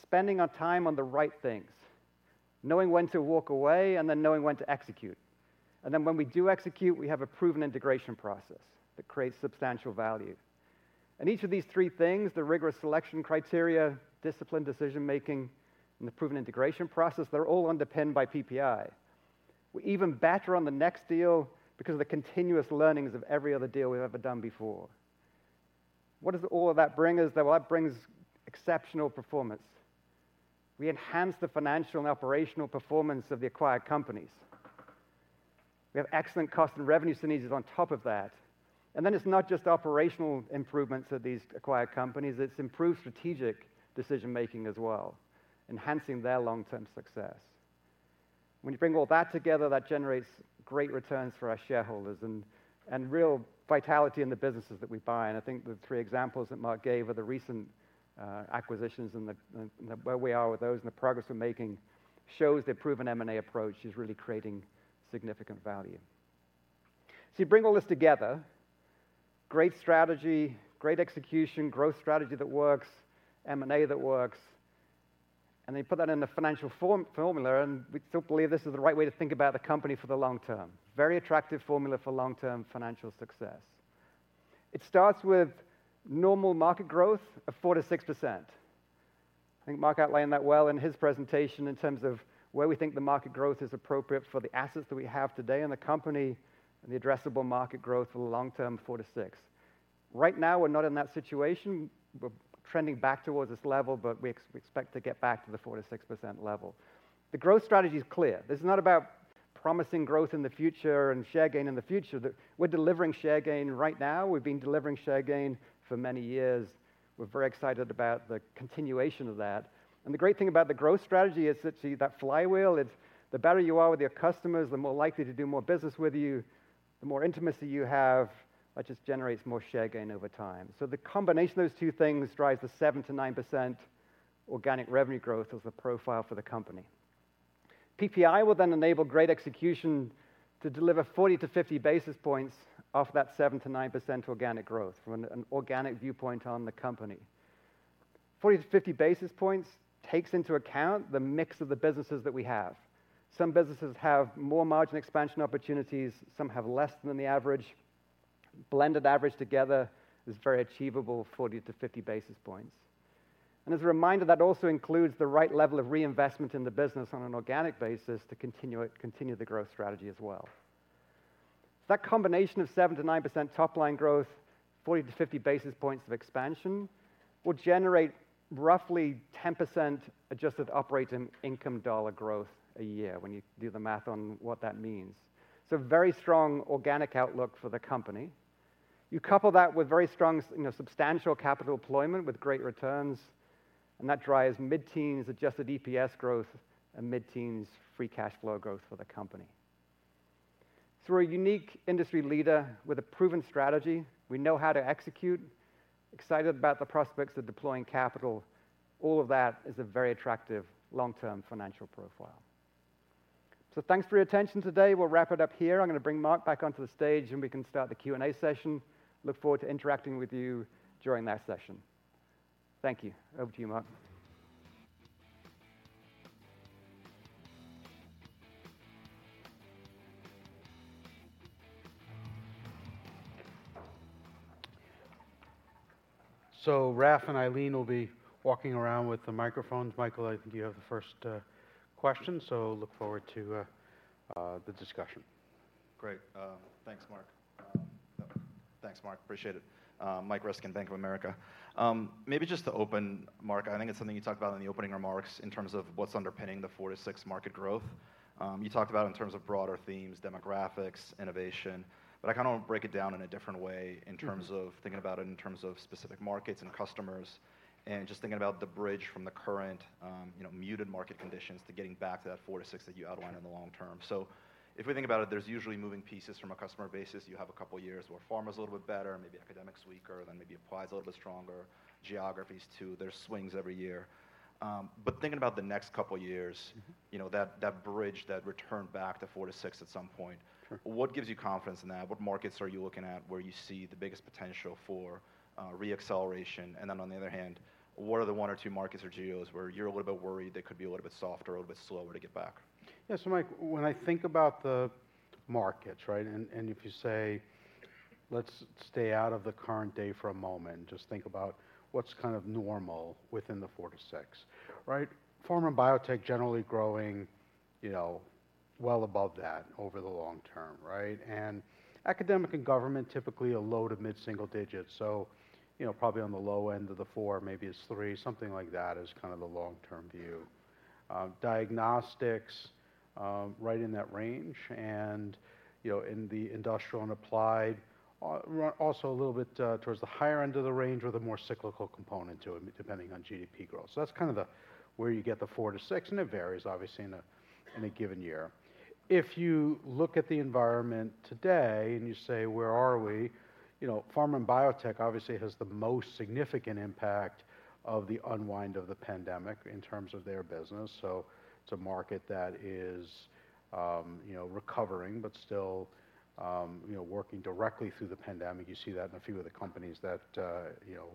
Spending our time on the right things, knowing when to walk away, and then knowing when to execute. And then when we do execute, we have a proven integration process that creates substantial value. And each of these three things, the rigorous selection criteria, disciplined decision-making, and the proven integration process, they're all underpinned by PPI. We're even better on the next deal because of the continuous learnings of every other deal we've ever done before. What does all of that bring us, though? Well, that brings exceptional performance. We enhance the financial and operational performance of the acquired companies. We have excellent cost and revenue synergies on top of that. And then it's not just operational improvements of these acquired companies, it's improved strategic decision-making as well, enhancing their long-term success. When you bring all that together, that generates great returns for our shareholders and real vitality in the businesses that we buy. And I think the three examples that Marc gave of the recent acquisitions and where we are with those and the progress we're making shows the proven M&A approach is really creating significant value. So you bring all this together, great strategy, great execution, growth strategy that works, M&A that works, and then you put that in a financial formula, and we still believe this is the right way to think about the company for the long term. Very attractive formula for long-term financial success. It starts with normal market growth of 4%-6%. I think Marc outlined that well in his presentation in terms of where we think the market growth is appropriate for the assets that we have today in the company and the addressable market growth for the long term, 4-6%. Right now, we're not in that situation. We're trending back towards this level, but we expect to get back to the 4-6% level. The growth strategy is clear. This is not about promising growth in the future and share gain in the future. We're delivering share gain right now. We've been delivering share gain for many years. We're very excited about the continuation of that. The great thing about the growth strategy is that, see, that flywheel, it, the better you are with your customers, the more likely to do more business with you, the more intimacy you have, that just generates more share gain over time. So the combination of those two things drives the 7-9% organic revenue growth as the profile for the company. PPI will then enable great execution to deliver 40-50 basis points off that 7-9% organic growth from an organic viewpoint on the company. 40-50 basis points takes into account the mix of the businesses that we have. Some businesses have more margin expansion opportunities, some have less than the average. Blended average together is very achievable, 40-50 basis points. As a reminder, that also includes the right level of reinvestment in the business on an organic basis to continue it, continue the growth strategy as well. That combination of 7-9% top line growth, 40-50 basis points of expansion, will generate roughly 10% adjusted operating income dollar growth a year when you do the math on what that means. It is a very strong organic outlook for the company. You couple that with very strong, you know, substantial capital deployment with great returns, and that drives mid-teens adjusted EPS growth and mid-teens free cash flow growth for the company. We are a unique industry leader with a proven strategy. We know how to execute, excited about the prospects of deploying capital. All of that is a very attractive long-term financial profile. Thanks for your attention today. We will wrap it up here. I'm gonna bring Marc back onto the stage, and we can start the Q&A session. Look forward to interacting with you during that session. Thank you. Over to you, Marc. So Raf and Aileen will be walking around with the microphones. Michael, I think you have the first question, so look forward to the discussion. Great. Thanks, Marc. Appreciate it. Mike Ryskin, Bank of America. Maybe just to open, Marc, I think it's something you talked about in the opening remarks in terms of what's underpinning the 4-6 market growth. You talked about in terms of broader themes, demographics, innovation, but I kinda wanna break it down in a different way. Mm-hmm. -in terms of thinking about it, in terms of specific markets and customers, and just thinking about the bridge from the current, you know, muted market conditions to getting back to that 4-6 that you outlined-... in the long term. So if we think about it, there's usually moving pieces from a customer basis. You have a couple of years where pharma's a little bit better, maybe academics weaker, then maybe applied's a little bit stronger. Geographies too, there's swings every year, but thinking about the next couple of years- Mm-hmm... you know, that bridge, that return back to 4-6 at some point. Sure. What gives you confidence in that? What markets are you looking at, where you see the biggest potential for re-acceleration? And then, on the other hand, what are the one or two markets or geos where you're a little bit worried they could be a little bit softer or a little bit slower to get back? Yeah. So, Mike, when I think about the markets, right? And if you say, let's stay out of the current day for a moment, just think about what's kind of normal within the 4-6, right? Pharma and biotech generally growing, you know, well above that over the long term, right? And academic and government, typically a low to mid-single digits. So, you know, probably on the low end of the four, maybe it's three, something like that is kind of the long-term view. Diagnostics, right in that range, and, you know, in the industrial and applied, also a little bit towards the higher end of the range or the more cyclical component to it, depending on GDP growth. So that's kind of the where you get the 4-6, and it varies, obviously, in a given year. If you look at the environment today, and you say: Where are we? You know, pharma and biotech obviously has the most significant impact of the unwind of the pandemic in terms of their business, so it's a market that is, you know, recovering but still, you know, working directly through the pandemic. You see that in a few of the companies that, you know,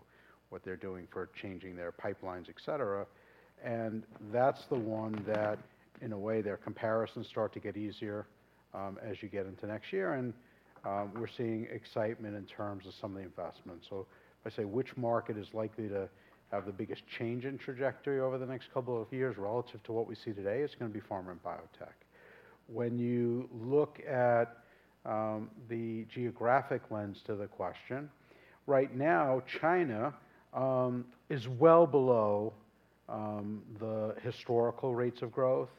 what they're doing for changing their pipelines, et cetera. And that's the one that, in a way, their comparisons start to get easier, as you get into next year, and, we're seeing excitement in terms of some of the investments. So if I say, which market is likely to have the biggest change in trajectory over the next couple of years relative to what we see today? It's gonna be pharma and biotech. When you look at the geographic lens to the question, right now China is well below the historical rates of growth,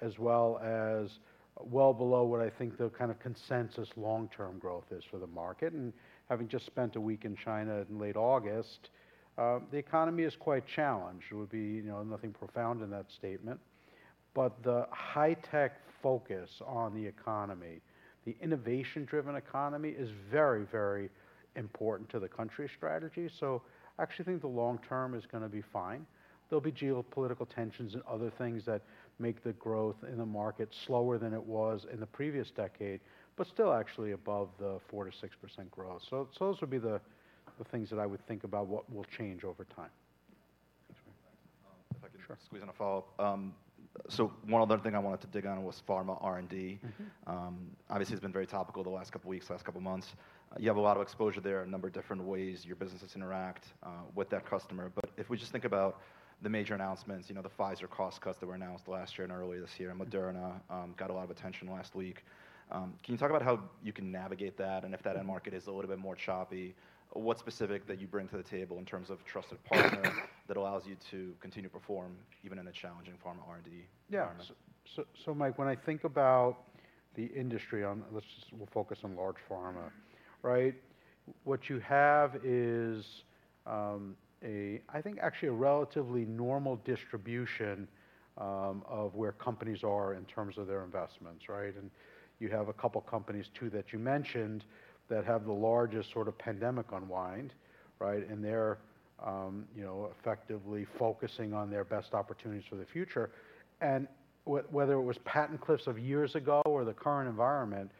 as well as well below what I think the kind of consensus long-term growth is for the market, and having just spent a week in China in late August, the economy is quite challenged. It would be, you know, nothing profound in that statement, but the high-tech focus on the economy, the innovation-driven economy, is very, very important to the country's strategy, so I actually think the long term is gonna be fine. There'll be geopolitical tensions and other things that make the growth in the market slower than it was in the previous decade, but still actually above the 4%-6% growth, so those would be the things that I would think about what will change over time. Thanks. If I can- Sure. Squeeze in a follow-up. So one other thing I wanted to dig on was pharma R&D. Mm-hmm. Obviously, it's been very topical the last couple of weeks, last couple of months. You have a lot of exposure there, a number of different ways your businesses interact with that customer. But if we just think about the major announcements, you know, the Pfizer cost cuts that were announced last year and earlier this year, and Moderna got a lot of attention last week. Can you talk about how you can navigate that, and if that end market is a little bit more choppy, what specific that you bring to the table in terms of trusted partner that allows you to continue to perform even in a challenging pharma R&D? Yeah. So, Mike, when I think about the industry on. Let's just focus on large pharma, right? What you have is, a, I think, actually a relatively normal distribution, of where companies are in terms of their investments, right? And you have a couple companies, too, that you mentioned, that have the largest sort of pandemic unwind, right? And they're, you know, effectively focusing on their best opportunities for the future. And whether it was patent cliffs of years ago or the current environment,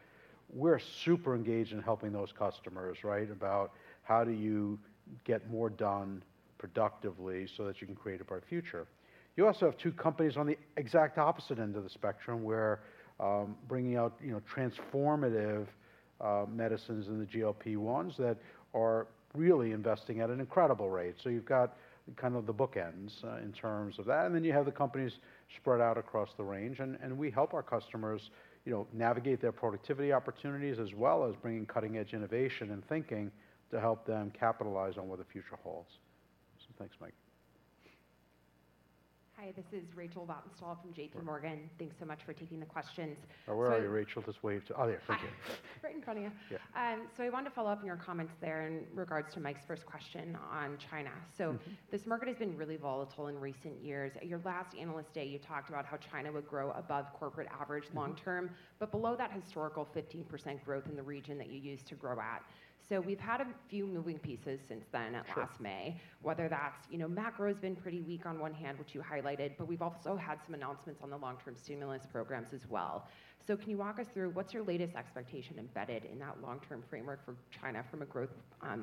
we're super engaged in helping those customers, right? About how do you get more done productively so that you can create a bright future. You also have two companies on the exact opposite end of the spectrum, where, bringing out, you know, transformative, medicines in the GLP-1s that are really investing at an incredible rate. So you've got kind of the bookends in terms of that, and then you have the companies spread out across the range. And we help our customers, you know, navigate their productivity opportunities, as well as bringing cutting-edge innovation and thinking to help them capitalize on what the future holds. So thanks, Mike. Hi, this is Rachel Vatnsdal from JPMorgan. Thanks so much for taking the questions. So- Where are you, Rachel? Just wave to -- Oh, there. Thank you. Hi. Right in front of you. Yeah. So, I wanted to follow up on your comments there in regards to Mike's first question on China. Mm-hmm. So this market has been really volatile in recent years. At your last Analyst Day, you talked about how China would grow above corporate average-... long term, but below that historical 15% growth in the region that you used to grow at. So we've had a few moving pieces since then- Yes... at last May. Whether that's, you know, macro has been pretty weak on one hand, which you highlighted, but we've also had some announcements on the long-term stimulus programs as well. So can you walk us through what's your latest expectation embedded in that long-term framework for China from a growth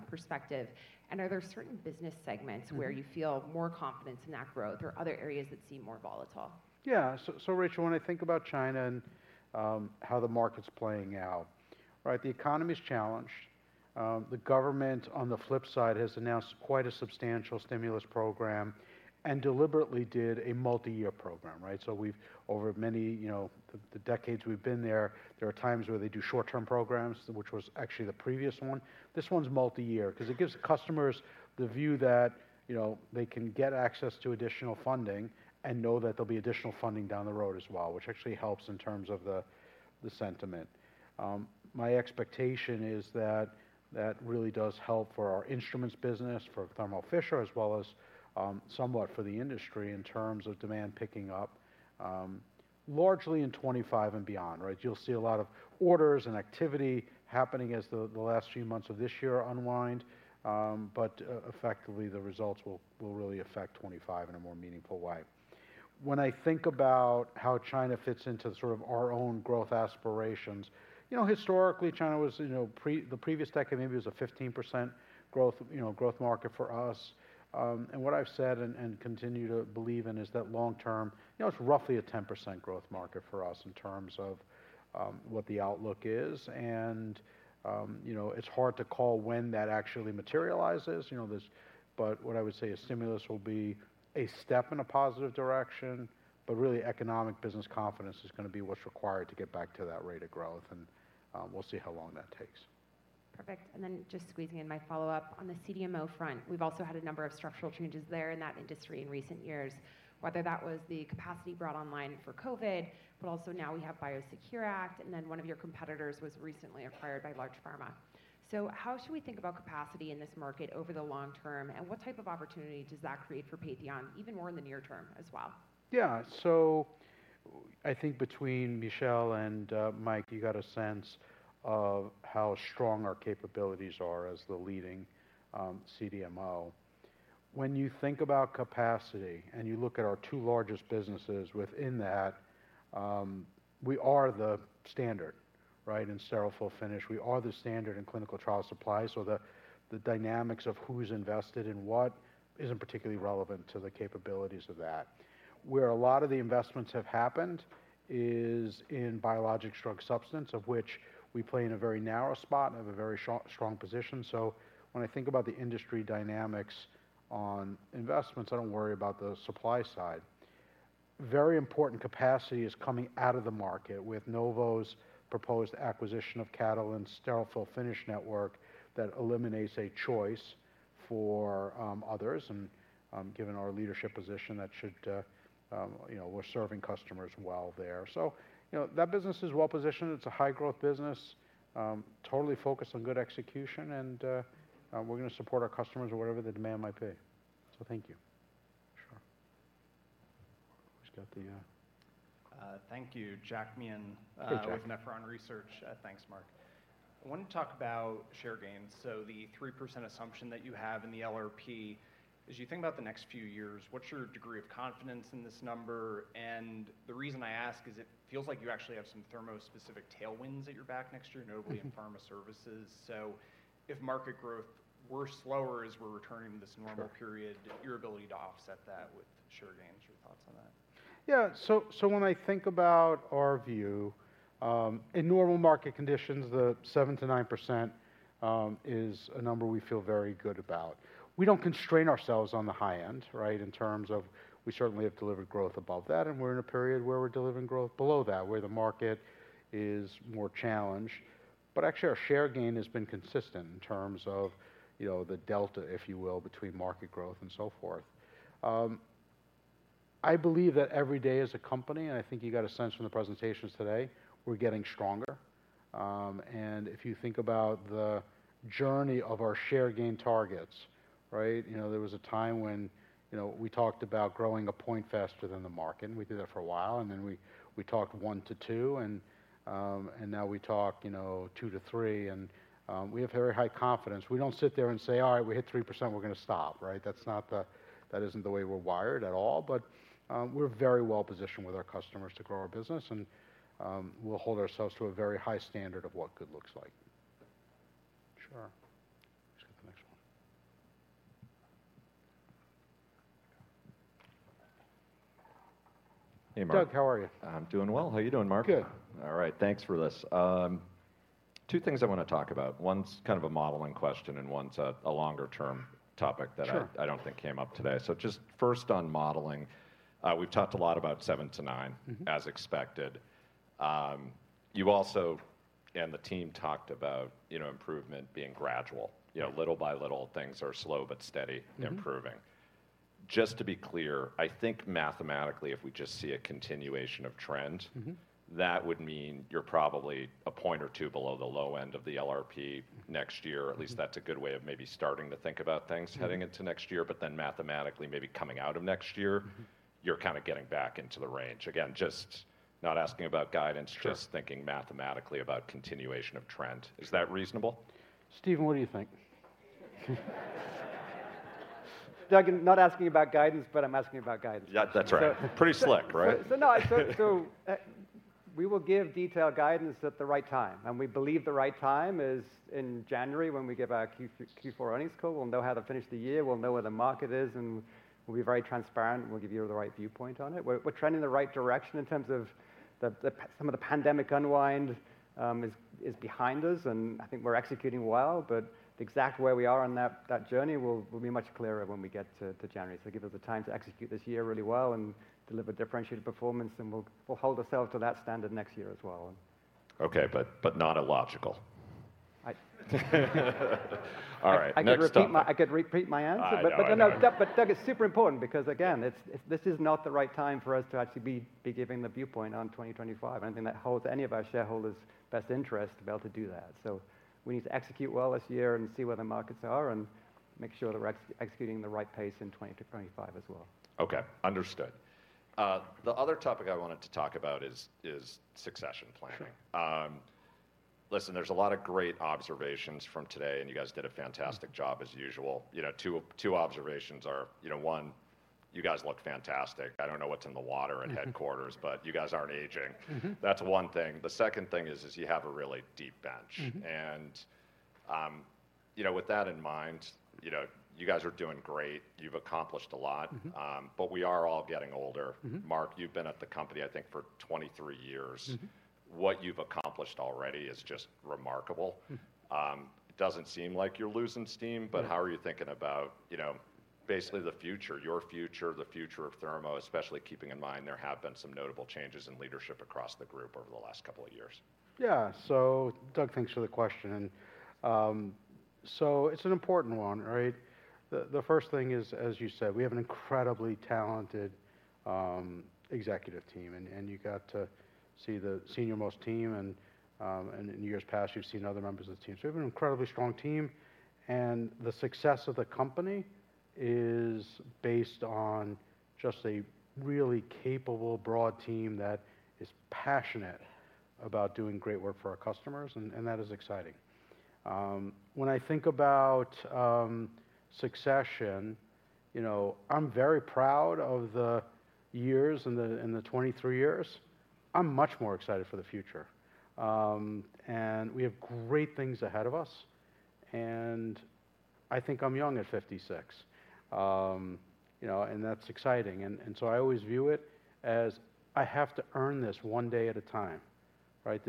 perspective? And are there certain business segments- Mm-hmm... where you feel more confidence in that growth or other areas that seem more volatile? Yeah. So Rachel, when I think about China and how the market's playing out, right? The economy is challenged. The government, on the flip side, has announced quite a substantial stimulus program and deliberately did a multi-year program, right? So we've over many, you know, the decades we've been there, there are times where they do short-term programs, which was actually the previous one. This one's multi-year 'cause it gives customers the view that, you know, they can get access to additional funding and know that there'll be additional funding down the road as well, which actually helps in terms of the sentiment. My expectation is that that really does help for our instruments business, for Thermo Fisher, as well as somewhat for the industry in terms of demand picking up, largely in 2025 and beyond, right? You'll see a lot of orders and activity happening as the last few months of this year unwind, but effectively, the results will really affect 2025 in a more meaningful way. When I think about how China fits into sort of our own growth aspirations, you know, historically, China was, you know, in the previous decade maybe was a 15% growth market for us, and what I've said and continue to believe in is that long term, you know, it's roughly a 10% growth market for us in terms of what the outlook is. You know, it's hard to call when that actually materializes, you know, but what I would say is stimulus will be a step in a positive direction, but really, economic business confidence is gonna be what's required to get back to that rate of growth, and we'll see how long that takes. Perfect. And then just squeezing in my follow-up. On the CDMO front, we've also had a number of structural changes there in that industry in recent years, whether that was the capacity brought online for COVID, but also now we have Biosecure Act, and then one of your competitors was recently acquired by large pharma. So how should we think about capacity in this market over the long term, and what type of opportunity does that create for Patheon, even more in the near term as well? Yeah. So I think between Michel and Mike, you got a sense of how strong our capabilities are as the leading CDMO. When you think about capacity, and you look at our two largest businesses within that, we are the standard, right? In sterile fill finish, we are the standard in clinical trial supply, so the dynamics of who's invested in what isn't particularly relevant to the capabilities of that. Where a lot of the investments have happened is in biologic drug substance, of which we play in a very narrow spot and have a very strong position. So when I think about the industry dynamics on investments, I don't worry about the supply side. Very important capacity is coming out of the market, with Novo's proposed acquisition of Catalent's sterile fill finish network that eliminates a choice for others, and given our leadership position, that should. You know, we're serving customers well there. So, you know, that business is well positioned. It's a high-growth business, totally focused on good execution, and we're gonna support our customers or whatever the demand might be. So thank you. Sure. Who's got the Thank you. Jack Meehan- Hey, Jack. with Nephron Research. Thanks, Marc. I wanted to talk about share gains, so the 3% assumption that you have in the LRP. As you think about the next few years, what's your degree of confidence in this number? And the reason I ask is it feels like you actually have some Thermo-specific tailwinds at your back next year- Mm-hmm... notably in pharma services. So if market growth were slower as we're returning to this normal period-... your ability to offset that with share gains, your thoughts on that? Yeah. So when I think about our view, in normal market conditions, the 7%-9% is a number we feel very good about. We don't constrain ourselves on the high end, right? In terms of, we certainly have delivered growth above that, and we're in a period where we're delivering growth below that, where the market is more challenged. But actually, our share gain has been consistent in terms of, you know, the delta, if you will, between market growth and so forth. I believe that every day as a company, and I think you got a sense from the presentations today, we're getting stronger. And if you think about the journey of our share gain targets, right? You know, there was a time when, you know, we talked about growing a point faster than the market, and we did that for a while, and then we talked one to two, and now we talk, you know, two to three, and we have very high confidence. We don't sit there and say, "All right, we hit 3%, we're gonna stop," right? That's not the way we're wired at all. But we're very well-positioned with our customers to grow our business, and we'll hold ourselves to a very high standard of what good looks like. Sure. Let's get the next one. Hey, Marc. Doug, how are you? I'm doing well. How are you doing, Marc? Good. All right. Thanks for this. Two things I wanna talk about. One's kind of a modeling question, and one's a longer-term topic that- Sure... I don't think came up today. So just first on modeling, we've talked a lot about seven-to-nine- Mm-hmm... as expected. You also, and the team talked about, you know, improvement being gradual. You know, little by little, things are slow but steady- Mm-hmm... improving. Just to be clear, I think mathematically, if we just see a continuation of trend- Mm-hmm... that would mean you're probably a point or two below the low end of the LRP next year. Mm-hmm. At least that's a good way of maybe starting to think about things- Mm-hmm... heading into next year, but then mathematically, maybe coming out of next year- Mm-hmm... you're kinda getting back into the range. Again, just not asking about guidance- Sure... just thinking mathematically about continuation of trend. Is that reasonable? Stephen, what do you think? Doug, I'm not asking about guidance, but I'm asking about guidance. Yeah, that's right. So- Pretty slick, right? No, we will give detailed guidance at the right time, and we believe the right time is in January when we give our Q4 earnings call. We'll know how to finish the year, we'll know where the market is, and we'll be very transparent, and we'll give you the right viewpoint on it. We're trending in the right direction in terms of the some of the pandemic unwind is behind us, and I think we're executing well. But exactly where we are on that journey will be much clearer when we get to January. So give us the time to execute this year really well and deliver differentiated performance, and we'll hold ourselves to that standard next year as well. Okay, but, but not illogical. I- All right, next topic. I could repeat my answer. I know, I know. But, Doug, it's super important because, again, it's. This is not the right time for us to actually be giving the viewpoint on 2025. I don't think that holds any of our shareholders' best interest to be able to do that. So we need to execute well this year and see where the markets are and make sure that we're executing the right pace in 2024 to 2025 as well. Okay, understood. The other topic I wanted to talk about is succession planning. Sure. Listen, there's a lot of great observations from today, and you guys did a fantastic job, as usual. You know, two observations are, you know, one, you guys look fantastic. I don't know what's in the water at headquarters, but you guys aren't aging. Mm-hmm. That's one thing. The second thing is, you have a really deep bench. Mm-hmm. With that in mind, you know, you know, you guys are doing great. You've accomplished a lot. Mm-hmm. But we are all getting older. Mm-hmm. Marc, you've been at the company, I think, for 23 years. Mm-hmm. What you've accomplished already is just remarkable. Mm. It doesn't seem like you're losing steam- Mm... but how are you thinking about, you know, basically the future, your future, the future of Thermo, especially keeping in mind there have been some notable changes in leadership across the group over the last couple of years? Yeah. So, Doug, thanks for the question, and so it's an important one, right? The first thing is, as you said, we have an incredibly talented executive team, and you got to see the senior-most team, and in years past, you've seen other members of the team. So we have an incredibly strong team, and the success of the company is based on just a really capable, broad team that is passionate about doing great work for our customers, and that is exciting. When I think about succession, you know, I'm very proud of the years in the twenty-three years. I'm much more excited for the future, and we have great things ahead of us, and I think I'm young at fifty-six. You know, and that's exciting, and, and so I always view it as I have to earn this one day at a time, right?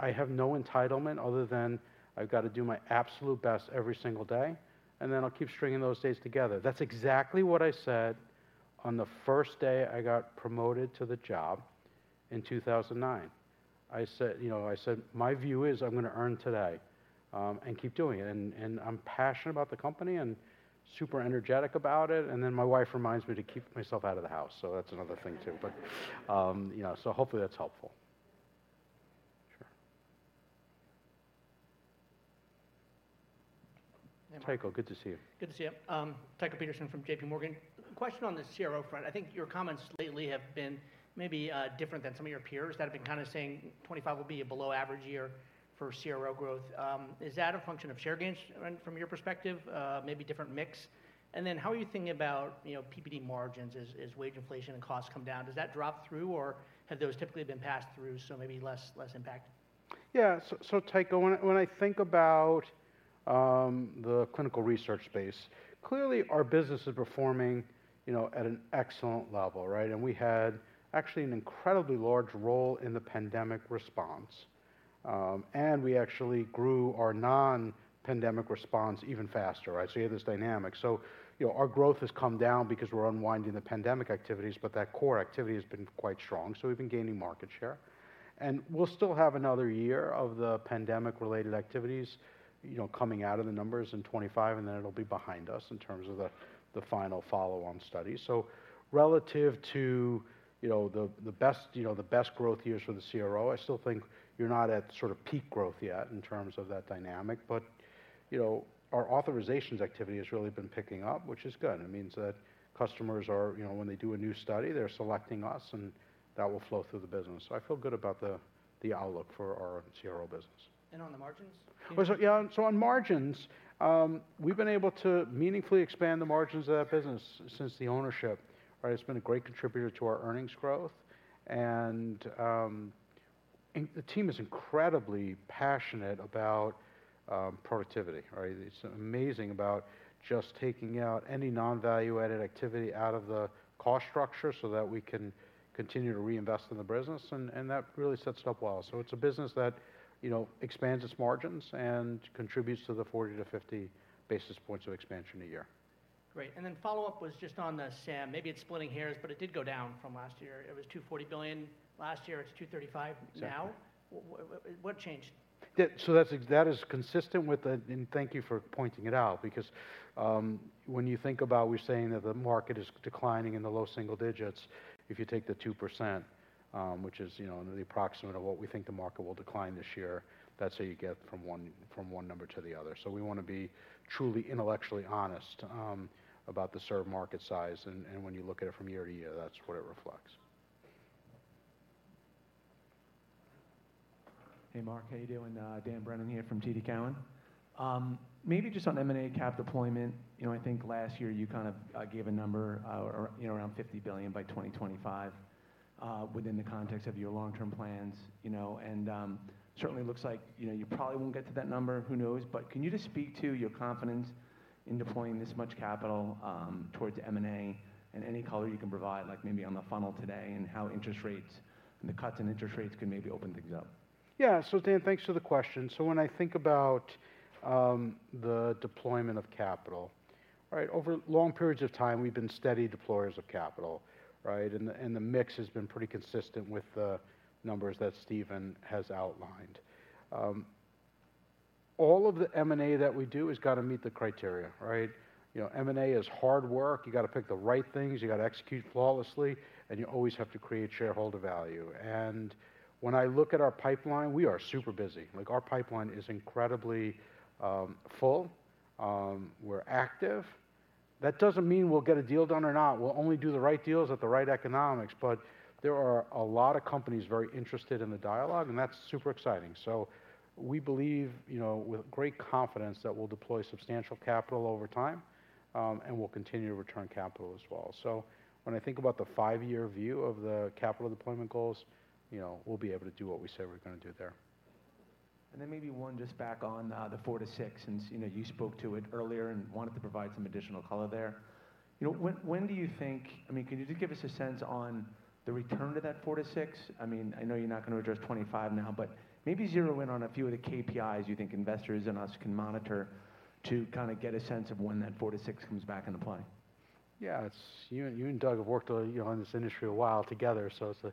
I have no entitlement other than I've got to do my absolute best every single day, and then I'll keep stringing those days together. That's exactly what I said on the first day I got promoted to the job in 2009. I said, you know, I said, "My view is I'm gonna earn today, and keep doing it." And, and I'm passionate about the company and super energetic about it, and then my wife reminds me to keep myself out of the house. So that's another thing, too. But, you know, so hopefully that's helpful. Sure. Hey, Tycho, good to see you. Good to see you. Tycho Peterson from J.P. Morgan. Question on the CRO front. I think your comments lately have been maybe different than some of your peers that have been kind of saying '2025 will be a below average year for CRO growth. Is that a function of share gains from your perspective, maybe different mix? And then how are you thinking about, you know, PPD margins as wage inflation and costs come down? Does that drop through, or have those typically been passed through, so maybe less impact? Yeah. So Tycho, when I think about the Clinical Research space, clearly our business is performing, you know, at an excellent level, right? And we had actually an incredibly large role in the pandemic response. And we actually grew our non-pandemic response even faster, right? So you have this dynamic. So, you know, our growth has come down because we're unwinding the pandemic activities, but that core activity has been quite strong, so we've been gaining market share. And we'll still have another year of the pandemic-related activities, you know, coming out of the numbers in 2025, and then it'll be behind us in terms of the final follow-on study. So relative to, you know, the best growth years for the CRO, I still think you're not at sort of peak growth yet in terms of that dynamic. You know, our authorizations activity has really been picking up, which is good. It means that customers are, you know, when they do a new study, they're selecting us, and that will flow through the business. So I feel good about the outlook for our CRO business. On the margins? So, yeah. So on margins, we've been able to meaningfully expand the margins of that business since the ownership. Right? It's been a great contributor to our earnings growth, and the team is incredibly passionate about productivity, right? It's amazing about just taking out any non-value-added activity out of the cost structure so that we can continue to reinvest in the business, and that really sets it up well. So it's a business that, you know, expands its margins and contributes to the 40 to 50 basis points of expansion a year. Great. And then follow-up was just on the SAM. Maybe it's splitting hairs, but it did go down from last year. It was $240 billion last year. It's $235 billion now. Exactly. What changed? Yeah, so that is consistent with the. And thank you for pointing it out, because when you think about, we're saying that the market is declining in the low single digits, if you take the 2%, which is, you know, the approximation of what we think the market will decline this year, that's how you get from one number to the other, so we want to be truly intellectually honest about the served market size, and when you look at it from year to year, that's what it reflects. Hey, Marc, how you doing? Dan Brennan here from TD Cowen. Maybe just on M&A cap deployment. You know, I think last year you kind of gave a number, you know, around $50 billion by 2025, within the context of your long-term plans, you know? And certainly looks like, you know, you probably won't get to that number. Who knows? But can you just speak to your confidence in deploying this much capital, towards M&A, and any color you can provide, like, maybe on the funnel today and how interest rates and the cuts in interest rates could maybe open things up? Yeah. So Dan, thanks for the question. So when I think about the deployment of capital, right, over long periods of time, we've been steady deployers of capital, right? And the mix has been pretty consistent with the numbers that Stephen has outlined. All of the M&A that we do has got to meet the criteria, right? You know, M&A is hard work. You got to pick the right things, you got to execute flawlessly, and you always have to create shareholder value. And when I look at our pipeline, we are super busy. Like, our pipeline is incredibly full. We're active. That doesn't mean we'll get a deal done or not. We'll only do the right deals at the right economics, but there are a lot of companies very interested in the dialogue, and that's super exciting. So we believe, you know, with great confidence that we'll deploy substantial capital over time, and we'll continue to return capital as well. So when I think about the five-year view of the capital deployment goals, you know, we'll be able to do what we say we're gonna do there. And then maybe one just back on the 4-6, since, you know, you spoke to it earlier and wanted to provide some additional color there. You know, when do you think? I mean, can you just give us a sense on the return to that 4-6? I mean, I know you're not going to address twenty-five now, but maybe zero in on a few of the KPIs you think investors and us can monitor to kind of get a sense of when that 4-6 comes back into play. Yeah, it's you and Doug have worked, you know, in this industry a while together, so it's a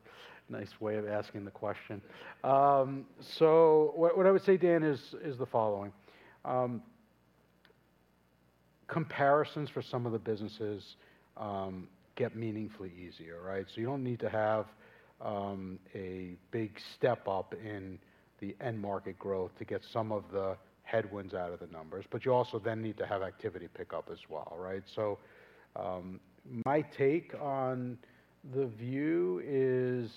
nice way of asking the question. So what I would say, Dan, is the following: comparisons for some of the businesses get meaningfully easier, right? So you don't need to have a big step up in the end market growth to get some of the headwinds out of the numbers, but you also then need to have activity pick up as well, right? So my take on the view is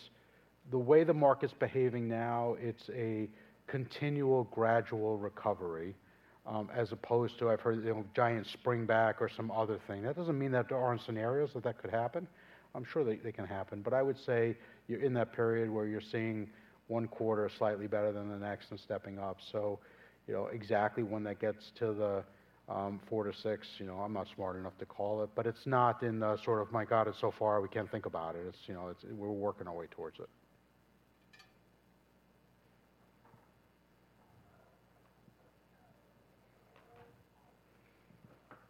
the way the market's behaving now, it's a continual gradual recovery as opposed to, I've heard, you know, giant spring back or some other thing. That doesn't mean that there aren't scenarios that could happen. I'm sure they can happen. But I would say you're in that period where you're seeing one quarter slightly better than the next and stepping up. So, you know, exactly when that gets to the 4-6, you know, I'm not smart enough to call it, but it's not in the sort of, "My god, it's so far, we can't think about it." It's, you know, we're working our way towards it.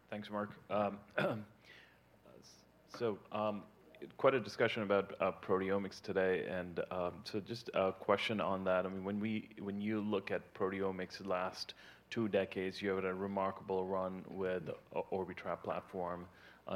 Thanks, Marc. Quite a discussion about proteomics today. Just a question on that. I mean, when you look at proteomics the last two decades, you had a remarkable run with Orbitrap platform.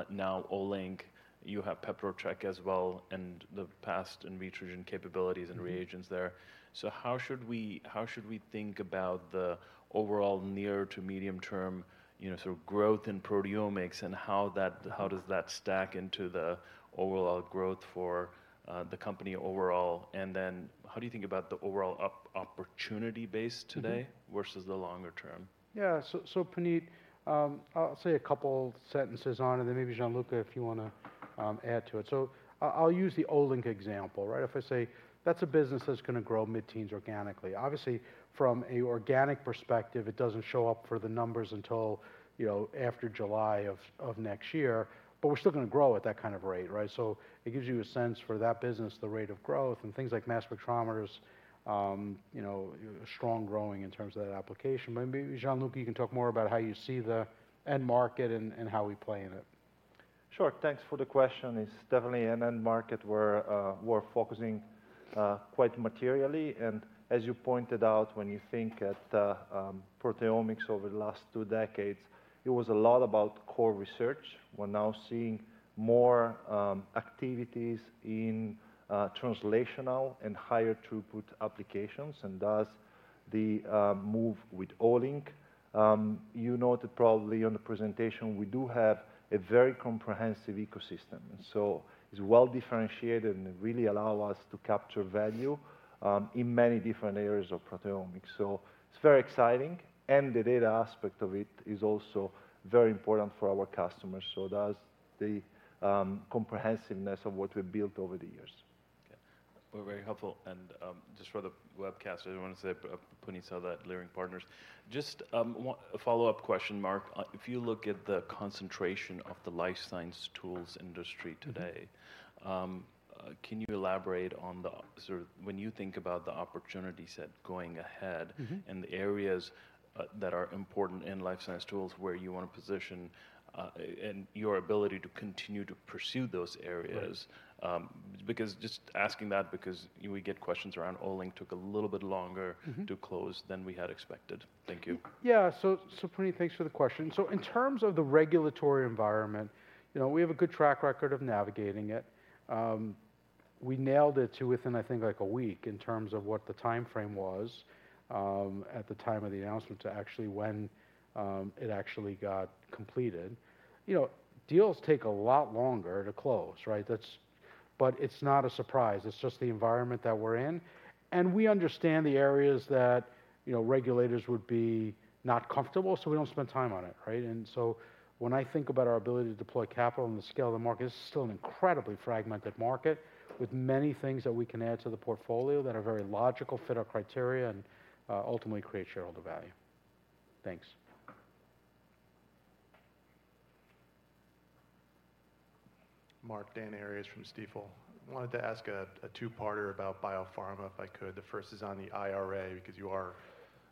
Now Olink, you have PeproTech as well, and the past Invitrogen capabilities and reagents there. Mm-hmm. So how should we think about the overall near to medium term, you know, sort of growth in proteomics, and how does that stack into the overall growth for the company overall? And then how do you think about the overall opportunity base today? Mm-hmm... versus the longer term? Yeah. So, so Puneet, I'll say a couple sentences on it, and then maybe, Gianluca, if you wanna, add to it. So I, I'll use the Olink example, right? If I say that's a business that's gonna grow mid-teens organically. Obviously, from a organic perspective, it doesn't show up for the numbers until, you know, after July of next year, but we're still gonna grow at that kind of rate, right? So it gives you a sense for that business, the rate of growth, and things like mass spectrometers, you know, strong growing in terms of that application. But maybe, Gianluca, you can talk more about how you see the end market and how we play in it.... Sure, thanks for the question. It's definitely an end market we're focusing quite materially, and as you pointed out, when you think about proteomics over the last two decades, it was a lot about core research. We're now seeing more activities in translational and higher throughput applications, and thus the move with Olink. You noted probably on the presentation, we do have a very comprehensive ecosystem, and so it's well differentiated and really allow us to capture value in many different areas of proteomics. So it's very exciting, and the data aspect of it is also very important for our customers, so does the comprehensiveness of what we've built over the years. Okay, well, very helpful. And just for the webcast, I just want to say, Puneet Souda at Leerink Partners. Just a follow-up question, Marc. If you look at the concentration of the life science tools industry today- Mm-hmm. Can you elaborate on the sort of... When you think about the opportunity set going ahead- Mm-hmm... and the areas that are important in life science tools, where you want to position and your ability to continue to pursue those areas? Right. because just asking that because we get questions around Olink took a little bit longer- Mm-hmm... to close than we had expected. Thank you. Yeah. So, Puneet, thanks for the question. So in terms of the regulatory environment, you know, we have a good track record of navigating it. We nailed it to within, I think, like a week in terms of what the timeframe was, at the time of the announcement to actually when it actually got completed. You know, deals take a lot longer to close, right? That's. But it's not a surprise. It's just the environment that we're in. And we understand the areas that, you know, regulators would be not comfortable, so we don't spend time on it, right? And so when I think about our ability to deploy capital and the scale of the market, it's still an incredibly fragmented market with many things that we can add to the portfolio that are very logical, fit our criteria, and ultimately create shareholder value. Thanks. Marc, Dan Arias from Stifel. I wanted to ask a two-parter about biopharma, if I could. The first is on the IRA, because you are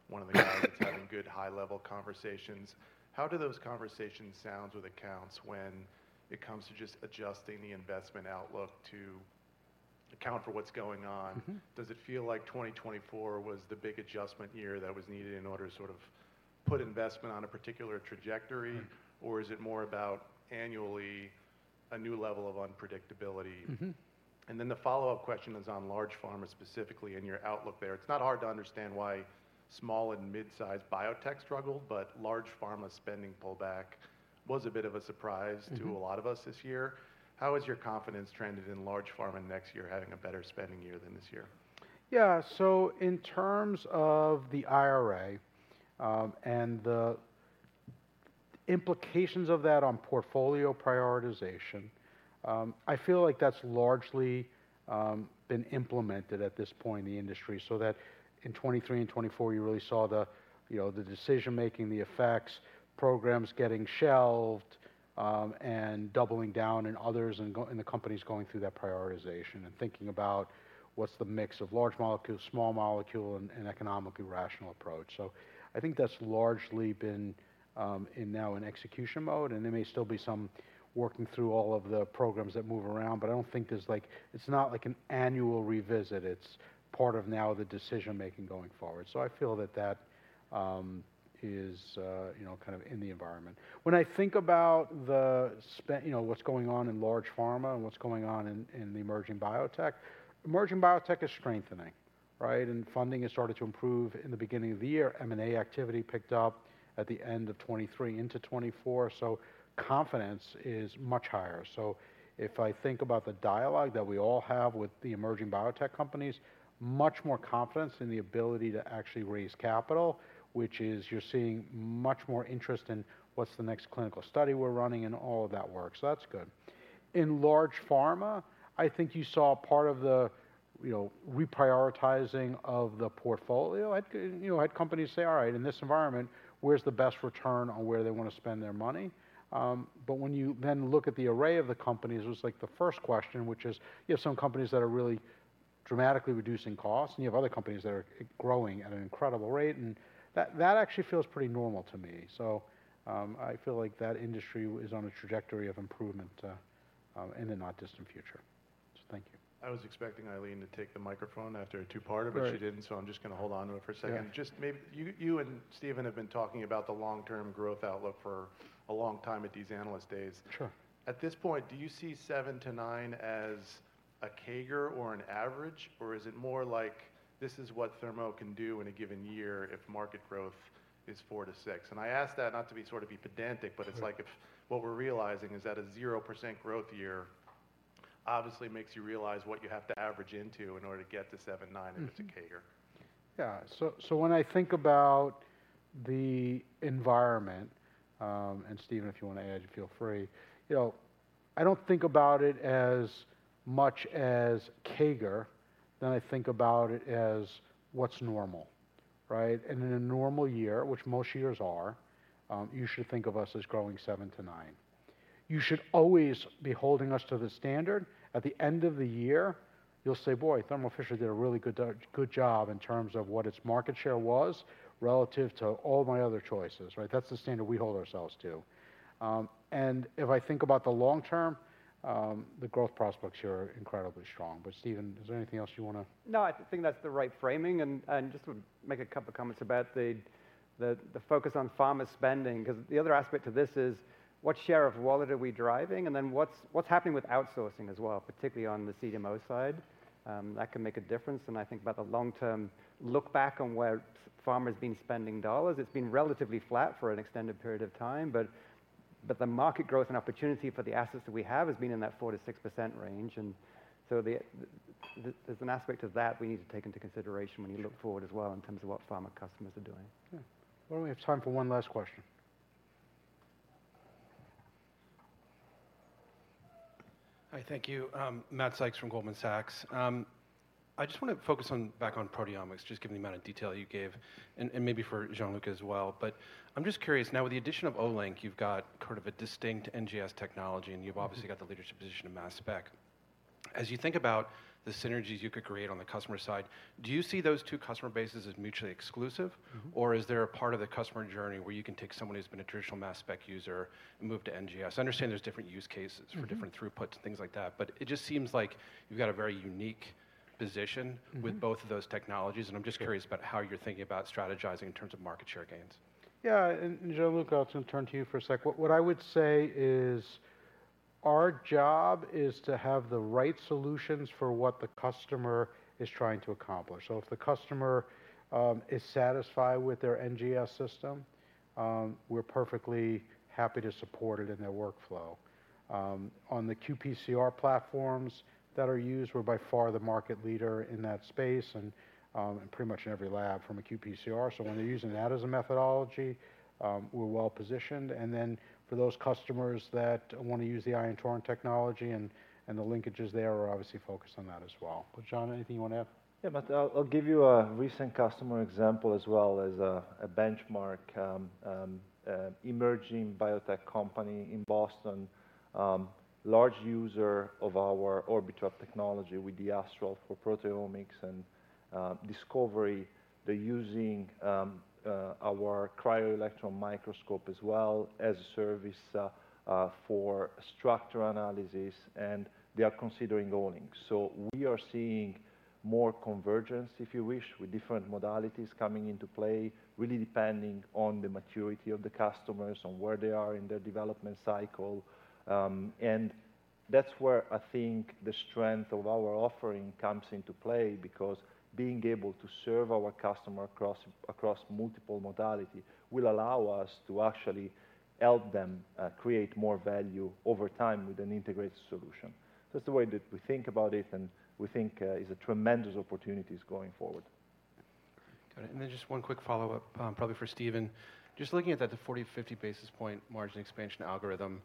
one of the guys having good high-level conversations. How do those conversations sound with accounts when it comes to just adjusting the investment outlook to account for what's going on? Mm-hmm. Does it feel like 2024 was the big adjustment year that was needed in order to sort of put investment on a particular trajectory? Mm. Or is it more about annually a new level of unpredictability? Mm-hmm. And then the follow-up question is on large pharma, specifically, and your outlook there. It's not hard to understand why small and mid-sized biotech struggled, but large pharma spending pullback was a bit of a surprise. Mm... to a lot of us this year. How has your confidence trended in large pharma next year, having a better spending year than this year? Yeah. So in terms of the IRA, and the implications of that on portfolio prioritization, I feel like that's largely been implemented at this point in the industry, so that in 2023 and 2024, you really saw the, you know, the decision making, the effects, programs getting shelved, and doubling down in others, and the companies going through that prioritization and thinking about what's the mix of large molecule, small molecule, and economically rational approach. So I think that's largely been now in execution mode, and there may still be some working through all of the programs that move around, but I don't think there's like... It's not like an annual revisit. It's part of now the decision making going forward. So I feel that that is, you know, kind of in the environment. When I think about the spend, you know, what's going on in large pharma and what's going on in the emerging biotech, emerging biotech is strengthening, right? And funding has started to improve in the beginning of the year. M&A activity picked up at the end of 2023 into 2024, so confidence is much higher. So if I think about the dialogue that we all have with the emerging biotech companies, much more confidence in the ability to actually raise capital, which is you're seeing much more interest in what's the next clinical study we're running and all of that work. So that's good. In large pharma, I think you saw part of the, you know, reprioritizing of the portfolio. Like, you know, had companies say, "All right, in this environment, where's the best return on where they want to spend their money?" but when you then look at the array of the companies, it was like the first question, which is, you have some companies that are really dramatically reducing costs, and you have other companies that are growing at an incredible rate, and that actually feels pretty normal to me. So, I feel like that industry is on a trajectory of improvement, in the not-distant future. So thank you. I was expecting Aileen to take the microphone after a two-parter- Right... but she didn't, so I'm just gonna hold on to it for a second. Yeah. Just maybe, you and Stephen have been talking about the long-term growth outlook for a long time at these analyst days. Sure. At this point, do you see seven to nine as a CAGR or an average, or is it more like, this is what Thermo can do in a given year if market growth is 4-6? And I ask that not to be sort of pedantic- Sure... but it's like if what we're realizing is that a 0% growth year obviously makes you realize what you have to average into in order to get to seven, nine- Mm-hmm... if it's a CAGR. Yeah. So when I think about the environment, and Stephen, if you want to add, feel free. You know, I don't think about it as much as CAGR, then I think about it as what's normal, right? And in a normal year, which most years are, you should think of us as growing seven to nine. You should always be holding us to the standard. At the end of the year, you'll say, "Boy, Thermo Fisher did a really good job in terms of what its market share was relative to all my other choices," right? That's the standard we hold ourselves to. And if I think about the long term, the growth prospects are incredibly strong. But Stephen, is there anything else you wanna- No, I think that's the right framing, and just would make a couple of comments about the focus on pharma spending, 'cause the other aspect to this is: What share of wallet are we driving? And then, what's happening with outsourcing as well, particularly on the CDMO side? That can make a difference. And I think about the long term, look back on where pharma's been spending dollars. It's been relatively flat for an extended period of time, but the market growth and opportunity for the assets that we have has been in that 4-6% range, and so there's an aspect of that we need to take into consideration when you look forward as well in terms of what pharma customers are doing. Yeah. Well, we have time for one last question. Hi, thank you. Matt Sykes from Goldman Sachs. I just wanna focus back on proteomics, just given the amount of detail you gave, and maybe for Gianluca as well. But I'm just curious, now, with the addition of Olink, you've got kind of a distinct NGS technology, and you've obviously- Mm-hmm. Got the leadership position in Mass Spec. As you think about the synergies you could create on the customer side, do you see those two customer bases as mutually exclusive? Mm-hmm. Or is there a part of the customer journey where you can take someone who's been a traditional Mass Spec user and move to NGS? I understand there's different use cases. Mm-hmm... for different throughputs, and things like that, but it just seems like you've got a very unique position. Mm-hmm... with both of those technologies, and I'm just curious- Sure... about how you're thinking about strategizing in terms of market share gains? Yeah, and Gianluca, I'll turn to you for a sec. What I would say is, our job is to have the right solutions for what the customer is trying to accomplish. So if the customer is satisfied with their NGS system, we're perfectly happy to support it in their workflow. On the qPCR platforms that are used, we're by far the market leader in that space and, pretty much in every lab from a qPCR. So when they're using that as a methodology, we're well positioned. And then, for those customers that wanna use the Ion Torrent technology and the linkages there, we're obviously focused on that as well. But Gian, anything you wanna add? Yeah, Matt, I'll give you a recent customer example as well as a benchmark. Emerging biotech company in Boston, large user of our Orbitrap technology with the Astral for proteomics and discovery. They're using our cryo-electron microscope as well as a service for structure analysis, and they are considering Olink. So we are seeing more convergence, if you wish, with different modalities coming into play, really depending on the maturity of the customers and where they are in their development cycle, and that's where I think the strength of our offering comes into play. Because being able to serve our customer across multiple modality will allow us to actually help them create more value over time with an integrated solution. That's the way that we think about it, and we think is a tremendous opportunities going forward. Got it. And then just one quick follow-up, probably for Stephen. Just looking at that, the forty to fifty basis point margin expansion algorithm,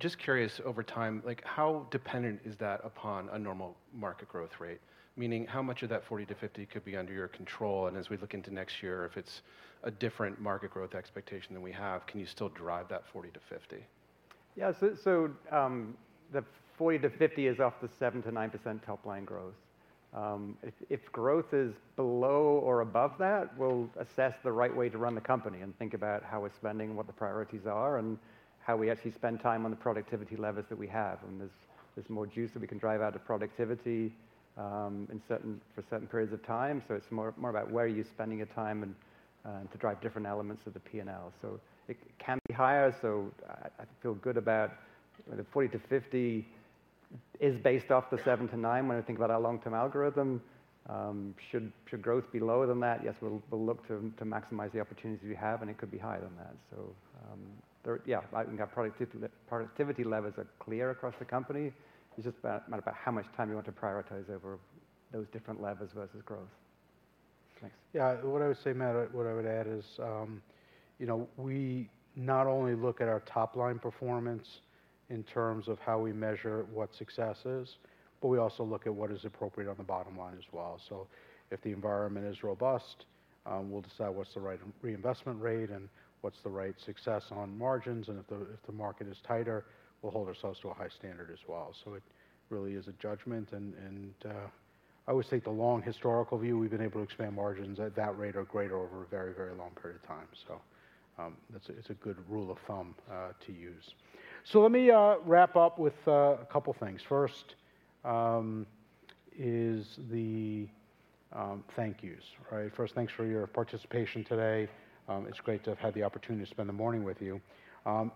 just curious, over time, like, how dependent is that upon a normal market growth rate? Meaning, how much of that forty to fifty could be under your control, and as we look into next year, if it's a different market growth expectation than we have, can you still drive that 40-50? Yeah. So, the 40-50 is off the 7%-9% top line growth. If growth is below or above that, we'll assess the right way to run the company and think about how we're spending, what the priorities are, and how we actually spend time on the productivity levers that we have. And there's more juice that we can drive out of productivity for certain periods of time, so it's more about where are you spending your time and to drive different elements of the P&L. So it can be higher, so I feel good about. The 40-50 is based off the 7%-9% when I think about our long-term algorithm. Should growth be lower than that? Yes, we'll look to maximize the opportunities we have, and it could be higher than that. Yeah, I think our productivity levers are clear across the company. It's just a matter of how much time you want to prioritize over those different levers versus growth. Thanks. Yeah, what I would say, Matt, what I would add is, you know, we not only look at our top-line performance in terms of how we measure what success is, but we also look at what is appropriate on the bottom line as well. So if the environment is robust, we'll decide what's the right reinvestment rate and what's the right success on margins, and if the market is tighter, we'll hold ourselves to a high standard as well. So it really is a judgment, and I would say the long historical view, we've been able to expand margins at that rate or greater over a very, very long period of time. So, it's a good rule of thumb to use. So let me wrap up with a couple things. First, is the thank you's, right? First, thanks for your participation today. It's great to have had the opportunity to spend the morning with you.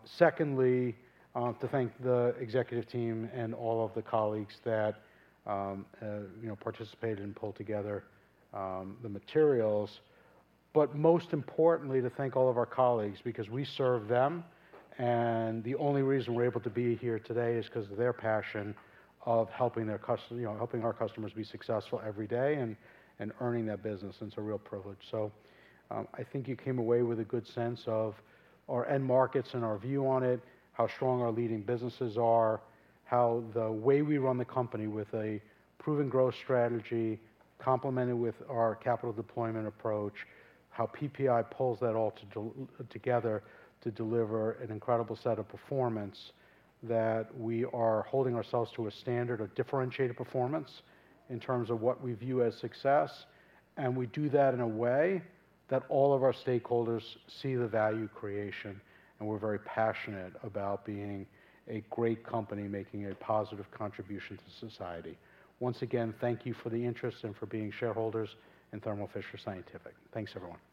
Secondly, to thank the executive team and all of the colleagues that, you know, participated and pulled together, the materials. But most importantly, to thank all of our colleagues, because we serve them, and the only reason we're able to be here today is 'cause of their passion of helping their customer, you know, helping our customers be successful every day and earning that business, and it's a real privilege. So, I think you came away with a good sense of our end markets and our view on it, how strong our leading businesses are, how the way we run the company with a proven growth strategy, complemented with our capital deployment approach, how PPI pulls that all together to deliver an incredible set of performance, that we are holding ourselves to a standard of differentiated performance in terms of what we view as success. And we do that in a way that all of our stakeholders see the value creation, and we're very passionate about being a great company, making a positive contribution to society. Once again, thank you for the interest and for being shareholders in Thermo Fisher Scientific. Thanks, everyone.